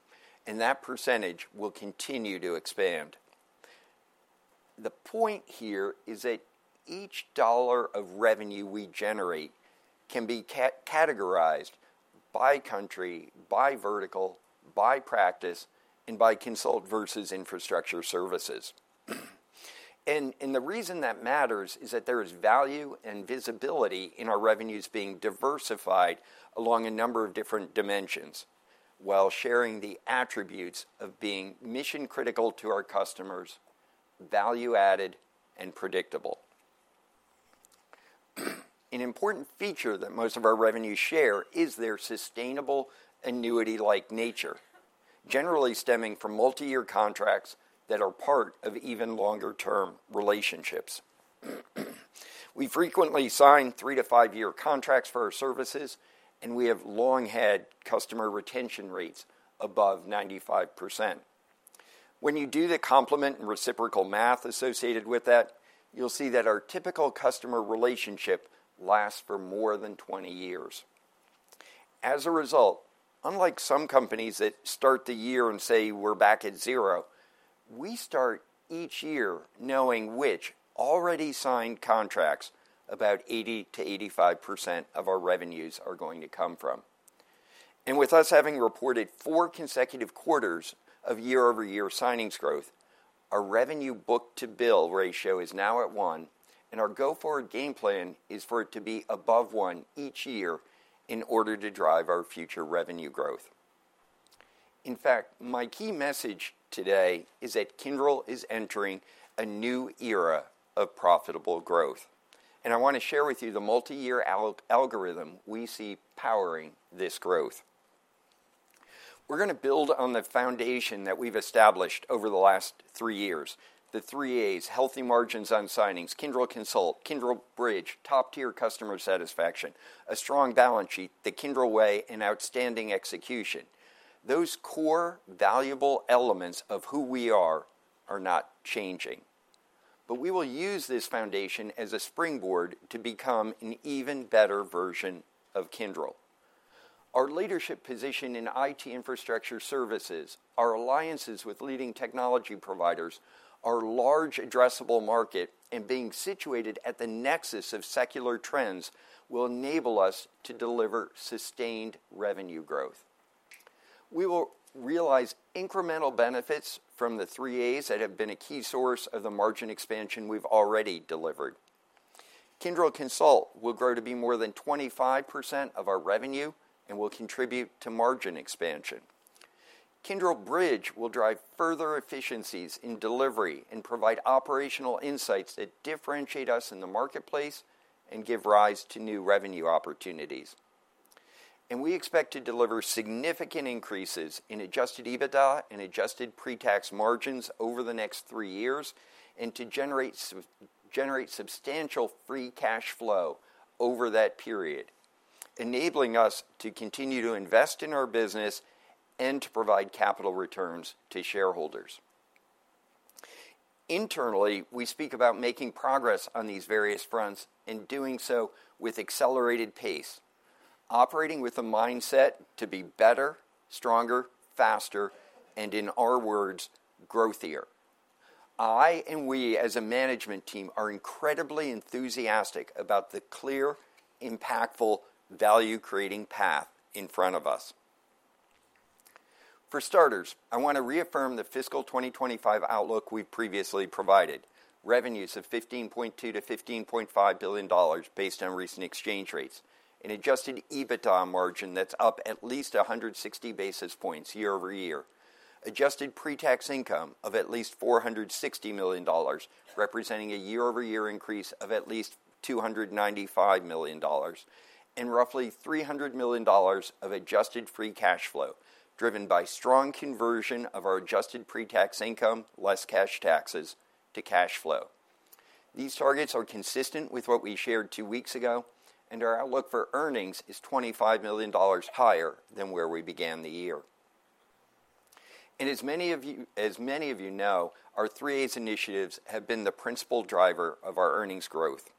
and that percentage will continue to expand. The point here is that each dollar of revenue we generate can be categorized by country, by vertical, by practice, and by consult versus infrastructure services. And the reason that matters is that there is value and visibility in our revenues being diversified along a number of different dimensions while sharing the attributes of being mission-critical to our customers, value-added, and predictable. An important feature that most of our revenues share is their sustainable annuity-like nature, generally stemming from multi-year contracts that are part of even longer-term relationships. We frequently sign three- to five-year contracts for our services, and we have long had customer retention rates above 95%. When you do the complement and reciprocal math associated with that, you'll see that our typical customer relationship lasts for more than 20 years. As a result, unlike some companies that start the year and say, "We're back at zero," we start each year knowing which already signed contracts about 80%-85% of our revenues are going to come from. And with us having reported four consecutive quarters of year-over-year signings growth, our revenue book-to-bill ratio is now at one, and our go-forward game plan is for it to be above one each year in order to drive our future revenue growth. In fact, my key message today is that Kyndryl is entering a new era of profitable growth, and I want to share with you the multi-year algorithm we see powering this growth. We're going to build on the foundation that we've established over the last three years: the 3As, healthy margins on signings, Kyndryl Consult, Kyndryl Bridge, top-tier customer satisfaction, a strong balance sheet, the Kyndryl Way, and outstanding execution. Those core valuable elements of who we are are not changing, but we will use this foundation as a springboard to become an even better version of Kyndryl. Our leadership position in IT infrastructure services, our alliances with leading technology providers, our large addressable market, and being situated at the nexus of secular trends will enable us to deliver sustained revenue growth. We will realize incremental benefits from the 3As that have been a key source of the margin expansion we've already delivered. Kyndryl Consult will grow to be more than 25% of our revenue and will contribute to margin expansion. Kyndryl Bridge will drive further efficiencies in delivery and provide operational insights that differentiate us in the marketplace and give rise to new revenue opportunities. We expect to deliver significant increases in Adjusted EBITDA and Adjusted Pre-Tax Margins over the next three years and to generate substantial free cash flow over that period, enabling us to continue to invest in our business and to provide capital returns to shareholders. Internally, we speak about making progress on these various fronts and doing so with accelerated pace, operating with a mindset to be better, stronger, faster, and in our words, growthier. I and we as a management team are incredibly enthusiastic about the clear, impactful, value-creating path in front of us. For starters, I want to reaffirm the fiscal 2025 outlook we previously provided: revenues of $15.2-$15.5 billion based on recent exchange rates, an Adjusted EBITDA margin that's up at least 160 basis points year-over-year, Adjusted Pre-Tax Income of at least $460 million, representing a year-over-year increase of at least $295 million, and roughly $300 million of Adjusted Free Cash Flow driven by strong conversion of our Adjusted Pre-Tax Income, less cash taxes to cash flow. These targets are consistent with what we shared two weeks ago, and our outlook for earnings is $25 million higher than where we began the year. And as many of you know, our 3As initiatives have been the principal driver of our earnings growth.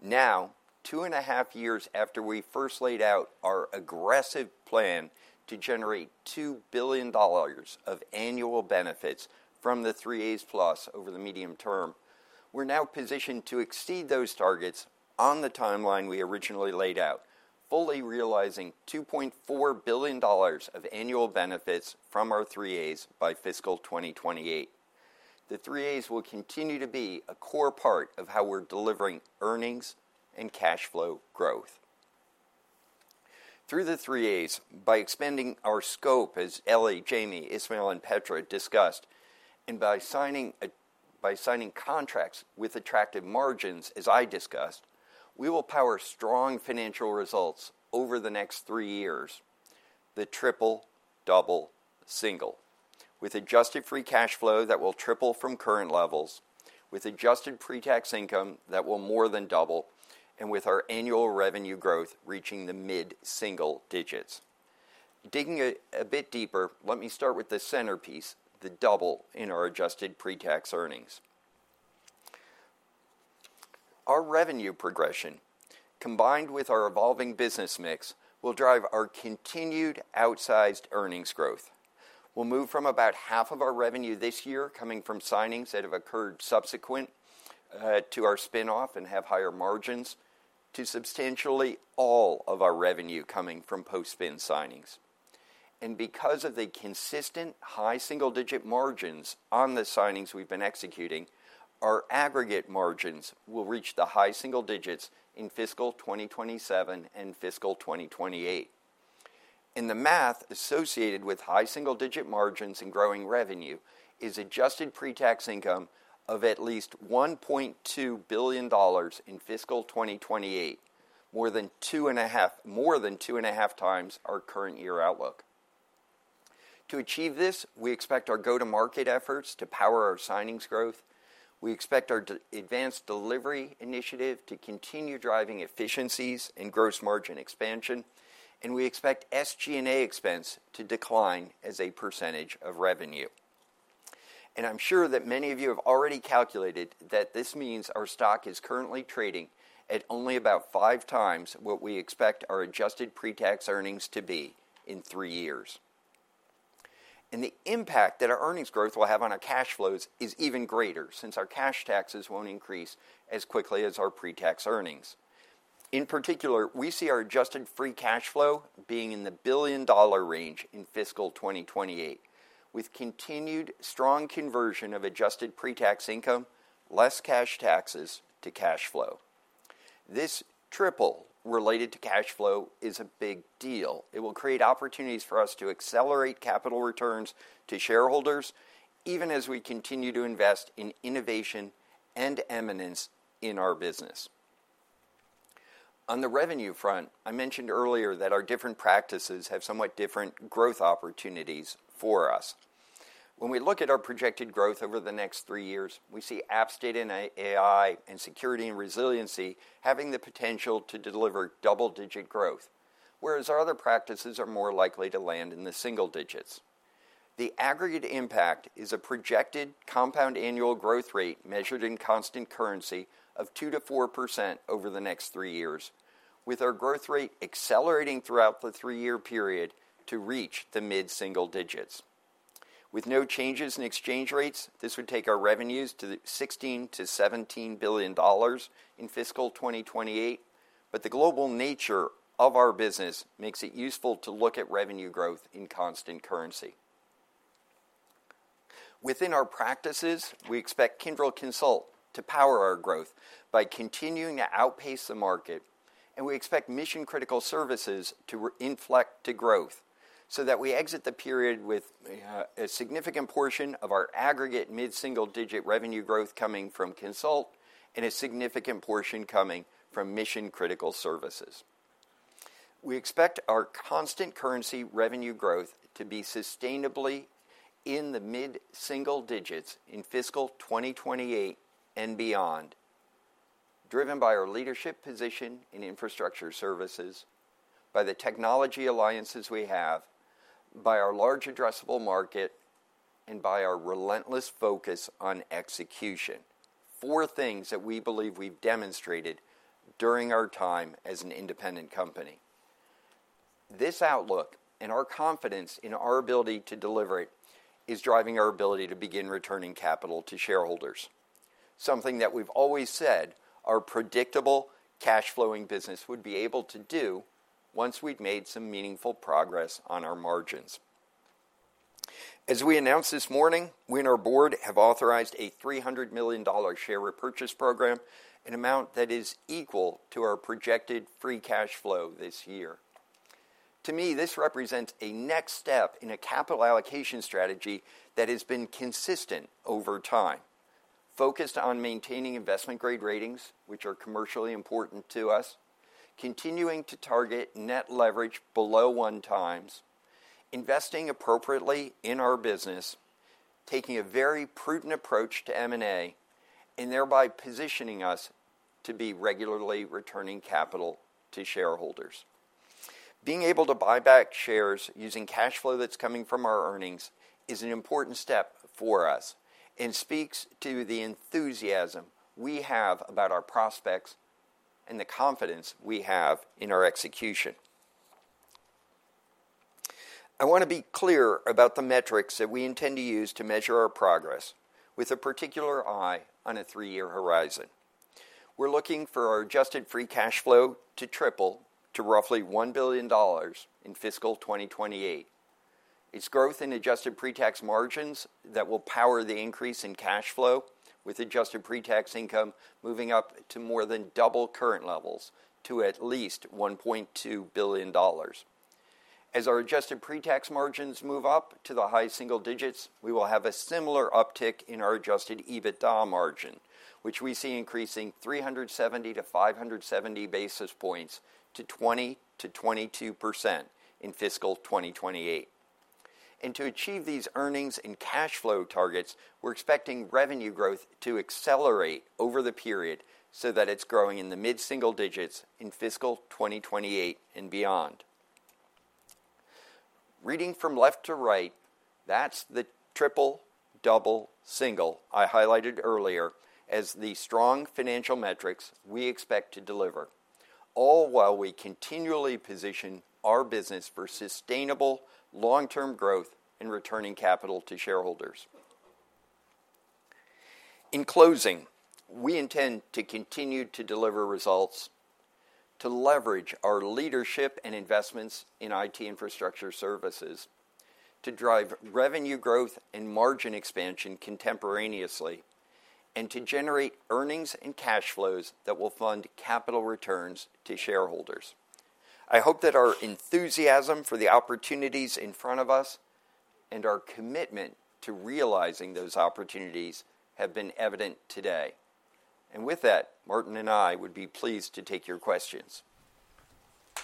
Now, two and a half years after we first laid out our aggressive plan to generate $2 billion of annual benefits from the 3As plus over the medium term, we're now positioned to exceed those targets on the timeline we originally laid out, fully realizing $2.4 billion of annual benefits from our 3As by fiscal 2028. The 3As will continue to be a core part of how we're delivering earnings and cash flow growth. Through the 3As, by expanding our scope, as Elly, Jamie, Ismail, and Petra discussed, and by signing contracts with attractive margins, as I discussed, we will power strong financial results over the next three years: the triple, double, single, with Adjusted Free Cash Flow that will triple from current levels, with Adjusted Pre-Tax Income that will more than double, and with our annual revenue growth reaching the mid-single digits. Digging a bit deeper, let me start with the centerpiece, the double in our adjusted pre-tax earnings. Our revenue progression, combined with our evolving business mix, will drive our continued outsized earnings growth. We'll move from about half of our revenue this year, coming from signings that have occurred subsequent to our spin-off and have higher margins, to substantially all of our revenue coming from post-spin signings. And because of the consistent high single-digit margins on the signings we've been executing, our aggregate margins will reach the high single digits in fiscal 2027 and fiscal 2028. And the math associated with high single-digit margins and growing revenue is adjusted pre-tax income of at least $1.2 billion in fiscal 2028, more than two and a half times our current year outlook. To achieve this, we expect our go-to-market efforts to power our signings growth. We expect our Advanced Delivery initiative to continue driving efficiencies and gross margin expansion, and we expect SG&A expense to decline as a percentage of revenue. And I'm sure that many of you have already calculated that this means our stock is currently trading at only about five times what we expect our adjusted pre-tax earnings to be in three years. And the impact that our earnings growth will have on our cash flows is even greater since our cash taxes won't increase as quickly as our pre-tax earnings. In particular, we see our adjusted free cash flow being in the $1 billion range in fiscal 2028, with continued strong conversion of adjusted pre-tax income, less cash taxes to cash flow. This tripling related to cash flow is a big deal. It will create opportunities for us to accelerate capital returns to shareholders, even as we continue to invest in innovation and eminence in our business. On the revenue front, I mentioned earlier that our different practices have somewhat different growth opportunities for us. When we look at our projected growth over the next three years, we see Apps, Data & AI and Security and Resiliency having the potential to deliver double-digit growth, whereas our other practices are more likely to land in the single digits. The aggregate impact is a projected compound annual growth rate measured in constant currency of 2%-4% over the next three years, with our growth rate accelerating throughout the three-year period to reach the mid-single digits. With no changes in exchange rates, this would take our revenues to $16-$17 billion in fiscal 2028, but the global nature of our business makes it useful to look at revenue growth in constant currency. Within our practices, we expect Kyndryl Consult to power our growth by continuing to outpace the market, and we expect mission-critical services to inflect to growth so that we exit the period with a significant portion of our aggregate mid-single digit revenue growth coming from Consult and a significant portion coming from mission-critical services. We expect our constant currency revenue growth to be sustainably in the mid-single digits in fiscal 2028 and beyond, driven by our leadership position in infrastructure services, by the technology alliances we have, by our large addressable market, and by our relentless focus on execution, four things that we believe we've demonstrated during our time as an independent company. This outlook and our confidence in our ability to deliver it is driving our ability to begin returning capital to shareholders, something that we've always said our predictable cash-flowing business would be able to do once we'd made some meaningful progress on our margins. As we announced this morning, we and our board have authorized a $300 million share repurchase program, an amount that is equal to our projected free cash flow this year. To me, this represents a next step in a capital allocation strategy that has been consistent over time, focused on maintaining investment-grade ratings, which are commercially important to us, continuing to target net leverage below one times, investing appropriately in our business, taking a very prudent approach to M&A, and thereby positioning us to be regularly returning capital to shareholders. Being able to buy back shares using cash flow that's coming from our earnings is an important step for us and speaks to the enthusiasm we have about our prospects and the confidence we have in our execution. I want to be clear about the metrics that we intend to use to measure our progress with a particular eye on a three-year horizon. We're looking for our adjusted free cash flow to triple to roughly $1 billion in fiscal 2028. It's growth in adjusted pre-tax margins that will power the increase in cash flow, with adjusted pre-tax income moving up to more than double current levels to at least $1.2 billion. As our adjusted pre-tax margins move up to the high single digits, we will have a similar uptick in our adjusted EBITDA margin, which we see increasing 370-570 basis points to 20%-22% in fiscal 2028. And to achieve these earnings and cash flow targets, we're expecting revenue growth to accelerate over the period so that it's growing in the mid-single digits in fiscal 2028 and beyond. Reading from left to right, that's the triple, double, single I highlighted earlier as the strong financial metrics we expect to deliver, all while we continually position our business for sustainable long-term growth and returning capital to shareholders. In closing, we intend to continue to deliver results, to leverage our leadership and investments in IT infrastructure services, to drive revenue growth and margin expansion contemporaneously, and to generate earnings and cash flows that will fund capital returns to shareholders. I hope that our enthusiasm for the opportunities in front of us and our commitment to realizing those opportunities have been evident today. And with that, Martin and I would be pleased to take your questions. Do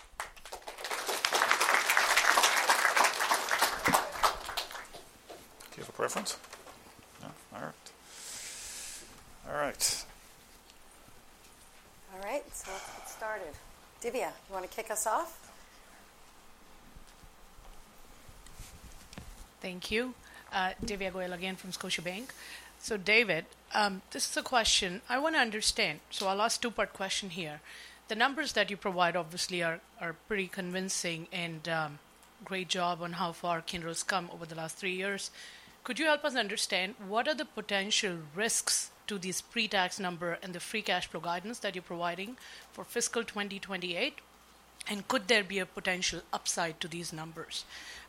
you have a preference? No? All right. So let's get started. Divya, you want to kick us off? Thank you. Divya Goyal again from Scotiabank. So David, this is a question I want to understand. So I'll ask a two-part question here. The numbers that you provide, obviously, are pretty convincing and great job on how far Kyndryl's come over the last three years. Could you help us understand what are the potential risks to this pre-tax number and the free cash flow guidance that you're providing for fiscal 2028? And could there be a potential upside to these numbers?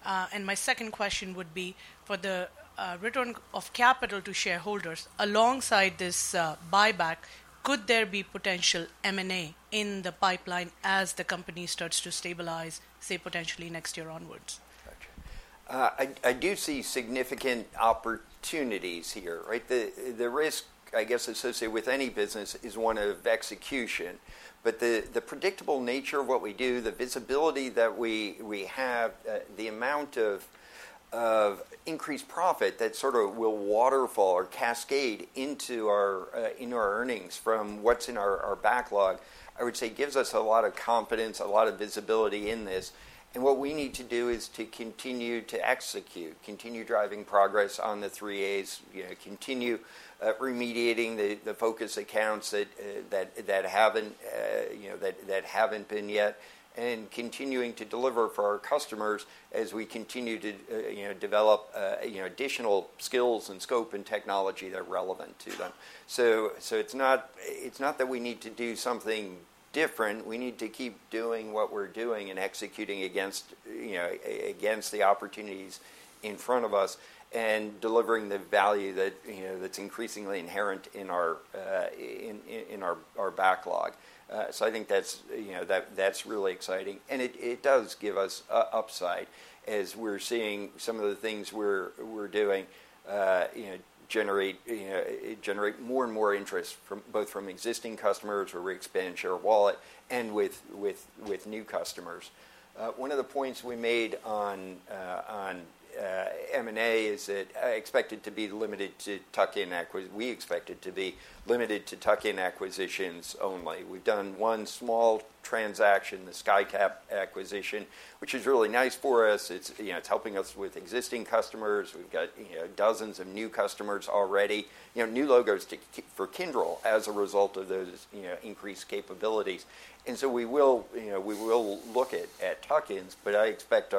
And my second question would be, for the return of capital to shareholders alongside this buyback, could there be potential M&A in the pipeline as the company starts to stabilize, say, potentially next year onwards? Gotcha. I do see significant opportunities here. The risk, I guess, associated with any business is one of execution. But the predictable nature of what we do, the visibility that we have, the amount of increased profit that sort of will waterfall or cascade into our earnings from what's in our backlog, I would say, gives us a lot of confidence, a lot of visibility in this. And what we need to do is to continue to execute, continue driving progress on the 3As, continue remediating the focus accounts that haven't been yet, and continuing to deliver for our customers as we continue to develop additional skills and scope and technology that are relevant to them. So it's not that we need to do something different. We need to keep doing what we're doing and executing against the opportunities in front of us and delivering the value that's increasingly inherent in our backlog. I think that's really exciting. And it does give us upside as we're seeing some of the things we're doing generate more and more interest, both from existing customers where we expand share wallet and with new customers. One of the points we made on M&A is that I expected to be limited to tuck-in acquisitions. We expected to be limited to tuck-in acquisitions only. We've done one small transaction, the Skytap acquisition, which is really nice for us. It's helping us with existing customers. We've got dozens of new customers already, new logos for Kyndryl as a result of those increased capabilities. And so we will look at tuck-ins, but I expect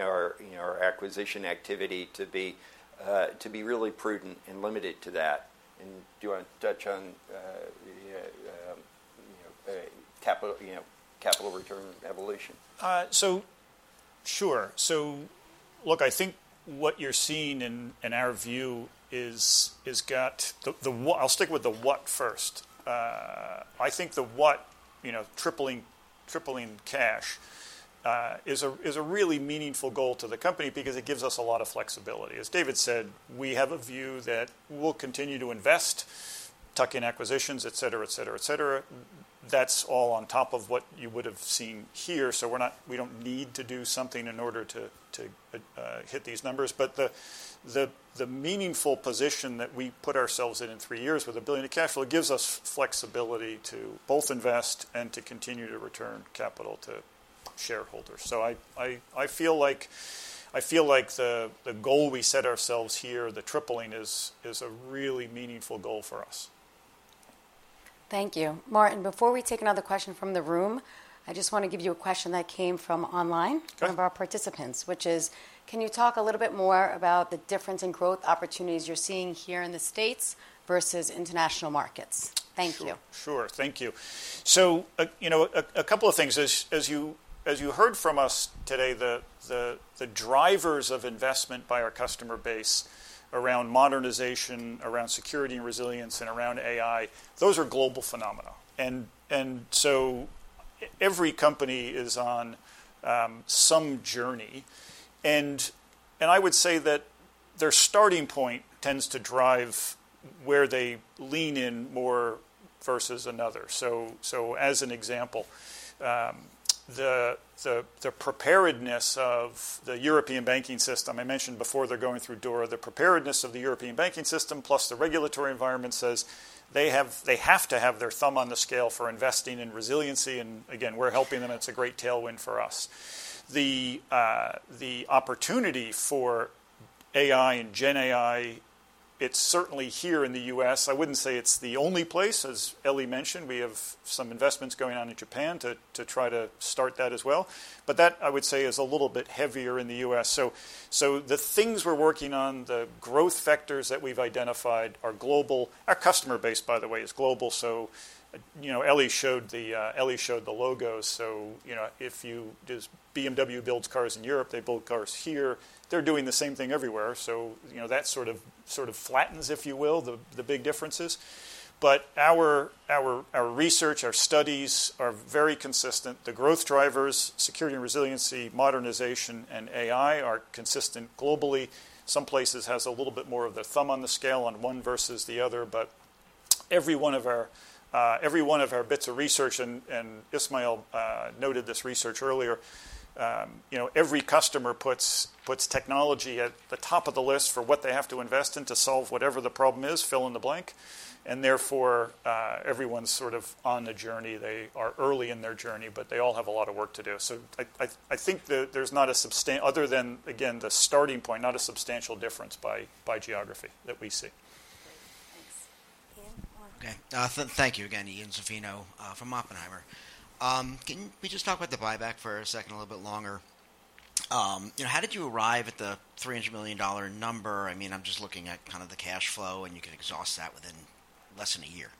our acquisition activity to be really prudent and limited to that. And do you want to touch on capital return evolution? Sure. So look, I think what you're seeing in our view is got the. I'll stick with the what first. I think the what, tripling cash, is a really meaningful goal to the company because it gives us a lot of flexibility. As David said, we have a view that we'll continue to invest, tuck-in acquisitions, etc., etc., etc. That's all on top of what you would have seen here. So we don't need to do something in order to hit these numbers. But the meaningful position that we put ourselves in in three years with $1 billion in cash flow gives us flexibility to both invest and to continue to return capital to shareholders. So I feel like the goal we set ourselves here, the tripling, is a really meaningful goal for us. Thank you. Martin, before we take another question from the room, I just want to give you a question that came from online, one of our participants, which is, can you talk a little bit more about the difference in growth opportunities you're seeing here in the States versus international markets? Thank you. Sure. Thank you. So a couple of things. As you heard from us today, the drivers of investment by our customer base around modernization, around security and resilience, and around AI, those are global phenomena. And so every company is on some journey. And I would say that their starting point tends to drive where they lean in more versus another. So as an example, the preparedness of the European banking system, I mentioned before they're going through DORA, the preparedness of the European banking system plus the regulatory environment says they have to have their thumb on the scale for investing in resiliency. And again, we're helping them. It's a great tailwind for us. The opportunity for AI and GenAI, it's certainly here in the U.S. I wouldn't say it's the only place. As Elly mentioned, we have some investments going on in Japan to try to start that as well. But that, I would say, is a little bit heavier in the U.S. So the things we're working on, the growth factors that we've identified are global. Our customer base, by the way, is global. So Elly showed the logos. So if BMW builds cars in Europe, they build cars here. They're doing the same thing everywhere. So that sort of flattens, if you will, the big differences. But our research, our studies are very consistent. The growth drivers, Security and Resiliency, modernization, and AI are consistent globally. Some places have a little bit more of the thumb on the scale on one versus the other. But every one of our bits of research, and Ismail noted this research earlier, every customer puts technology at the top of the list for what they have to invest in to solve whatever the problem is, fill in the blank. And therefore, everyone's sort of on the journey. They are early in their journey, but they all have a lot of work to do. So I think there's not a substantial, other than, again, the starting point, not a substantial difference by geography that we see. Great. Thanks. Ian. Okay. Thank you again, Ian Zaffino from Oppenheimer. Can we just talk about the buyback for a second, a little bit longer? How did you arrive at the $300 million number? I mean, I'm just looking at kind of the cash flow, and you can exhaust that within less than a year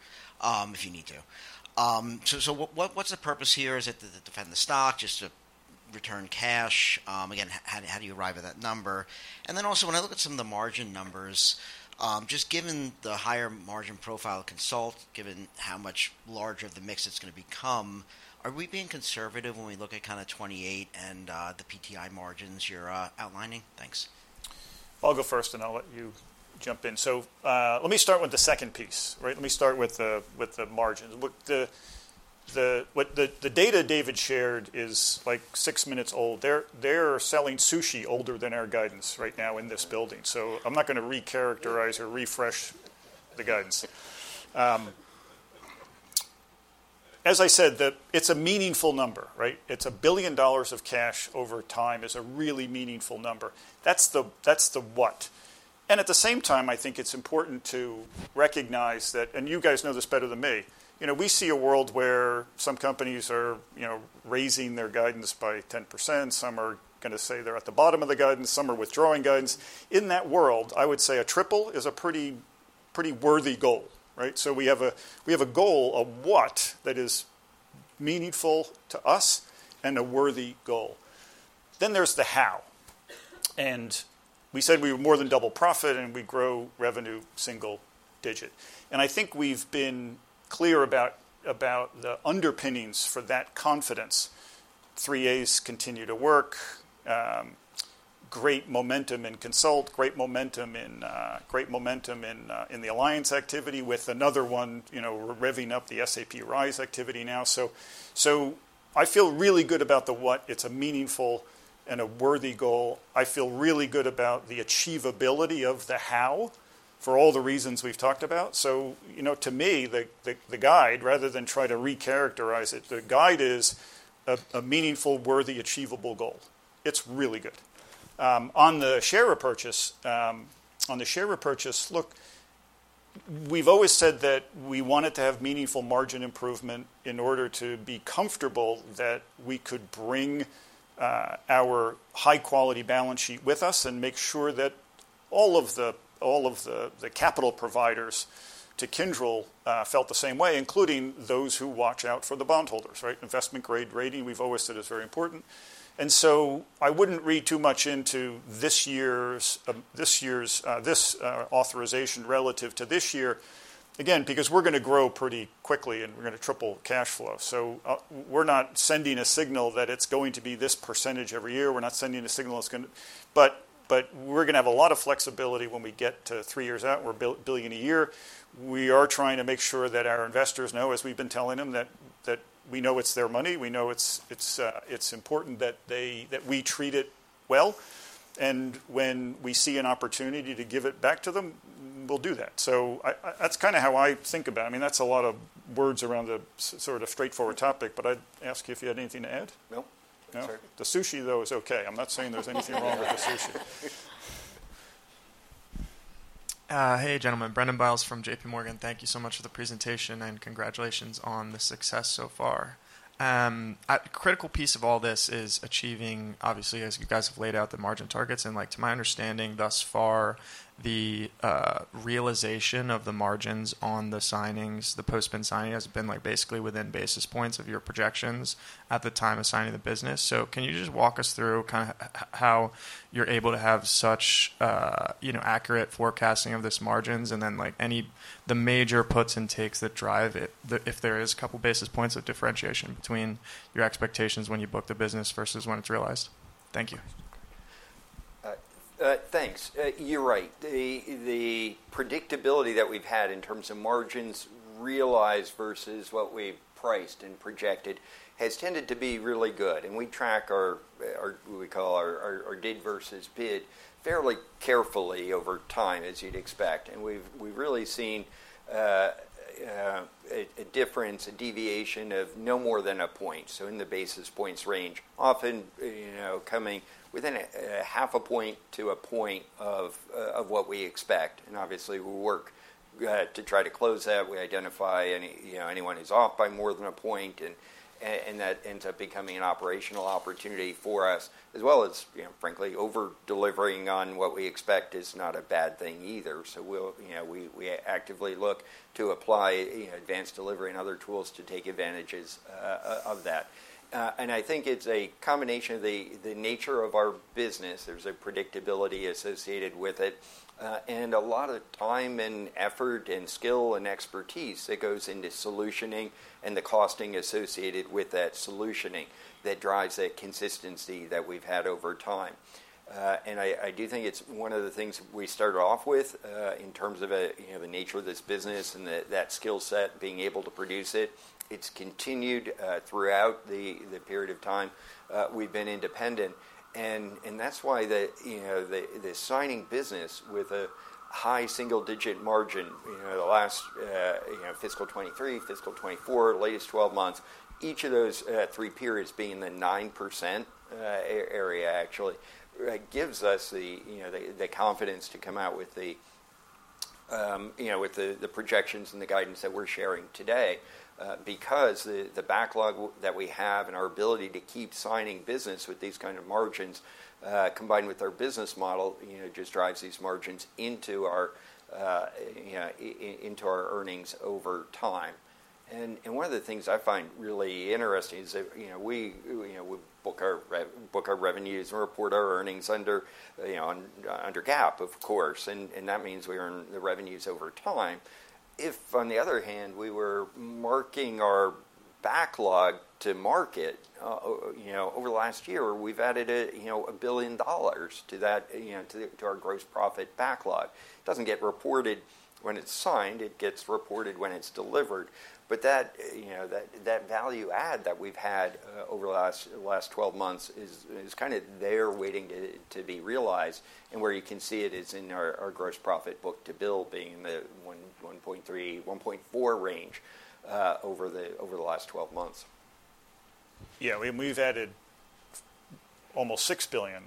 if you need to. So what's the purpose here? Is it to defend the stock, just to return cash? Again, how do you arrive at that number? And then also, when I look at some of the margin numbers, just given the higher margin profile consult, given how much larger the mix it's going to become, are we being conservative when we look at kind of 28 and the PTI margins you're outlining? Thanks. I'll go first, and I'll let you jump in. So let me start with the second piece. Let me start with the margins. The data David shared is like six minutes old. They're selling sushi older than our guidance right now in this building. So I'm not going to re-characterize or refresh the guidance. As I said, it's a meaningful number. It's $1 billion of cash over time. It's a really meaningful number. That's the what. And at the same time, I think it's important to recognize that, and you guys know this better than me, we see a world where some companies are raising their guidance by 10%. Some are going to say they're at the bottom of the guidance. Some are withdrawing guidance. In that world, I would say a triple is a pretty worthy goal. So we have a goal, a what that is meaningful to us and a worthy goal. Then there's the how. And we said we were more than double profit, and we grow revenue single digit. And I think we've been clear about the underpinnings for that confidence. 3As continue to work. Great momentum in consult. Great momentum in the alliance activity with another one. We're revving up the SAP RISE activity now. So I feel really good about the what. It's a meaningful and a worthy goal. I feel really good about the achievability of the how for all the reasons we've talked about. So to me, the guide, rather than try to re-characterize it, the guide is a meaningful, worthy, achievable goal. It's really good. On the share repurchase, on the share repurchase, look, we've always said that we wanted to have meaningful margin improvement in order to be comfortable that we could bring our high-quality balance sheet with us and make sure that all of the capital providers to Kyndryl felt the same way, including those who watch out for the bondholders. Investment-grade rating, we've always said is very important. And so I wouldn't read too much into this year's authorization relative to this year, again, because we're going to grow pretty quickly, and we're going to triple cash flow. So we're not sending a signal that it's going to be this percentage every year. We're not sending a signal it's going to, but we're going to have a lot of flexibility when we get to three years out and we're $1 billion a year. We are trying to make sure that our investors know, as we've been telling them, that we know it's their money. We know it's important that we treat it well. And when we see an opportunity to give it back to them, we'll do that. So that's kind of how I think about it. I mean, that's a lot of words around a sort of straightforward topic, but I'd ask you if you had anything to add. No. That's all right. The sushi, though, is okay. I'm not saying there's anything wrong with the sushi. Hey, gentlemen. Brendan Biles from JPMorgan. Thank you so much for the presentation and congratulations on the success so far. A critical piece of all this is achieving, obviously, as you guys have laid out, the margin targets. And to my understanding, thus far, the realization of the margins on the signings, the post-signing, has been basically within basis points of your projections at the time of signing the business. So can you just walk us through kind of how you're able to have such accurate forecasting of this margins and then the major puts and takes that drive it, if there is a couple of basis points of differentiation between your expectations when you book the business versus when it's realiz ed? Thank you. Thanks. You're right. The predictability that we've had in terms of margins realized versus what we priced and projected has tended to be really good. And we track our, what we call our did versus bid, fairly carefully over time, as you'd expect. And we've really seen a difference, a deviation of no more than a point, so in the basis points range, often coming within a half a point to a point of what we expect. And obviously, we work to try to close that. We identify anyone who's off by more than a point, and that ends up becoming an operational opportunity for us, as well as, frankly, over-delivering on what we expect is not a bad thing either. So we actively look to apply advanced delivery and other tools to take advantages of that. And I think it's a combination of the nature of our business. There's a predictability associated with it and a lot of time and effort and skill and expertise that goes into solutioning and the costing associated with that solutioning that drives that consistency that we've had over time. And I do think it's one of the things we started off with in terms of the nature of this business and that skill set, being able to produce it. It's continued throughout the period of time we've been independent. And that's why the signing business with a high single-digit margin the last fiscal 2023, fiscal 2024, latest 12 months, each of those three periods being in the 9% area, actually, gives us the confidence to come out with the projections and the guidance that we're sharing today because the backlog that we have and our ability to keep signing business with these kind of margins combined with our business model just drives these margins into our earnings over time. And one of the things I find really interesting is that we book our revenues and report our earnings under GAAP, of course. And that means we earn the revenues over time. If, on the other hand, we were marking our backlog to market over the last year, we've added $1 billion to our gross profit backlog. It doesn't get reported when it's signed. It gets reported when it's delivered. But that value add that we've had over the last 12 months is kind of there waiting to be realized. And where you can see it is in our gross profit book-to-bill being in the 1.3-1.4 range over the last 12 months. And we've added almost $6 billion,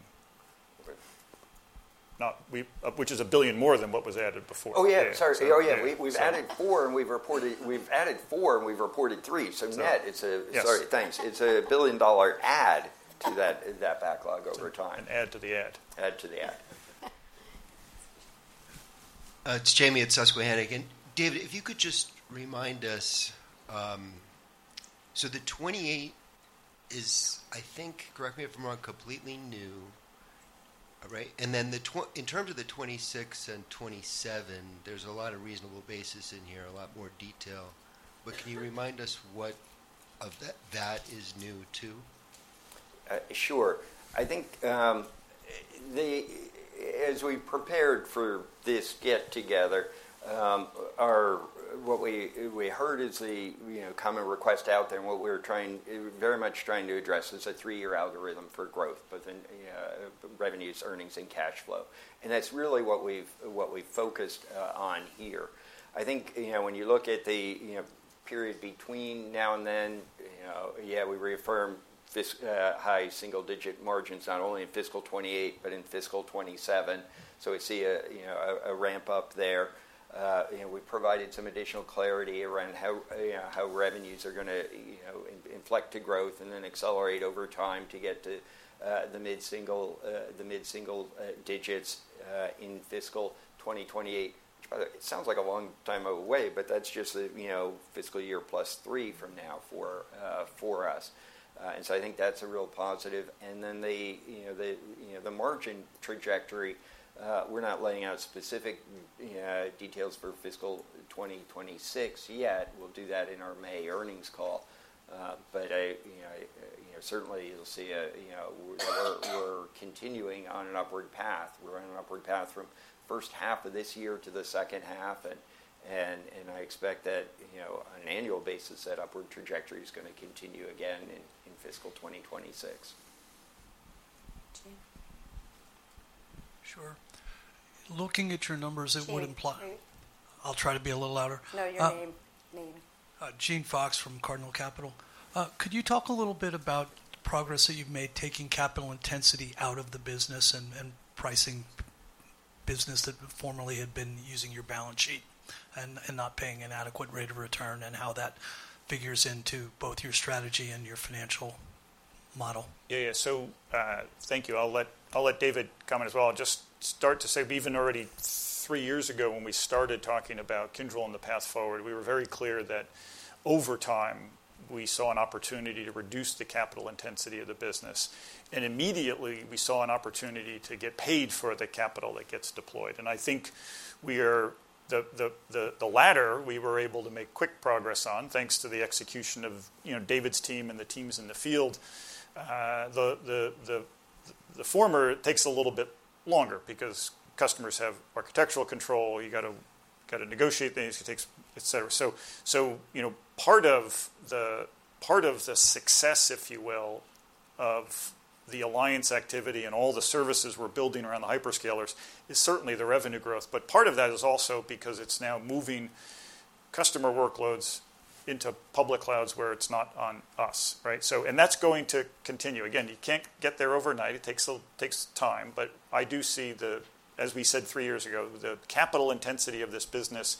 which is $1 billion more than what was added before. We've added $4 billion, and we've reported $3 billion. So net. It's a $1 billion add to that backlog over time. It's Jamie at Susquehanna. David, if you could just remind us. So the 28 is, I think, correct me if I'm wrong, completely new, right? And then in terms of the 2026 and 2027, there's a lot of reasonable basis in here, a lot more detail. But can you remind us what of that is new too? Sure. I think as we prepared for this get-together, what we heard is the common request out there and what we were very much trying to address is a three-year algorithm for growth, both in revenues, earnings, and cash flow. And that's really what we've focused on here. I think when you look at the period between now and then, yeah, we reaffirmed this high single-digit margins not only in fiscal 2028 but in fiscal 2027. So we see a ramp up there. We provided some additional clarity around how revenues are going to inflect to growth and then accelerate over time to get to the mid-single digits in fiscal 2028, which, by the way, it sounds like a long time away, but that's just the fiscal year plus three from now for us. And so I think that's a real positive. And then the margin trajectory, we're not laying out specific details for fiscal 2026 yet. We'll do that in our May earnings call. But certainly, you'll see we're continuing on an upward path. We're on an upward path from the first half of this year to the second half. And I expect that on an annual basis, that upward trajectory is going to continue again in fiscal 2026. Sure. Looking at your numbers, it would imply. I'll try to be a little louder. No, your name. Name. Gene Fox from Cardinal Capital. Could you talk a little bit about the progress that you've made taking capital intensity out of the business and pricing business that formerly had been using your balance sheet and not paying an adequate rate of return and how that figures into both your strategy and your financial model? Yeah. Yeah. So thank you. I'll let David comment as well. I'll just start to say, even already three years ago when we started talking about Kyndryl and the path forward, we were very clear that over time, we saw an opportunity to reduce the capital intensity of the business. And immediately, we saw an opportunity to get paid for the capital that gets deployed. And I think the latter, we were able to make quick progress on thanks to the execution of David's team and the teams in the field. The former takes a little bit longer because customers have architectural control. You got to negotiate things, etc. So part of the success, if you will, of the alliance activity and all the services we're building around the hyperscalers is certainly the revenue growth. But part of that is also because it's now moving customer workloads into public clouds where it's not on us, right? And that's going to continue. Again, you can't get there overnight. It takes time. But I do see the, as we said three years ago, the capital intensity of this business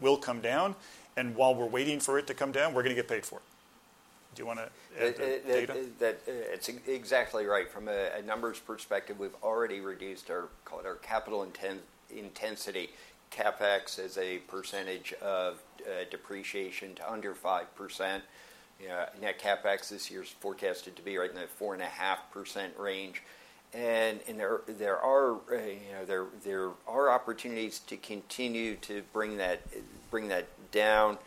will come down. And while we're waiting for it to come down, we're going to get paid for it. Do you want to add to that? It's exactly right. From a numbers perspective, we've already reduced our capital intensity. CapEx is a percentage of depreciation to under 5%. Net CapEx this year is forecasted to be right in the 4.5% range. And there are opportunities to continue to bring that down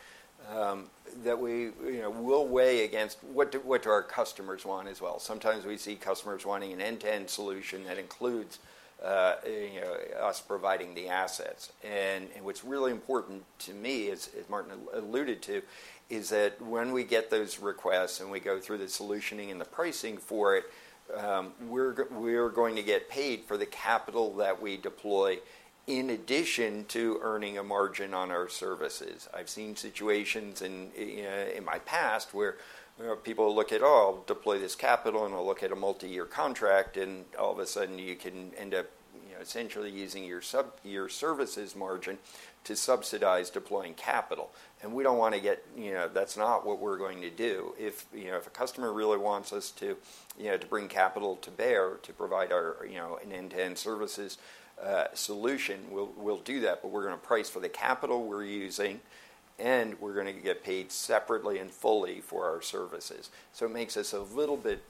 that we will weigh against what our customers want as well. Sometimes we see customers wanting an end-to-end solution that includes us providing the assets. And what's really important to me, as Martin alluded to, is that when we get those requests and we go through the solutioning and the pricing for it, we're going to get paid for the capital that we deploy in addition to earning a margin on our services. I've seen situations in my past where people will look at, "Oh, I'll deploy this capital," and they'll look at a multi-year contract, and all of a sudden, you can end up essentially using your services margin to subsidize deploying capital. And we don't want to get, that's not what we're going to do. If a customer really wants us to bring capital to bear to provide an end-to-end services solution, we'll do that. But we're going to price for the capital we're using, and we're going to get paid separately and fully for our services. So it makes us a little bit.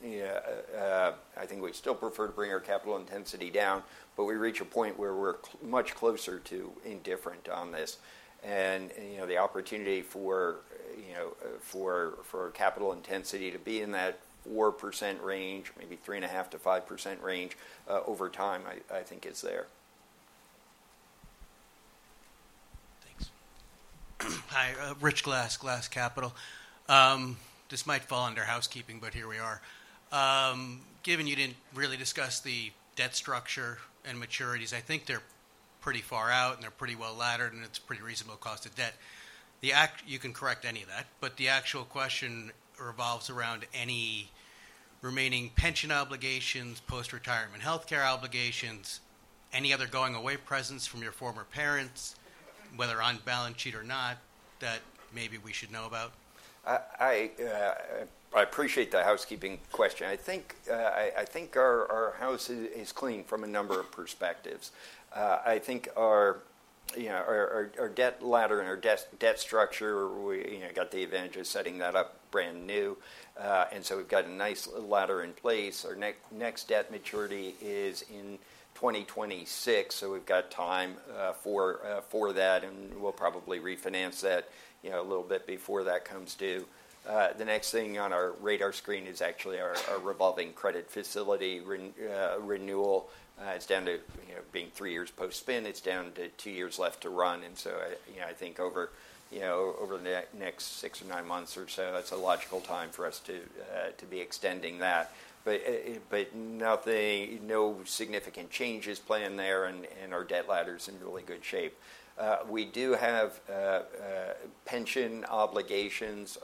I think we still prefer to bring our capital intensity down, but we reach a point where we're much closer to indifferent on this. And the opportunity for capital intensity to be in that 4% range, maybe 3.5%-5% range over time, I think it's there. Thanks. Hi. Rich Glass, Glass Capital. This might fall under housekeeping, but here we are. Given you didn't really discuss the debt structure and maturities, I think they're pretty far out, and they're pretty well laddered, and it's a pretty reasonable cost of debt. You can correct any of that. But the actual question revolves around any remaining pension obligations, post-retirement healthcare obligations, any other going-away presence from your former parents, whether on balance sheet or not, that maybe we should know about? I appreciate the housekeeping question. I think our house is clean from a number of perspectives. I think our debt ladder and our debt structure, we got the advantage of setting that up brand new. And so we've got a nice ladder in place. Our next debt maturity is in 2026, so we've got time for that, and we'll probably refinance that a little bit before that comes due. The next thing on our radar screen is actually our revolving credit facility renewal. It's down to being three years post-spin. It's down to two years left to run. I think over the next six or nine months or so, that's a logical time for us to be extending that. But no significant change is planned there, and our debt ladder is in really good shape. We do have pension obligations.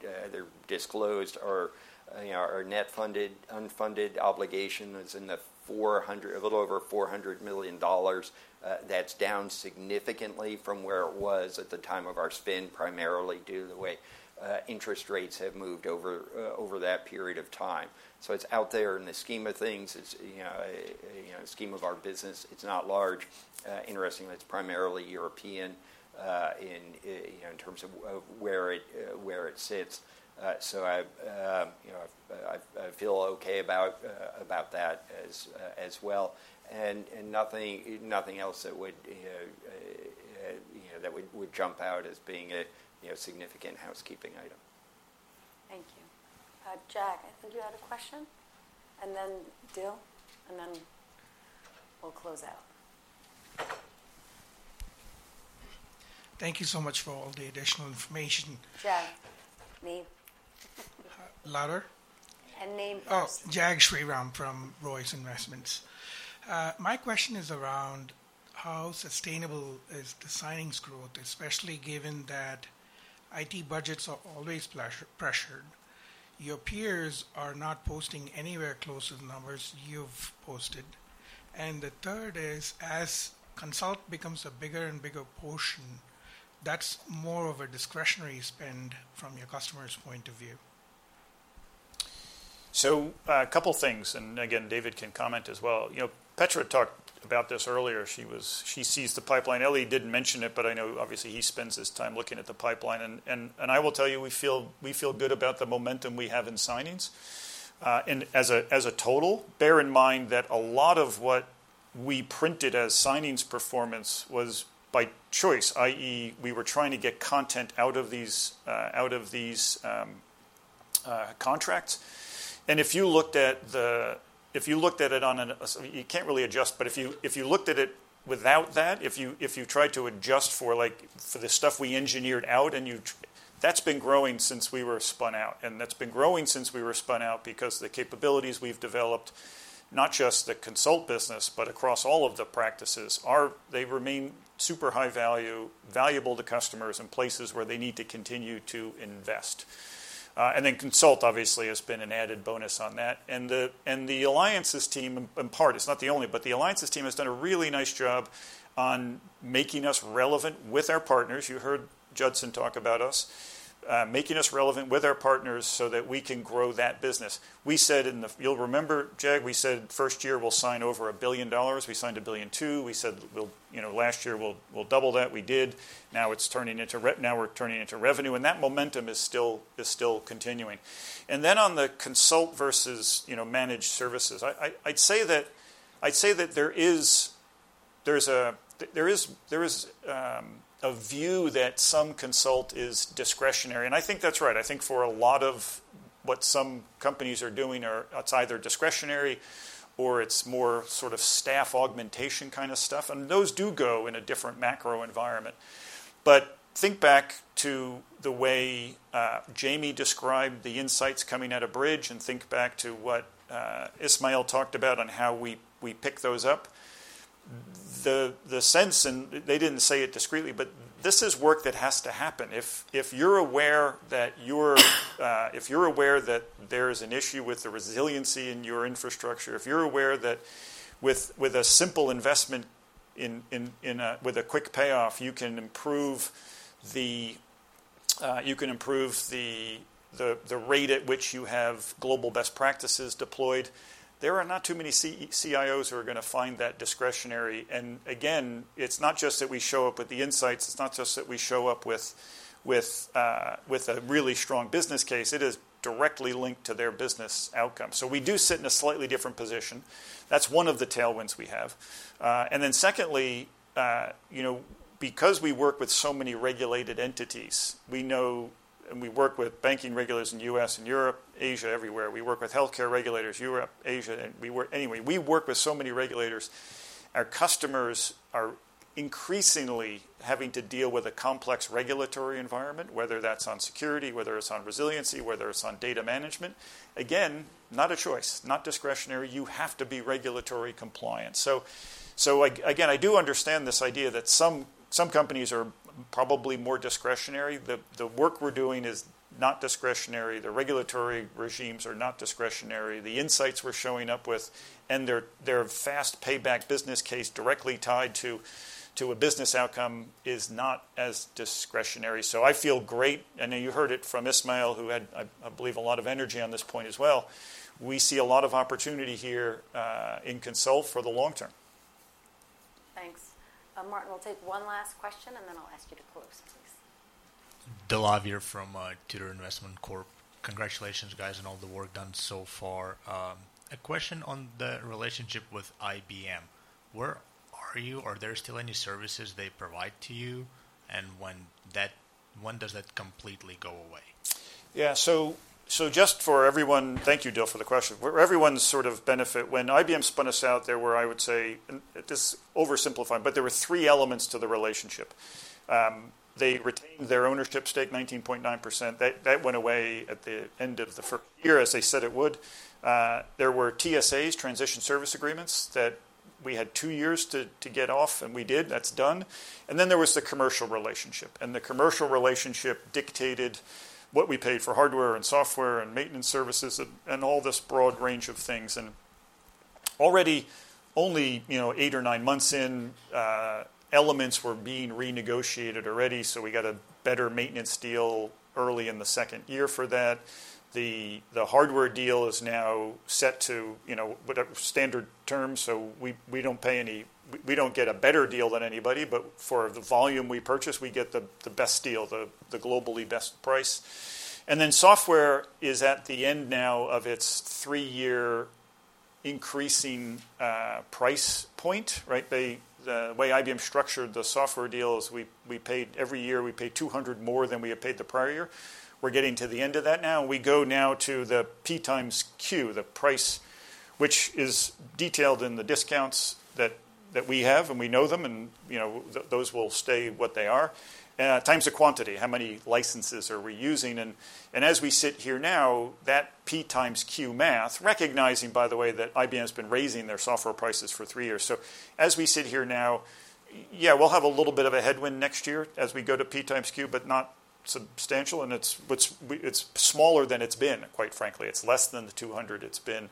They're disclosed. Our net unfunded obligation is a little over $400 million. That's down significantly from where it was at the time of our spin, primarily due to the way interest rates have moved over that period of time. So it's out there in the scheme of things. It's in the scheme of our business. It's not large. Interestingly, it's primarily European in terms of where it sits. So I feel okay about that as well. And nothing else that would jump out as being a significant housekeeping item. Thank you. Jag, I think you had a question. And then David Lavier, and then we'll close out. Thank you so much for all the additional information. Jag, name. Last name? And name first. Oh, Jag Sriram from Royce Investments. My question is around how sustainable is the signings growth, especially given that IT budgets are always pressured. Your peers are not posting anywhere close to the numbers you've posted. And the third is, as consult becomes a bigger and bigger portion, that's more of a discretionary spend from your customer's point of view. So a couple of things. And again, David can comment as well. Petra talked about this earlier. She sees the pipeline. Elly didn't mention it, but I know obviously he spends his time looking at the pipeline. And I will tell you, we feel good about the momentum we have in signings. As a total, bear in mind that a lot of what we printed as signings performance was by choice, i.e., we were trying to get content out of these contracts. If you looked at the—if you looked at it on a—you can't really adjust, but if you looked at it without that, if you tried to adjust for the stuff we engineered out, that's been growing since we were spun out because the capabilities we've developed, not just the consult business, but across all of the practices, they remain super high value, valuable to customers in places where they need to continue to invest. And then consult, obviously, has been an added bonus on that. And the alliances team, in part, it's not the only, but the alliances team has done a really nice job on making us relevant with our partners. You heard Judson talk about us, making us relevant with our partners so that we can grow that business. We said in the, you'll remember, Jag, we said first year we'll sign over $1 billion. We signed $1 billion too. We said last year we'll double that. We did. Now we're turning into revenue. And that momentum is still continuing. And then on the consult versus managed services, I'd say that there is a view that some consult is discretionary. And I think that's right. I think for a lot of what some companies are doing, it's either discretionary or it's more sort of staff augmentation kind of stuff. And those do go in a different macro environment. But think back to the way Jamie described the insights coming out of Bridge and think back to what Ismail talked about on how we pick those up. The sense, and they didn't say it discreetly, but this is work that has to happen. If you're aware that there is an issue with the resiliency in your infrastructure, if you're aware that with a simple investment with a quick payoff, you can improve the rate at which you have global best practices deployed, there are not too many CIOs who are going to find that discretionary. And again, it's not just that we show up with the insights. It's not just that we show up with a really strong business case. It is directly linked to their business outcome. So we do sit in a slightly different position. That's one of the tailwinds we have. Then secondly, because we work with so many regulated entities, we know and we work with banking regulators in the U.S. and Europe, Asia, everywhere. We work with healthcare regulators in Europe, Asia. Anyway, we work with so many regulators. Our customers are increasingly having to deal with a complex regulatory environment, whether that's on security, whether it's on resiliency, whether it's on data management. Again, not a choice, not discretionary. You have to be regulatory compliant. So again, I do understand this idea that some companies are probably more discretionary. The work we're doing is not discretionary. The regulatory regimes are not discretionary. The insights we're showing up with and their fast payback business case directly tied to a business outcome is not as discretionary. So I feel great. And you heard it from Ismail, who had, I believe, a lot of energy on this point as well. We see a lot of opportunity here in consult for the long term. Thanks. Martin, we'll take one last question, and then I'll ask you to close, please. David Lavier from Tudor Investment Corp. Congratulations, guys, on all the work done so far. A question on the relationship with IBM. Where are you? Are there still any services they provide to you? And when does that completely go away? Yeah. So just for everyone, thank you, David Lavier, for the question. For everyone's sort of benefit, when IBM spun us out, there were, I would say, this is oversimplifying, but there were three elements to the relationship. They retained their ownership stake, 19.9%. That went away at the end of the first year, as they said it would. There were TSAs, transition service agreements, that we had two years to get off, and we did. That's done. There was the commercial relationship. The commercial relationship dictated what we paid for hardware and software and maintenance services and all this broad range of things. Already, only eight or nine months in, elements were being renegotiated already. We got a better maintenance deal early in the second year for that. The hardware deal is now set to standard terms. We don't get a better deal than anybody, but for the volume we purchase, we get the best deal, the globally best price. Software is at the end now of its three-year increasing price point, right? The way IBM structured the software deal is we paid every year, we paid 200 more than we had paid the prior year. We're getting to the end of that now. We go now to the P times Q, the price, which is detailed in the discounts that we have, and we know them, and those will stay what they are, times the quantity. How many licenses are we using, and as we sit here now, that P times Q math, recognizing, by the way, that IBM has been raising their software prices for three years, so as we sit here now, yeah, we'll have a little bit of a headwind next year as we go to P times Q, but not substantial, and it's smaller than it's been, quite frankly. It's less than the 200 it's been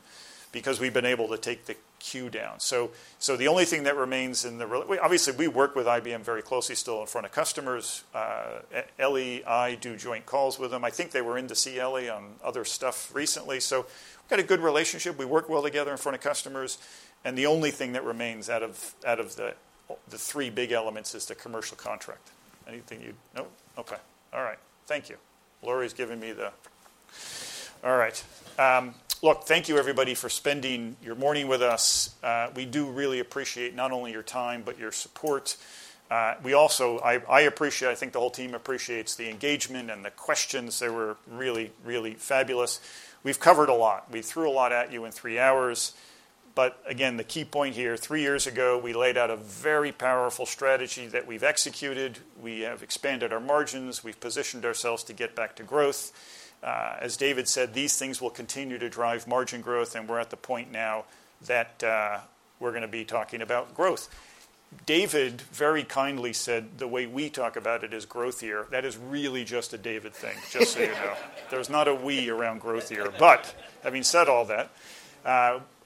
because we've been able to take the Q down, so the only thing that remains in the, obviously, we work with IBM very closely still in front of customers. Elly and I do joint calls with them. I think they were in to see Elly on other stuff recently. So we've got a good relationship. We work well together in front of customers. And the only thing that remains out of the three big elements is the commercial contract. Anything you—no? Okay. All right. Thank you. Lori's giving me the—all right. Look, thank you, everybody, for spending your morning with us. We do really appreciate not only your time, but your support. I appreciate—I think the whole team appreciates the engagement and the questions. They were really, really fabulous. We've covered a lot. We threw a lot at you in three hours. But again, the key point here, three years ago, we laid out a very powerful strategy that we've executed. We have expanded our margins. We've positioned ourselves to get back to growth. As David said, these things will continue to drive margin growth, and we're at the point now that we're going to be talking about growth. David very kindly said the way we talk about it is growth year. That is really just a David thing, just so you know. There's not a we around growth year. But having said all that,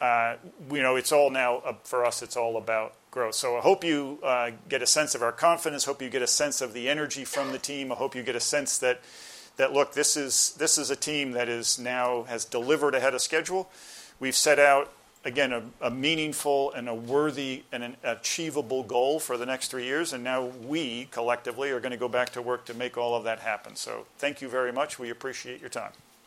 it's all now for us, it's all about growth. So I hope you get a sense of our confidence. I hope you get a sense of the energy from the team. I hope you get a sense that, look, this is a team that now has delivered ahead of schedule. We've set out, again, a meaningful and a worthy and an achievable goal for the next three years. And now we, collectively, are going to go back to work to make all of that happen. Thank you very much. We appreciate your time.